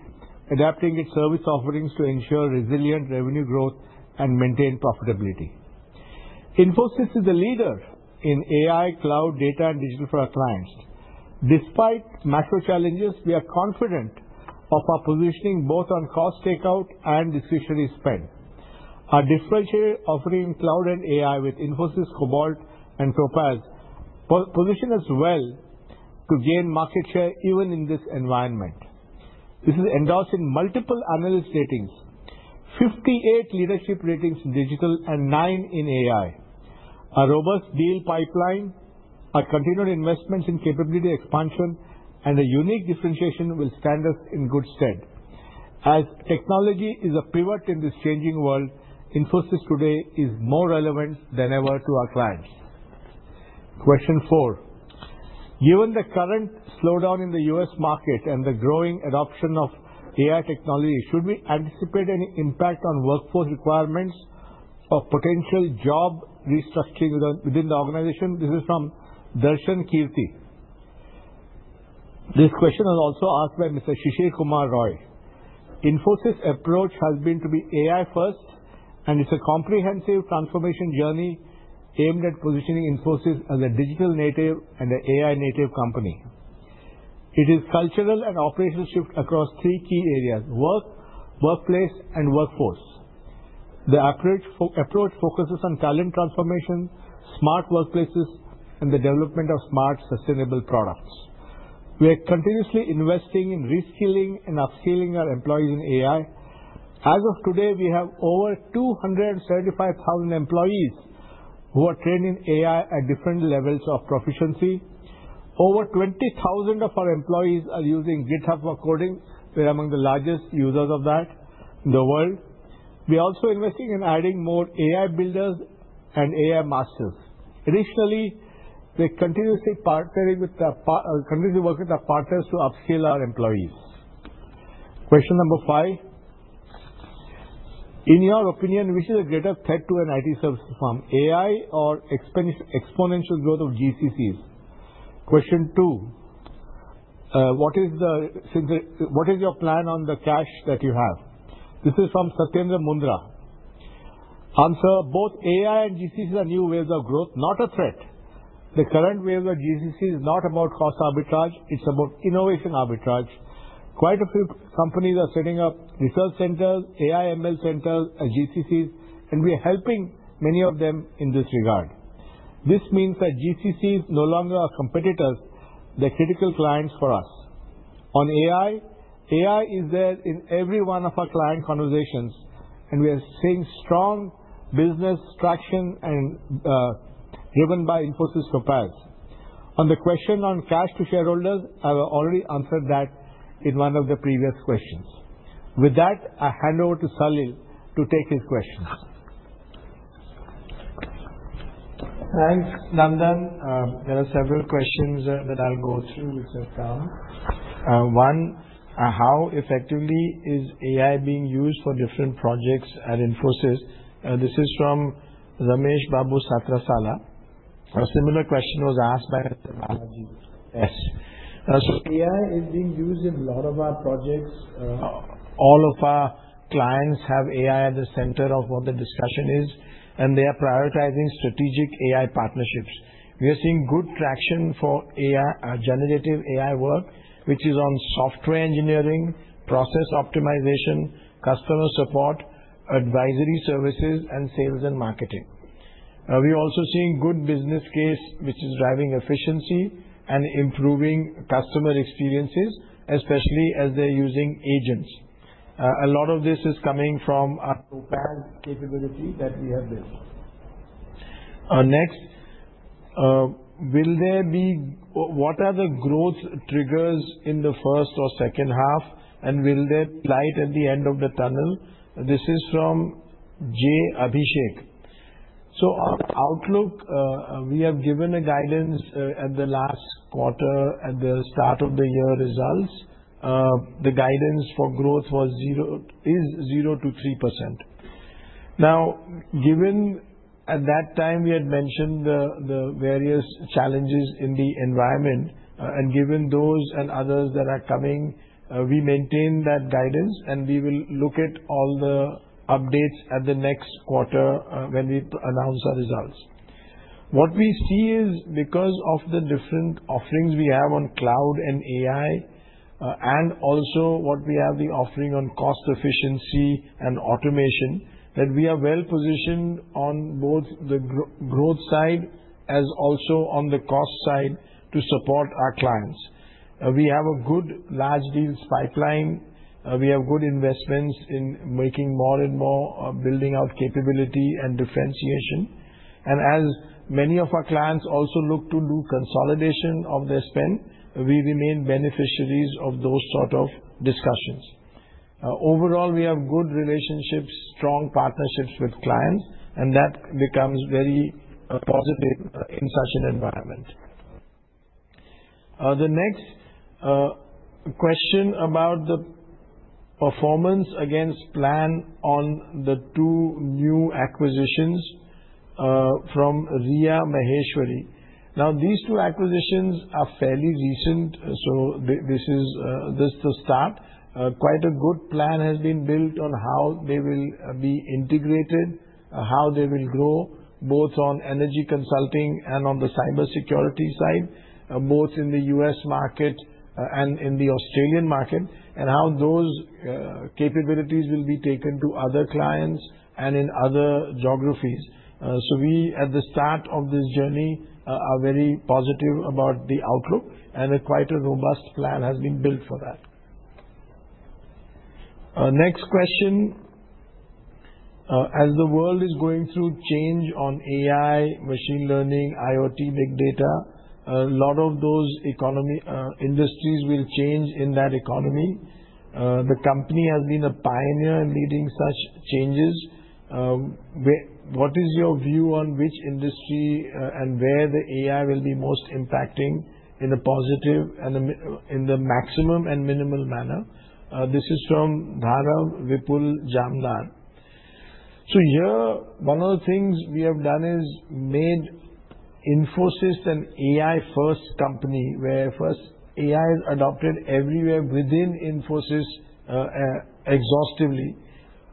adapting its service offerings to ensure resilient revenue growth and maintain profitability? Infosys is the leader in AI, cloud, data, and digital for our clients. Despite macro challenges, we are confident of our positioning both on cost takeout and discretionary spend. Our differentiated offering in cloud and AI with Infosys Cobalt and Topaz positions us well to gain market share even in this environment. This is endorsed in multiple analyst ratings, 58 leadership ratings in digital and 9 in AI. Our robust deal pipeline, our continued investments in capability expansion, and the unique differentiation will stand us in good stead. As technology is a pivot in this changing world, Infosys today is more relevant than ever to our clients. Question four. Given the current slowdown in the U.S. market and the growing adoption of AI technology, should we anticipate any impact on workforce requirements or potential job restructuring within the organization? This is from Darshan Kirti. This question was also asked by Mr. Shishir Kumar Roy. Infosys' approach has been to be AI-first, and it's a comprehensive transformation journey aimed at positioning Infosys as a digital native and an AI-native company. It is a cultural and operational shift across three key areas: work, workplace, and workforce. The approach focuses on talent transformation, smart workplaces, and the development of smart, sustainable products. We are continuously investing in reskilling and upskilling our employees in AI. As of today, we have over 275,000 employees who are trained in AI at different levels of proficiency. Over 20,000 of our employees are using GitHub for coding. We're among the largest users of that in the world. We are also investing in adding more AI builders and AI masters. Additionally, we're continuously working with our partners to upskill our employees. Question number five. In your opinion, which is a greater threat to an IT services firm: AI or exponential growth of GCCs? Question two. What is your plan on the cash that you have? This is from Satyendra Mundra. Answer: Both AI and GCCs are new waves of growth, not a threat. The current wave of GCCs is not about cost arbitrage. It's about innovation arbitrage. Quite a few companies are setting up research centers, AI/ML centers, and GCCs, and we are helping many of them in this regard. This means that GCCs no longer are competitors; they are critical clients for us. On AI, AI is there in every one of our client conversations, and we are seeing strong business traction driven by Infosys Copilot. On the question on cash to shareholders, I have already answered that in one of the previous questions. With that, I hand over to Salil to take his questions. Thanks, Nandan. There are several questions that I'll go through which have come. One, how effectively is AI being used for different projects at Infosys? This is from Ramesh Babu Satrasala. A similar question was asked by. AI is being used in a lot of our projects. All of our clients have AI at the center of what the discussion is, and they are prioritizing strategic AI partnerships. We are seeing good traction for generative AI work, which is on software engineering, process optimization, customer support, advisory services, and sales and marketing. We are also seeing good business case, which is driving efficiency and improving customer experiences, especially as they are using agents. A lot of this is coming from our Copilot capability that we have built. Next, will there be—what are the growth triggers in the first or second half, and will there be light at the end of the tunnel? This is from Jay Abhishek. On outlook, we have given guidance at the last quarter at the start of the year results. The guidance for growth is 0-3%. Now, given at that time we had mentioned the various challenges in the environment, and given those and others that are coming, we maintain that guidance, and we will look at all the updates at the next quarter when we announce our results. What we see is, because of the different offerings we have on cloud and AI, and also what we have the offering on cost efficiency and automation, that we are well positioned on both the growth side as also on the cost side to support our clients. We have a good large deals pipeline. We have good investments in making more and more building out capability and differentiation. As many of our clients also look to do consolidation of their spend, we remain beneficiaries of those sort of discussions. Overall, we have good relationships, strong partnerships with clients, and that becomes very positive in such an environment. The next question about the performance against plan on the two new acquisitions from Rhea Maheshwari. Now, these two acquisitions are fairly recent, so this is the start. Quite a good plan has been built on how they will be integrated, how they will grow both on energy consulting and on the cybersecurity side, both in the US market and in the Australian market, and how those capabilities will be taken to other clients and in other geographies. We, at the start of this journey, are very positive about the outlook, and quite a robust plan has been built for that. Next question. As the world is going through change on AI, machine learning, IoT, big data, a lot of those industries will change in that economy. The company has been a pioneer in leading such changes. What is your view on which industry and where the AI will be most impacting in a positive and in the maximum and minimal manner? This is from Dharav Vipul Jamadar. Here, one of the things we have done is made Infosys an AI-first company where first AI is adopted everywhere within Infosys exhaustively.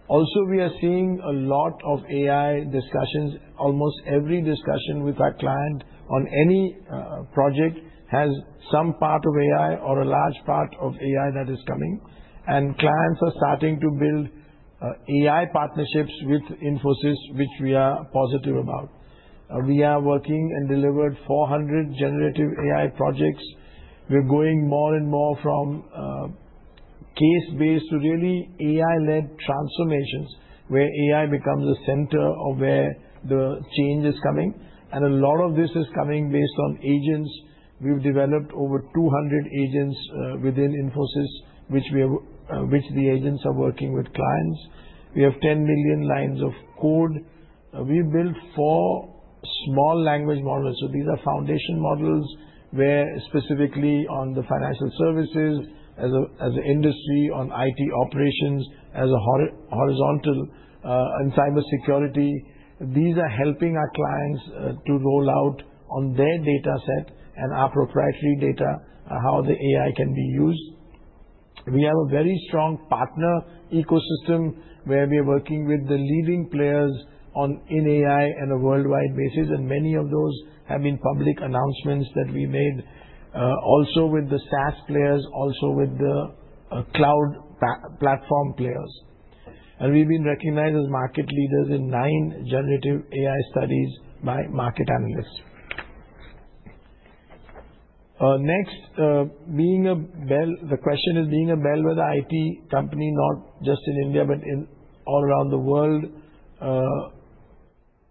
Also, we are seeing a lot of AI discussions. Almost every discussion with our client on any project has some part of AI or a large part of AI that is coming. Clients are starting to build AI partnerships with Infosys, which we are positive about. We are working and delivered 400 generative AI projects. We are going more and more from case-based to really AI-led transformations where AI becomes the center of where the change is coming. A lot of this is coming based on agents. We have developed over 200 agents within Infosys, which the agents are working with clients. We have 10 million lines of code. We built four small language models. These are foundation models where specifically on the financial services as an industry, on IT operations as a horizontal, in cybersecurity. These are helping our clients to roll out on their dataset and our proprietary data, how the AI can be used. We have a very strong partner ecosystem where we are working with the leading players in AI on a worldwide basis, and many of those have been public announcements that we made also with the SaaS players, also with the cloud platform players. We have been recognized as market leaders in nine generative AI studies by market analysts. Next, the question is, being a Bellwether IT company, not just in India but all around the world,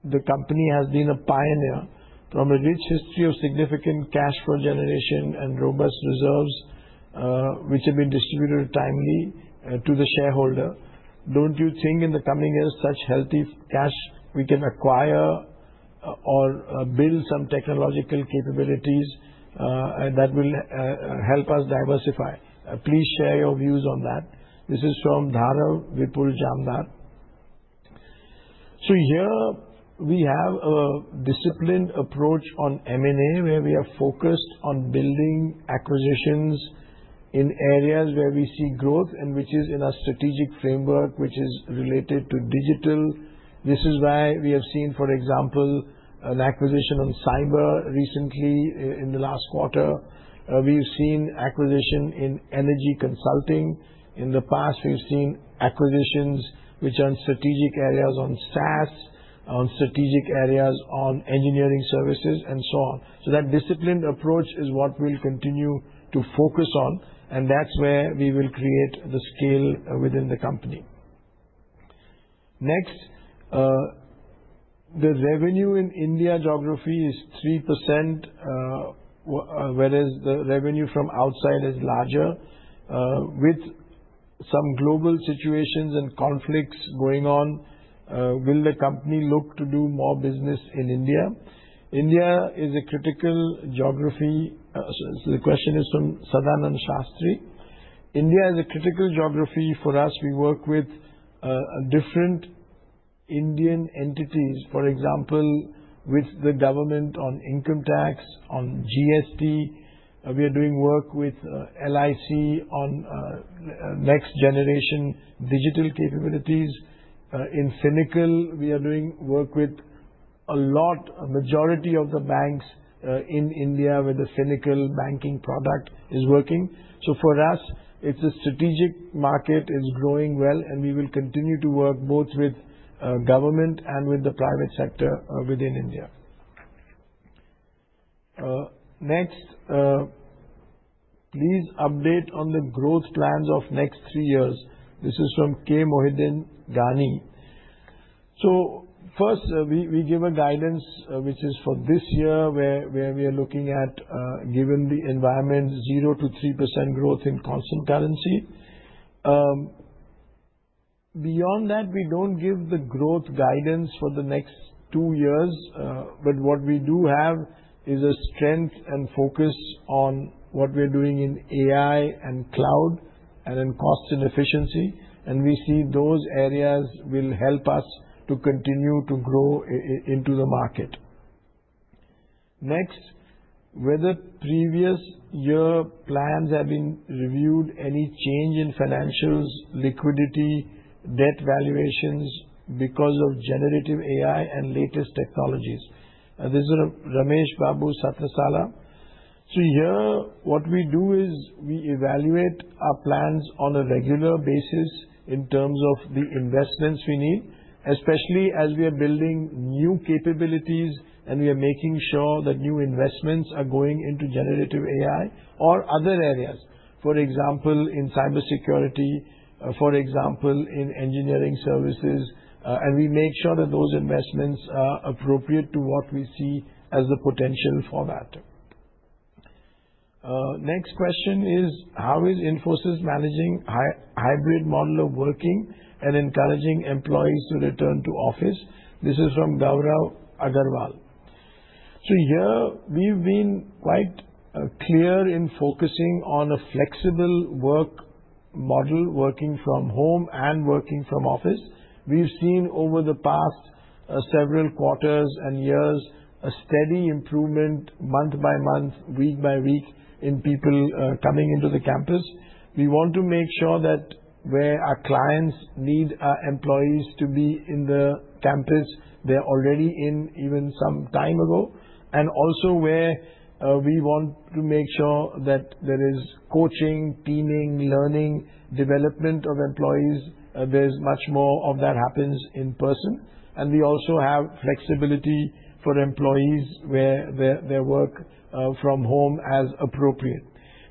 the company has been a pioneer from a rich history of significant cash flow generation and robust reserves, which have been distributed timely to the shareholder. Do not you think in the coming years such healthy cash we can acquire or build some technological capabilities that will help us diversify? Please share your views on that. This is from Dharav Vipul Jamadar. Here, we have a disciplined approach on M&A where we are focused on building acquisitions in areas where we see growth and which is in our strategic framework, which is related to digital. This is why we have seen, for example, an acquisition on cyber recently in the last quarter. We've seen acquisition in energy consulting. In the past, we've seen acquisitions which are on strategic areas on SaaS, on strategic areas on engineering services, and so on. That disciplined approach is what we'll continue to focus on, and that's where we will create the scale within the company. Next, the revenue in India geography is 3%, whereas the revenue from outside is larger. With some global situations and conflicts going on, will the company look to do more business in India? India is a critical geography. The question is from Sadanan Shastri. India is a critical geography for us. We work with different Indian entities, for example, with the government on income tax, on GST. We are doing work with LIC on next-generation digital capabilities. In Finacle, we are doing work with a majority of the banks in India where the Finacle banking product is working. For us, it's a strategic market. It's growing well, and we will continue to work both with government and with the private sector within India. Next, please update on the growth plans of next three years. This is from K. Mohidan Gani. First, we give a guidance which is for this year where we are looking at, given the environment, 0-3% growth in constant currency. Beyond that, we do not give the growth guidance for the next two years, but what we do have is a strength and focus on what we are doing in AI and cloud and in cost and efficiency. We see those areas will help us to continue to grow into the market. Next, whether previous year plans have been reviewed, any change in financials, liquidity, debt valuations because of generative AI and latest technologies. This is from Ramesh Babu Satrasala. Here, what we do is we evaluate our plans on a regular basis in terms of the investments we need, especially as we are building new capabilities and we are making sure that new investments are going into generative AI or other areas. For example, in cybersecurity, for example, in engineering services. We make sure that those investments are appropriate to what we see as the potential for that. Next question is, how is Infosys managing hybrid model of working and encouraging employees to return to office? This is from Gaurav Agarwal. Here, we've been quite clear in focusing on a flexible work model, working from home and working from office. We've seen over the past several quarters and years a steady improvement month by month, week by week in people coming into the campus. We want to make sure that where our clients need our employees to be in the campus, they're already in even some time ago. We also want to make sure that there is coaching, teaming, learning, development of employees, there's much more of that happens in person. We also have flexibility for employees where they work from home as appropriate.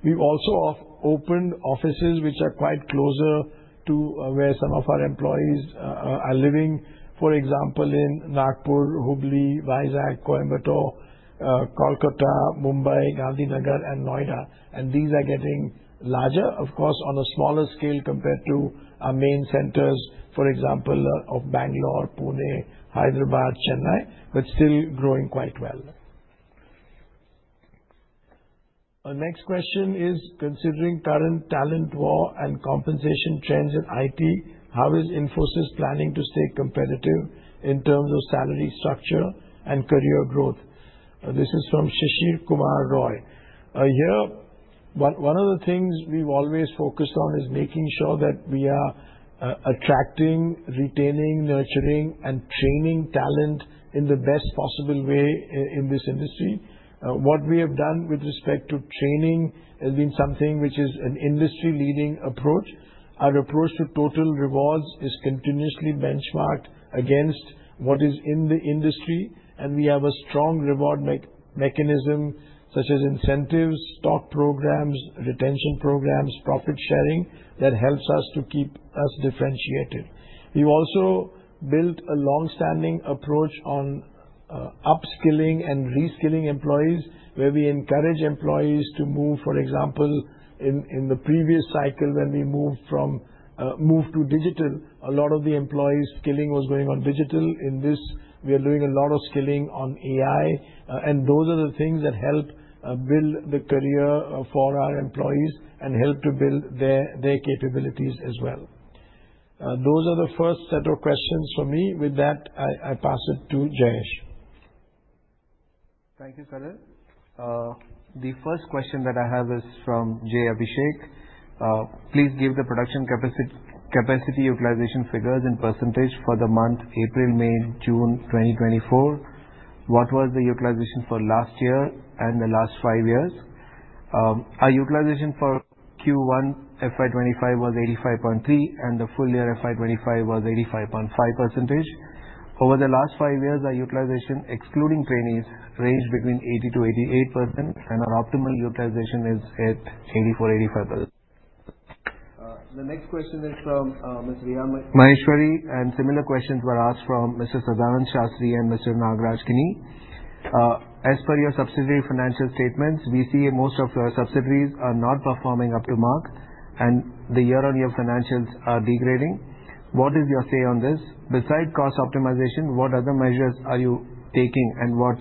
We've also opened offices which are quite closer to where some of our employees are living, for example, in Nagpur, Hubli, Vizag, Coimbatore, Kolkata, Mumbai, Gandhinagar, and Noida. These are getting larger, of course, on a smaller scale compared to our main centers, for example, of Bangalore, Pune, Hyderabad, Chennai, but still growing quite well. Next question is, considering current talent war and compensation trends in IT, how is Infosys planning to stay competitive in terms of salary structure and career growth? This is from Shashir Kumar Roy. Here, one of the things we've always focused on is making sure that we are attracting, retaining, nurturing, and training talent in the best possible way in this industry. What we have done with respect to training has been something which is an industry-leading approach. Our approach to total rewards is continuously benchmarked against what is in the industry, and we have a strong reward mechanism such as incentives, stock programs, retention programs, profit sharing that helps us to keep us differentiated. We've also built a long-standing approach on upskilling and reskilling employees where we encourage employees to move. For example, in the previous cycle when we moved to digital, a lot of the employee skilling was going on digital. In this, we are doing a lot of skilling on AI, and those are the things that help build the career for our employees and help to build their capabilities as well. Those are the first set of questions for me. With that, I pass it to Jayesh. Thank you, Sadan. The first question that I have is from Jay Abhishek. Please give the production capacity utilization figures in percentage for the month April, May, June 2024. What was the utilization for last year and the last five years? Our utilization for Q1 FY25 was 85.3%, and the full year FY25 was 85.5%. Over the last five years, our utilization, excluding trainees, ranged between 80-88%, and our optimal utilization is 84-85%. The next question is from Ms. Rhea Maheshwari, and similar questions were asked from Mr. Sadanan Shastri and Mr. Nagraj Kini. As per your subsidiary financial statements, we see most of your subsidiaries are not performing up to mark, and the Year-on-Year financials are degrading. What is your say on this? Beside cost optimization, what other measures are you taking, and what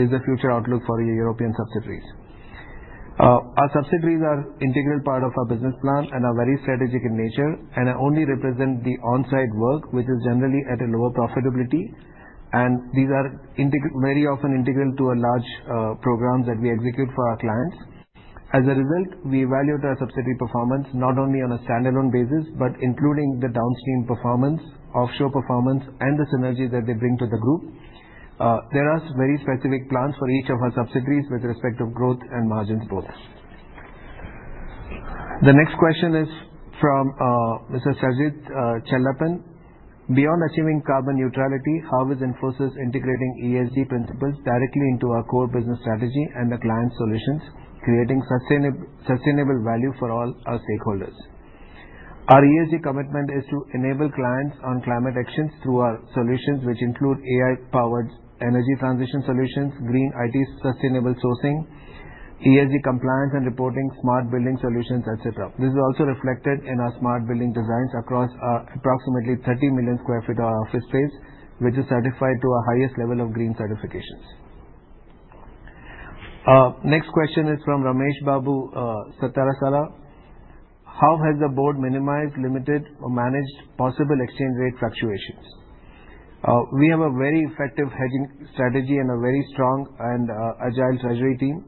is the future outlook for your European subsidiaries? Our subsidiaries are an integral part of our business plan and are very strategic in nature and only represent the on-site work, which is generally at a lower profitability. These are very often integral to large programs that we execute for our clients. As a result, we evaluate our subsidiary performance not only on a standalone basis, but including the downstream performance, offshore performance, and the synergy that they bring to the group. There are very specific plans for each of our subsidiaries with respect to growth and margins both. The next question is from Mr. Sajith Chellappan. Beyond achieving carbon neutrality, how is Infosys integrating ESG principles directly into our core business strategy and the client's solutions, creating sustainable value for all our stakeholders? Our ESG commitment is to enable clients on climate actions through our solutions, which include AI-powered energy transition solutions, green IT sustainable sourcing, ESG compliance and reporting, smart building solutions, etc. This is also reflected in our smart building designs across approximately 30 million sq ft of our office space, which is certified to our highest level of green certifications. Next question is from Ramesh Babu Satarasala. How has the board minimized, limited, or managed possible exchange rate fluctuations? We have a very effective hedging strategy and a very strong and agile treasury team.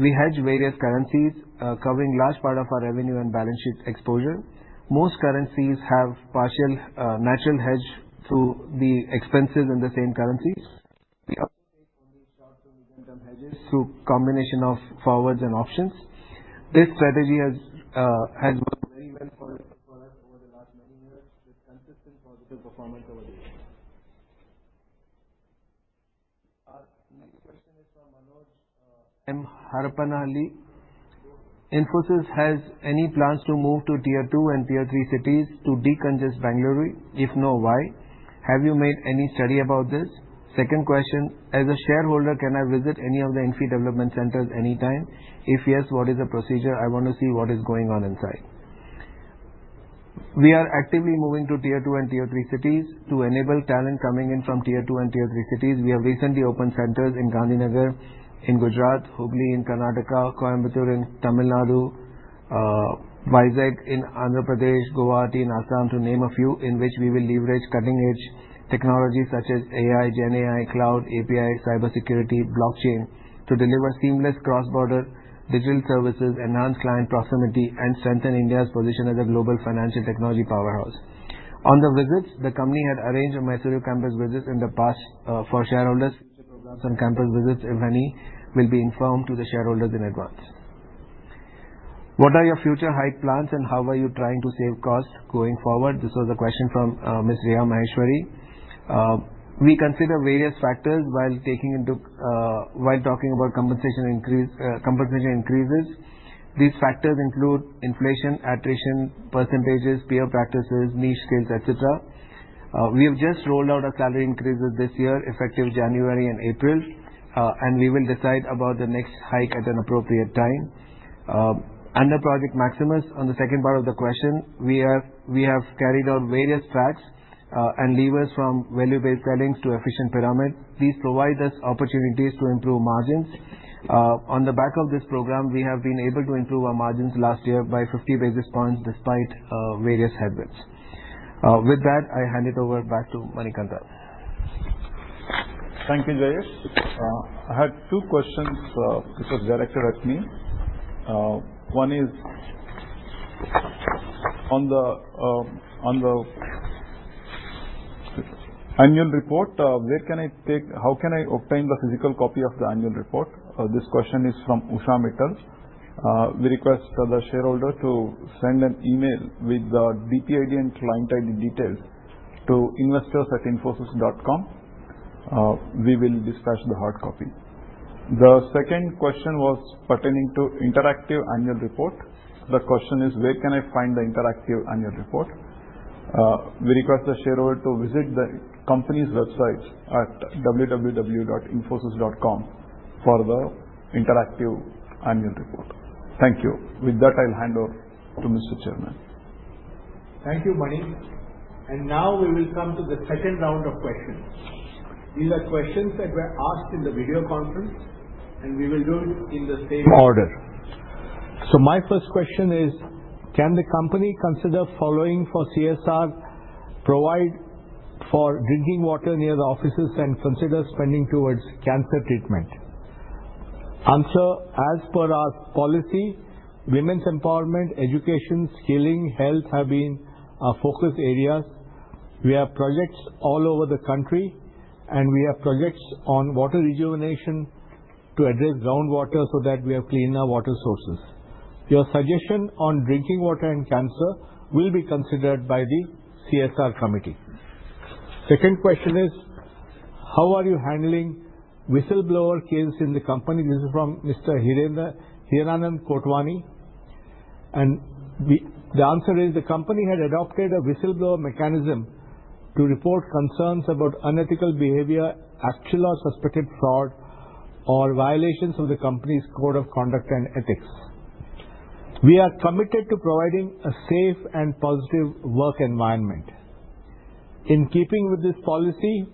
We hedge various currencies, covering a large part of our revenue and balance sheet exposure. Most currencies have partial natural hedge through the expenses in the same currency. We also take only short-term hedges through a combination of forwards and options. This strategy has worked very well for us over the last many years with consistent positive performance over the years. Next question is from Manoj M. Harapanahalli. Infosys has any plans to move to Tier II and Tier III cities to decongest Bangalore? If no, why? Have you made any study about this? Second question, as a shareholder, can I visit any of the INFI development centers anytime? If yes, what is the procedure? I want to see what is going on inside. We are actively moving to Tier II and Tier III cities to enable talent coming in from Tier II and Tier III cities. We have recently opened centers in Gandhinagar, in Gujarat, Hubli in Karnataka, Coimbatore in Tamil Nadu, Vizag in Andhra Pradesh, Goa, Tinasam to name a few, in which we will leverage cutting-edge technologies such as AI, GenAI, cloud, API, cybersecurity, blockchain to deliver seamless cross-border digital services, enhance client proximity, and strengthen India's position as a global financial technology powerhouse. On the visits, the company had arranged a Mysuru campus visit in the past for shareholders. Future programs and campus visits, if any, will be informed to the shareholders in advance. What are your future hike plans, and how are you trying to save costs going forward? This was a question from Ms. Rhea Maheshwari. We consider various factors while talking about compensation increases. These factors include inflation, attrition percentages, peer practices, niche skills, etc. We have just rolled out our salary increases this year, effective January and April, and we will decide about the next hike at an appropriate time. Under Project Maximus, on the second part of the question, we have carried out various tracks and levers from value-based sellings to efficient pyramid. Please provide us opportunities to improve margins. On the back of this program, we have been able to improve our margins last year by 50 basis points despite various headwinds. With that, I hand it over back to Manikantha. Thank you, Jayesh. I had two questions which were directed at me. One is on the annual report, where can I take how can I obtain the physical copy of the annual report? This question is from Usha Mittal. We request the shareholder to send an email with the DPID and client ID details to investors@infosys.com. We will dispatch the hard copy. The second question was pertaining to interactive annual report. The question is, where can I find the interactive annual report? We request the shareholder to visit the company's website at www.infosys.com for the interactive annual report. Thank you. With that, I'll hand over to Mr. Chairman. Thank you, Manik. Now we will come to the second round of questions. These are questions that were asked in the video conference, and we will do it in the same order. My first question is, can the company consider following for CSR, provide for drinking water near the offices, and consider spending towards cancer treatment? Answer, as per our policy, women's empowerment, education, skilling, health have been our focus areas. We have projects all over the country, and we have projects on water rejuvenation to address groundwater so that we have cleaner water sources. Your suggestion on drinking water and cancer will be considered by the CSR committee. Second question is, how are you handling whistleblower cases in the company? This is from Mr. Hirenan Kootwani. The answer is, the company had adopted a whistleblower mechanism to report concerns about unethical behavior, actual or suspected fraud, or violations of the company's code of conduct and ethics. We are committed to providing a safe and positive work environment. In keeping with this policy,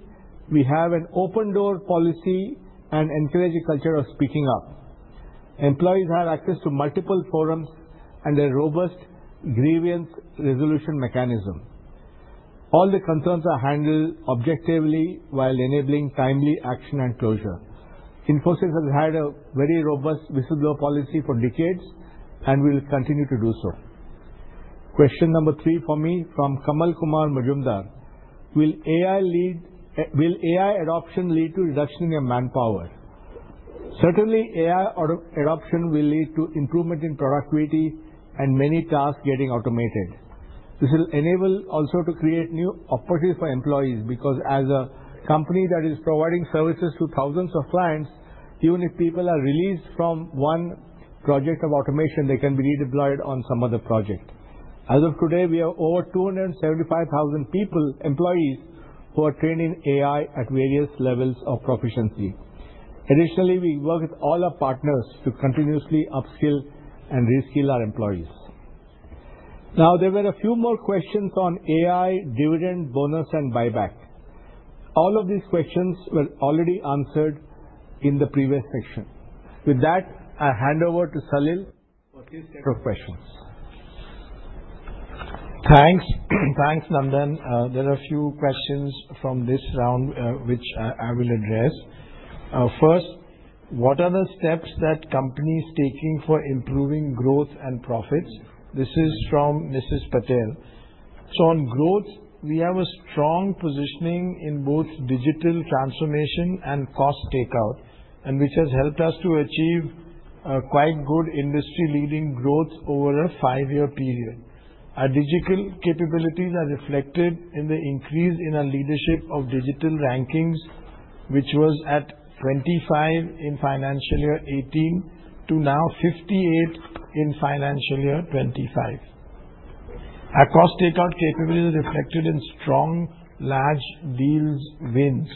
we have an open-door policy and encourage a culture of speaking up. Employees have access to multiple forums and a robust grievance resolution mechanism. All the concerns are handled objectively while enabling timely action and closure. Infosys has had a very robust whistleblower policy for decades and will continue to do so. Question number three for me from Kamal Kumar Majumdar. Will AI adoption lead to a reduction in manpower? Certainly, AI adoption will lead to improvement in productivity and many tasks getting automated. This will enable also to create new opportunities for employees because as a company that is providing services to thousands of clients, even if people are released from one project of automation, they can be redeployed on some other project. As of today, we have over 275,000 employees who are trained in AI at various levels of proficiency. Additionally, we work with all our partners to continuously upskill and reskill our employees. Now, there were a few more questions on AI, dividend bonus, and buyback. All of these questions were already answered in the previous section. With that, I hand over to Salil for his set of questions. Thanks. Thanks, Nandan. There are a few questions from this round which I will address. First, what are the steps that the company is taking for improving growth and profits? This is from Mrs. Patel. On growth, we have a strong positioning in both digital transformation and cost takeout, which has helped us to achieve quite good industry-leading growth over a five-year period. Our digital capabilities are reflected in the increase in our leadership of digital rankings, which was at 25 in financial year 2018 to now 58 in financial year 2025. Our cost takeout capabilities are reflected in strong large deals wins.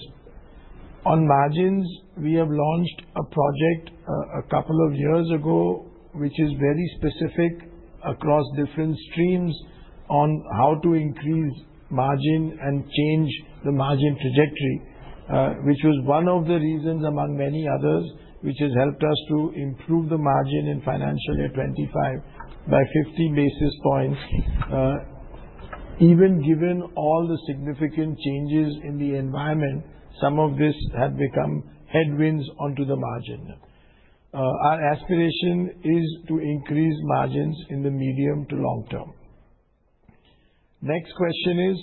On margins, we have launched a project a couple of years ago, which is very specific across different streams on how to increase margin and change the margin trajectory, which was one of the reasons among many others that has helped us to improve the margin in financial year 2025 by 50 basis points. Even given all the significant changes in the environment, some of this had become headwinds onto the margin. Our aspiration is to increase margins in the medium to long term. Next question is,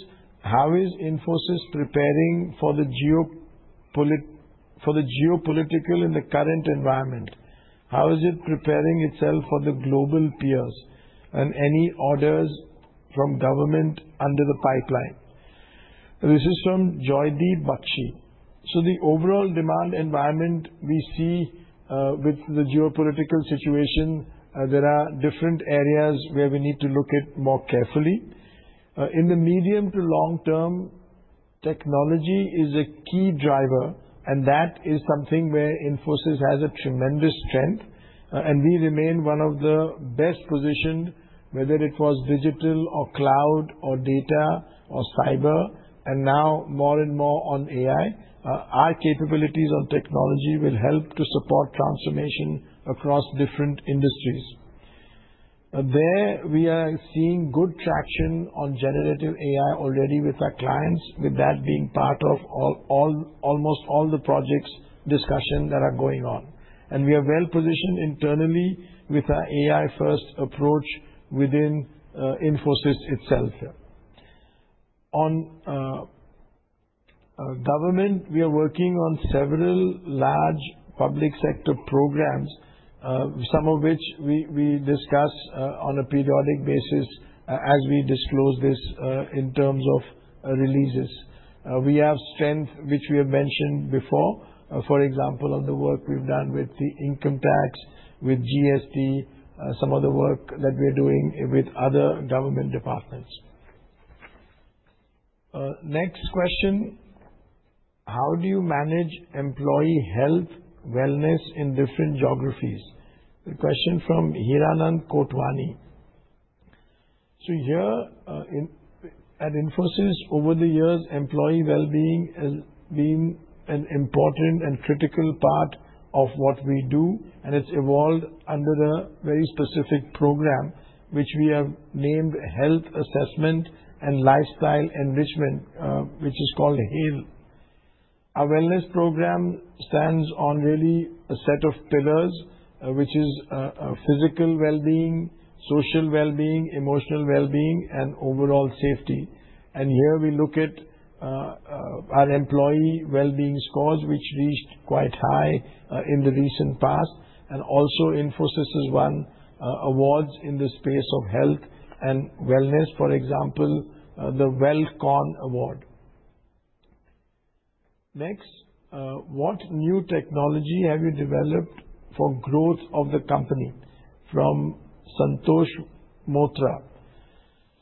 how is Infosys preparing for the geopolitical in the current environment? How is it preparing itself for the global peers and any orders from government under the pipeline? This is from Joydeep Bakshe. The overall demand environment we see with the geopolitical situation, there are different areas where we need to look at more carefully. In the medium to long term, technology is a key driver, and that is something where Infosys has a tremendous strength. We remain one of the best positioned, whether it was digital or cloud or data or cyber, and now more and more on AI. Our capabilities on technology will help to support transformation across different industries. There we are seeing good traction on generative AI already with our clients, with that being part of almost all the projects discussion that are going on. We are well positioned internally with our AI-first approach within Infosys itself. On government, we are working on several large public sector programs, some of which we discuss on a periodic basis as we disclose this in terms of releases. We have strength, which we have mentioned before, for example, on the work we have done with the income tax, with GST, some of the work that we are doing with other government departments. Next question, how do you manage employee health, wellness in different geographies? The question from Hirenan Kootwani. Here at Infosys, over the years, employee well-being has been an important and critical part of what we do, and it has evolved under a very specific program, which we have named Health Assessment and Lifestyle Enrichment, which is called HALE. Our wellness program stands on really a set of pillars, which is physical well-being, social well-being, emotional well-being, and overall safety. Here we look at our employee well-being scores, which reached quite high in the recent past. Also, Infosys has won awards in the space of health and wellness, for example, the WellCon Award. Next, what new technology have you developed for growth of the company? From Santosh Mothra.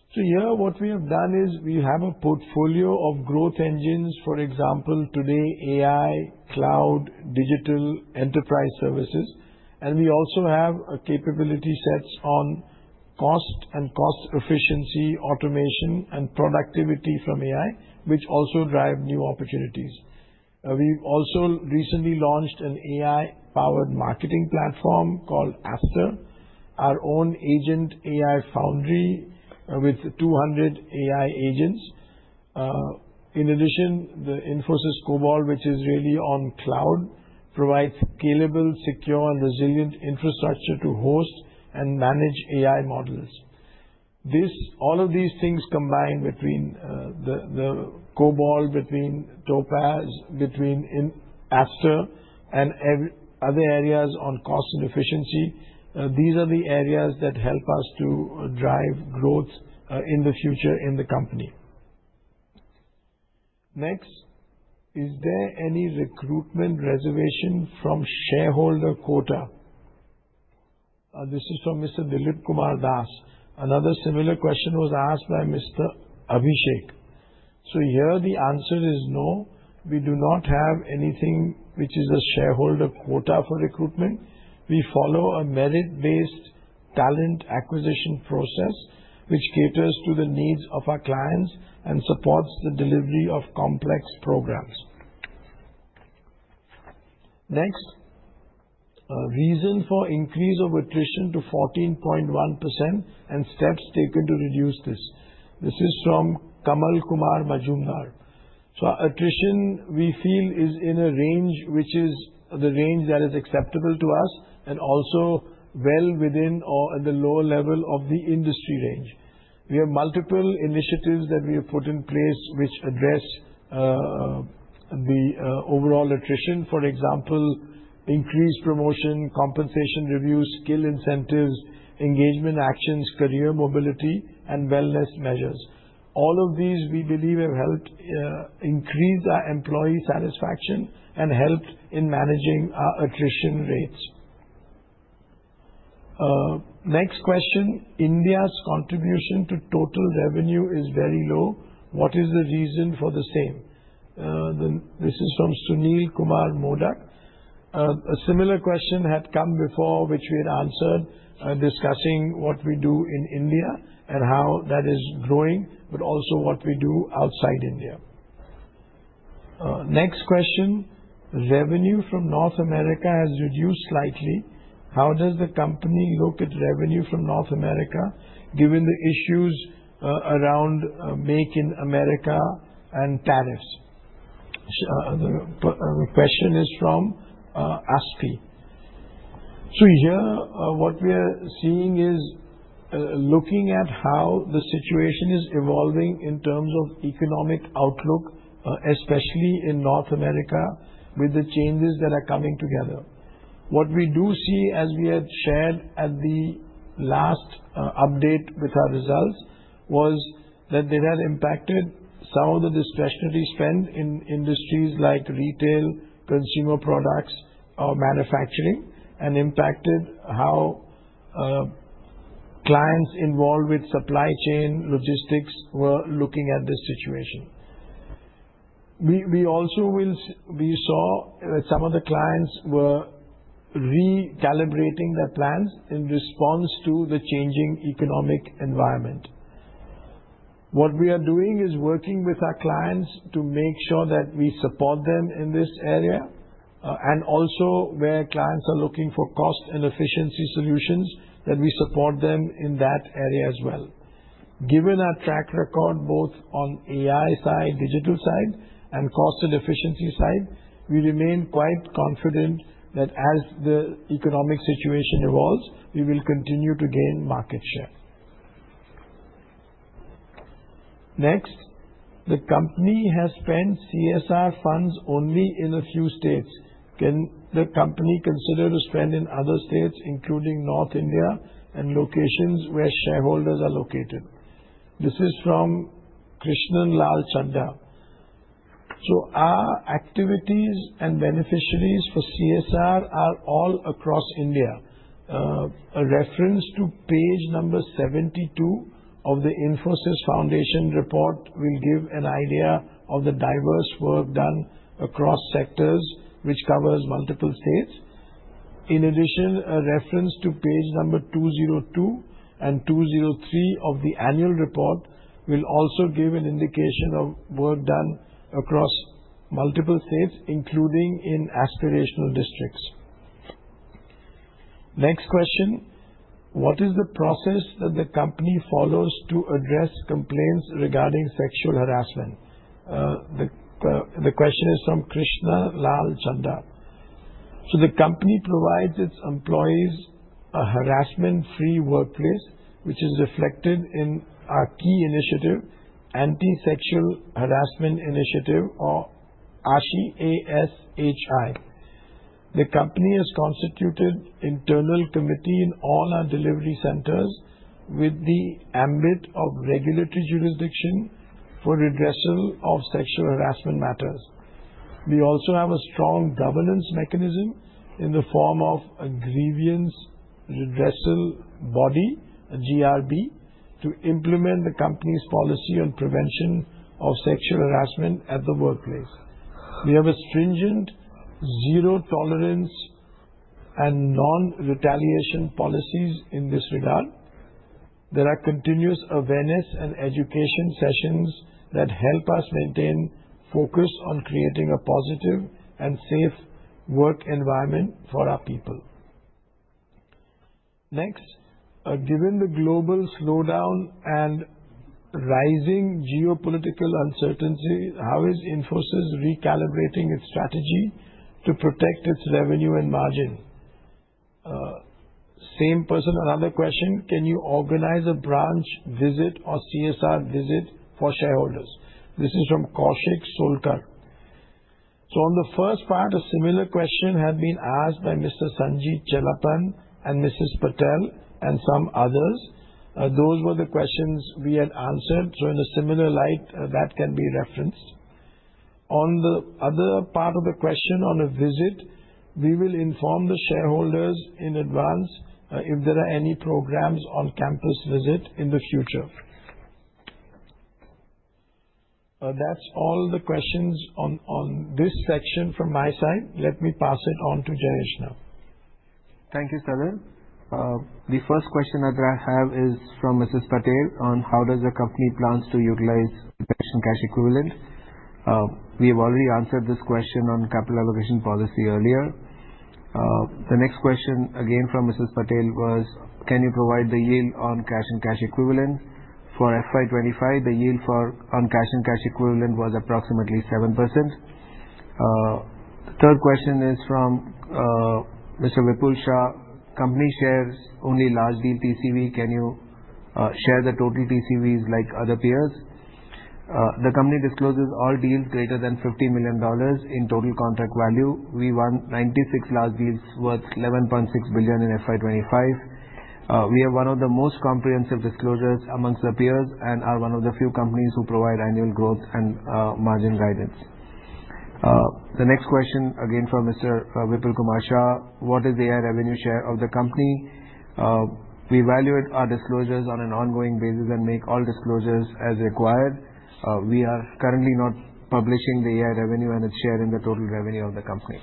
Here, what we have done is we have a portfolio of growth engines, for example, today, AI, cloud, digital, enterprise services. We also have capability sets on cost and cost efficiency, automation, and productivity from AI, which also drive new opportunities. We also recently launched an AI-powered marketing platform called Infosys Aster, our own agent AI Foundry with 200 AI agents. In addition, the Infosys Cobalt, which is really on cloud, provides scalable, secure, and resilient infrastructure to host and manage AI models. All of these things combined between the Cobalt, between Topaz, between Aster, and other areas on cost and efficiency, these are the areas that help us to drive growth in the future in the company. Next, is there any recruitment reservation from shareholder quota? This is from Mr. Dilip Kumar Das. Another similar question was asked by Mr. Abhishek. Here, the answer is no. We do not have anything which is a shareholder quota for recruitment. We follow a merit-based talent acquisition process, which caters to the needs of our clients and supports the delivery of complex programs. Next, reason for increase of attrition to 14.1% and steps taken to reduce this. This is from Kamal Kumar Majumdar. Attrition, we feel, is in a range which is the range that is acceptable to us and also well within or at the lower level of the industry range. We have multiple initiatives that we have put in place which address the overall attrition, for example, increased promotion, compensation reviews, skill incentives, engagement actions, career mobility, and wellness measures. All of these, we believe, have helped increase our employee satisfaction and helped in managing our attrition rates. Next question, India's contribution to total revenue is very low. What is the reason for the same? This is from Sunil Kumar Modak. A similar question had come before, which we had answered, discussing what we do in India and how that is growing, but also what we do outside India. Next question, revenue from North America has reduced slightly. How does the company look at revenue from North America, given the issues around make in America and tariffs? The question is from ASPI. Here, what we are seeing is looking at how the situation is evolving in terms of economic outlook, especially in North America, with the changes that are coming together. What we do see, as we had shared at the last update with our results, was that it had impacted some of the discretionary spend in industries like retail, consumer products, or manufacturing, and impacted how clients involved with supply chain, logistics were looking at this situation. We also saw that some of the clients were recalibrating their plans in response to the changing economic environment. What we are doing is working with our clients to make sure that we support them in this area, and also where clients are looking for cost and efficiency solutions, that we support them in that area as well. Given our track record, both on AI side, digital side, and cost and efficiency side, we remain quite confident that as the economic situation evolves, we will continue to gain market share. Next, the company has spent CSR funds only in a few states. Can the company consider to spend in other states, including North India and locations where shareholders are located? This is from Krishnanlal Chadda. Our activities and beneficiaries for CSR are all across India. A reference to page number 72 of the Infosys Foundation report will give an idea of the diverse work done across sectors, which covers multiple states. In addition, a reference to page number 202 and 203 of the annual report will also give an indication of work done across multiple states, including in aspirational districts. Next question, what is the process that the company follows to address complaints regarding sexual harassment? The question is from Krishnanlal Chadda. The company provides its employees a harassment-free workplace, which is reflected in our key initiative, Anti-Sexual Harassment Initiative, or ASHI. The company has constituted an internal committee in all our delivery centers with the ambit of regulatory jurisdiction for redressal of sexual harassment matters. We also have a strong governance mechanism in the form of a grievance redressal body, GRB, to implement the company's policy on prevention of sexual harassment at the workplace. We have a stringent zero tolerance and non-retaliation policies in this regard. There are continuous awareness and education sessions that help us maintain focus on creating a positive and safe work environment for our people. Next, given the global slowdown and rising geopolitical uncertainty, how is Infosys recalibrating its strategy to protect its revenue and margin? Same person, another question, can you organize a branch visit or CSR visit for shareholders? This is from Kaushik Solkar. On the first part, a similar question had been asked by Mr. Sanjit Chelapan and Mrs. Patel and some others. Those were the questions we had answered. In a similar light, that can be referenced. On the other part of the question on a visit, we will inform the shareholders in advance if there are any programs on campus visit in the future. That's all the questions on this section from my side. Let me pass it on to Jayesh Sanghrajka. Thank you, Sundaram. The first question that I have is from Mrs. Patel on how does the company plan to utilize cash equivalent. We have already answered this question on capital allocation policy earlier. The next question, again from Mrs. Patel, was can you provide the yield on cash and cash equivalent? For FY25, the yield on cash and cash equivalent was approximately 7%. The third question is from Mr. Vipul Shah, company shares only large deal TCV. Can you share the total TCVs like other peers? The company discloses all deals greater than $50 million in total contract value. We won 96 large deals worth $11.6 billion in FY25. We are one of the most comprehensive disclosures amongst the peers and are one of the few companies who provide annual growth and margin guidance. The next question, again from Mr. Vipul Kumar Shah, what is the AI revenue share of the company? We evaluate our disclosures on an ongoing basis and make all disclosures as required. We are currently not publishing the AI revenue and its share in the total revenue of the company.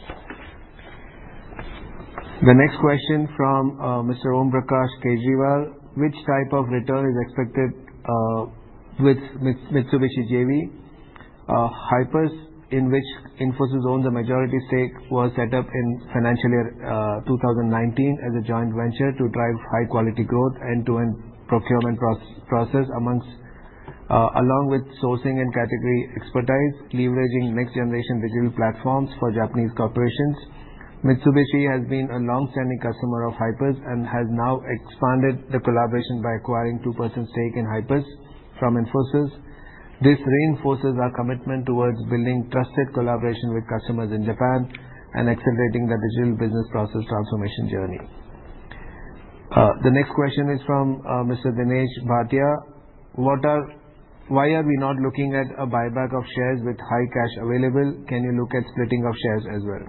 The next question from Mr. Om Prakash Kejriwal, which type of return is expected with Mitsubishi JV? Hypers, in which Infosys owned the majority stake, was set up in financial year 2019 as a joint venture to drive high-quality growth, end-to-end procurement process, along with sourcing and category expertise, leveraging next-generation digital platforms for Japanese corporations. Mitsubishi Heavy Industries has been a long-standing customer of Hypers and has now expanded the collaboration by acquiring 2% stake in Hypers from Infosys. This reinforces our commitment towards building trusted collaboration with customers in Japan and accelerating the digital business process transformation journey. The next question is from Mr. Dinesh Bhatia, why are we not looking at a buyback of shares with high cash available? Can you look at splitting of shares as well?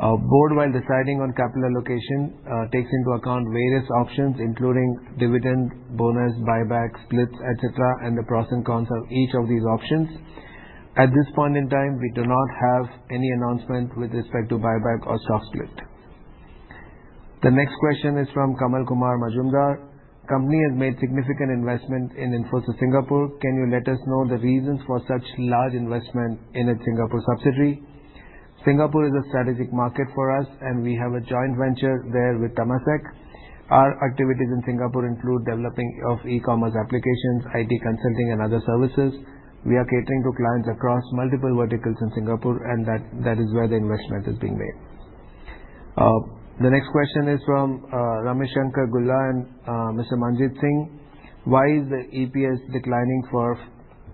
Board, while deciding on capital allocation, takes into account various options, including dividend, bonus, buyback, splits, etc., and the pros and cons of each of these options. At this point in time, we do not have any announcement with respect to buyback or stock split. The next question is from Kamal Kumar Majumdar. Company has made significant investment in Infosys Singapore. Can you let us know the reasons for such large investment in its Singapore subsidiary? Singapore is a strategic market for us, and we have a joint venture there with Temasek. Our activities in Singapore include developing e-commerce applications, IT consulting, and other services. We are catering to clients across multiple verticals in Singapore, and that is where the investment is being made. The next question is from Rameshankar Gullar and Mr. Manjeet Singh, why is the EPS declining for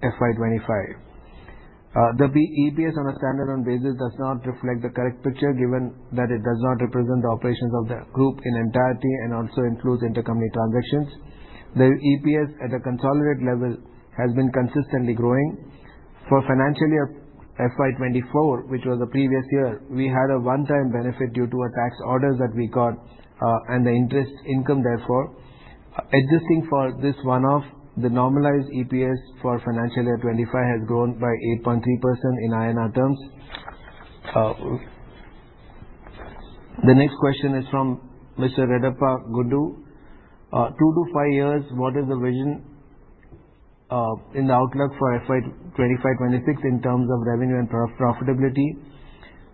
FY25? The EPS on a standalone basis does not reflect the correct picture, given that it does not represent the operations of the group in entirety and also includes intercompany transactions. The EPS at a consolidated level has been consistently growing. For financial year 2024, which was a previous year, we had a one-time benefit due to a tax order that we got and the interest income, therefore. Existing for this one-off, the normalized EPS for financial year 2025 has grown by 8.3% in INR terms. The next question is from Mr. Redappa Guddu, two to five years, what is the vision in the outlook for 2025-2026 in terms of revenue and profitability?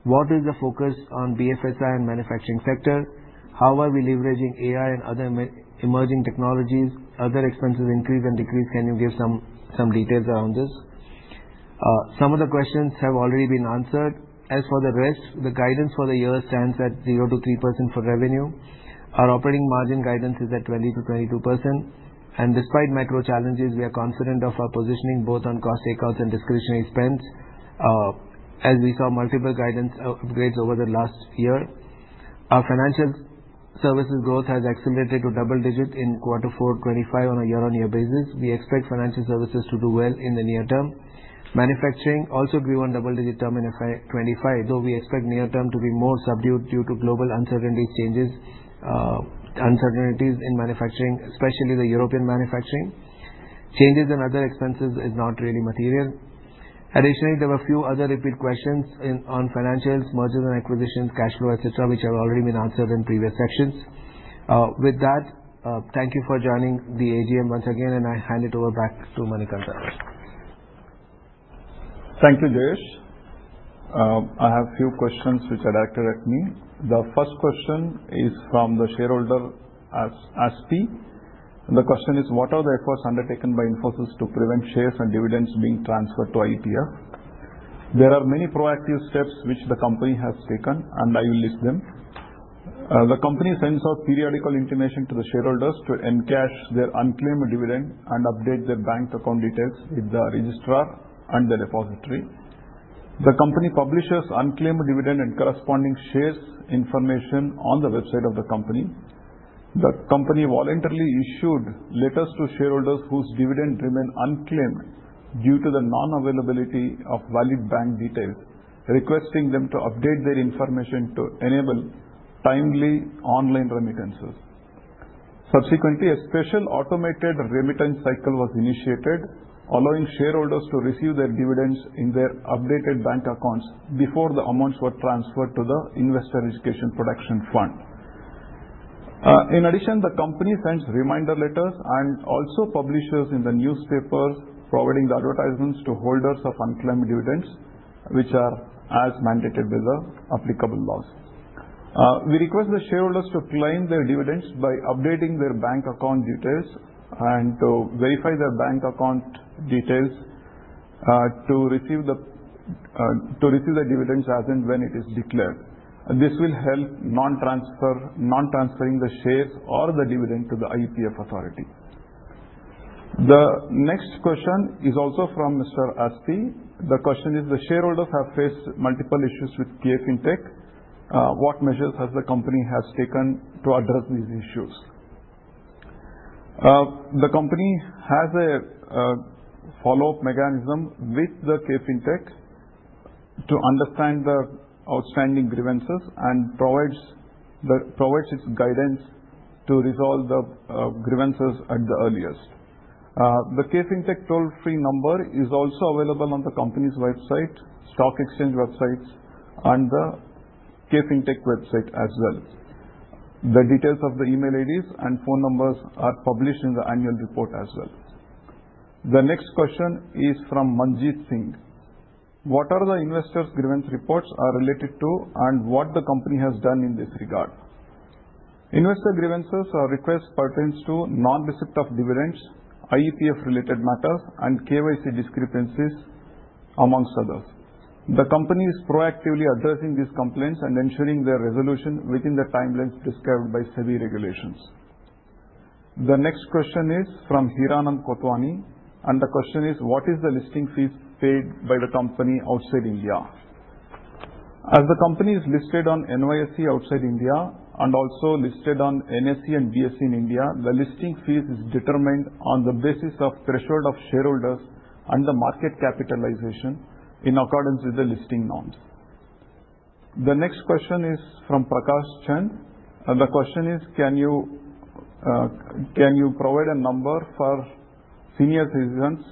What is the focus on BFSI and manufacturing sector? How are we leveraging AI and other emerging technologies? Other expenses increase and decrease. Can you give some details around this? Some of the questions have already been answered. As for the rest, the guidance for the year stands at 0-3% for revenue. Our operating margin guidance is at 20-22%. Despite macro challenges, we are confident of our positioning both on cost takeouts and discretionary spends, as we saw multiple guidance upgrades over the last year. Our financial services growth has accelerated to double digit in quarter four 2025 on a Year-on-Year basis. We expect financial services to do well in the near term. Manufacturing also grew on double digit term in FY2025, though we expect near term to be more subdued due to global uncertainties in manufacturing, especially the European manufacturing. Changes in other expenses are not really material. Additionally, there were a few other repeat questions on financials, mergers and acquisitions, cash flow, etc., which have already been answered in previous sections. With that, thank you for joining the AGM once again, and I hand it over back to Manikantha. Thank you, Jayesh. I have a few questions which are directed at me. The first question is from the shareholder, ASPI. The question is, what are the efforts undertaken by Infosys to prevent shares and dividends being transferred to IPF? There are many proactive steps which the company has taken, and I will list them. The company sends out periodical intimation to the shareholders to encash their unclaimed dividend and update their bank account details with the registrar and the depository. The company publishes unclaimed dividend and corresponding shares information on the website of the company. The company voluntarily issued letters to shareholders whose dividend remained unclaimed due to the non-availability of valid bank details, requesting them to update their information to enable timely online remittances. Subsequently, a special automated remittance cycle was initiated, allowing shareholders to receive their dividends in their updated bank accounts before the amounts were transferred to the Investor Education and Protection Fund. In addition, the company sends reminder letters and also publishes in the newspapers providing the advertisements to holders of unclaimed dividends, which are as mandated by the applicable laws. We request the shareholders to claim their dividends by updating their bank account details and to verify their bank account details to receive the dividends as and when it is declared. This will help non-transferring the shares or the dividend to the IEPF authority. The next question is also from Mr. Aspi. The question is, the shareholders have faced multiple issues with KFintech. What measures has the company taken to address these issues? The company has a follow-up mechanism with KFintech to understand the outstanding grievances and provides its guidance to resolve the grievances at the earliest. The KFintech toll-free number is also available on the company's website, stock exchange websites, and the KFintech website as well. The details of the email IDs and phone numbers are published in the annual report as well. The next question is from Manjeet Singh. What are the investor's grievance reports related to and what the company has done in this regard? Investor grievances or requests pertain to non-receipt of dividends, IPF-related matters, and KYC discrepancies, amongst others. The company is proactively addressing these complaints and ensuring their resolution within the timelines prescribed by SEBI regulations. The next question is from Hiranand Kotwani, and the question is, what is the listing fees paid by the company outside India? As the company is listed on NYSE outside India and also listed on NSE and BSE in India, the listing fees are determined on the basis of threshold of shareholders and the market capitalization in accordance with the listing norms. The next question is from Prakash Chand. The question is, can you provide a number for senior citizens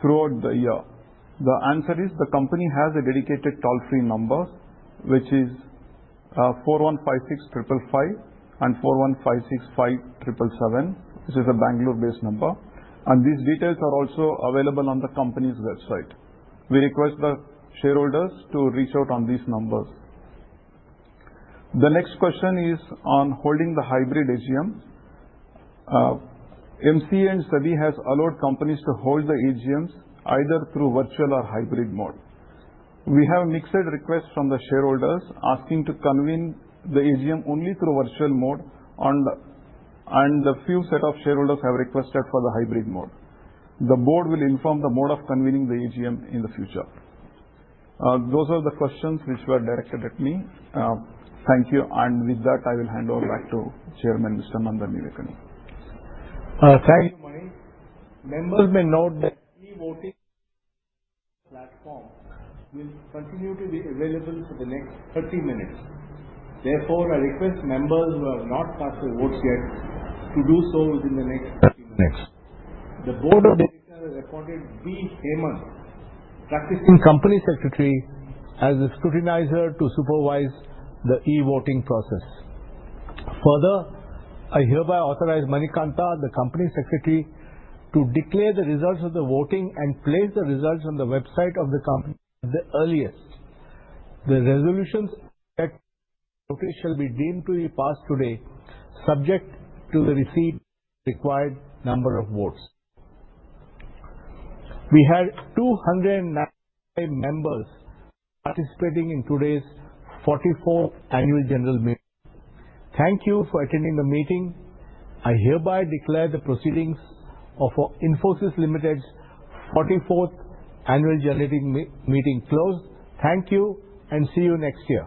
throughout the year? The answer is, the company has a dedicated toll-free number, which is 4156555 and 41565777, which is a Bangalore-based number. These details are also available on the company's website. We request the shareholders to reach out on these numbers. The next question is on holding the hybrid AGM. MCA and SEBI have allowed companies to hold the AGMs either through virtual or hybrid mode. We have mixed requests from the shareholders asking to convene the AGM only through virtual mode, and a few set of shareholders have requested for the hybrid mode. The board will inform the mode of convening the AGM in the future. Those are the questions which were directed at me. Thank you, and with that, I will hand over back to Chairman Mr. Nandan Nilekani. Thank you, Manik. Members may note that the voting platform will continue to be available for the next 30 minutes. Therefore, I request members who have not cast their votes yet to do so within the next 30 minutes. The Board of Directors has appointed V. Heman, practicing company secretary, as the scrutinizer to supervise the e-voting process. Further, I hereby authorize Manikantha, the Company Secretary, to declare the results of the voting and place the results on the website of the company at the earliest. The resolutions and notice shall be deemed to be passed today, subject to the required number of votes received. We had 295 members participating in today's 44th Annual General Meeting. Thank you for attending the meeting. I hereby declare the proceedings of Infosys Limited's 44th Annual General Meeting closed. Thank you, and see you next year.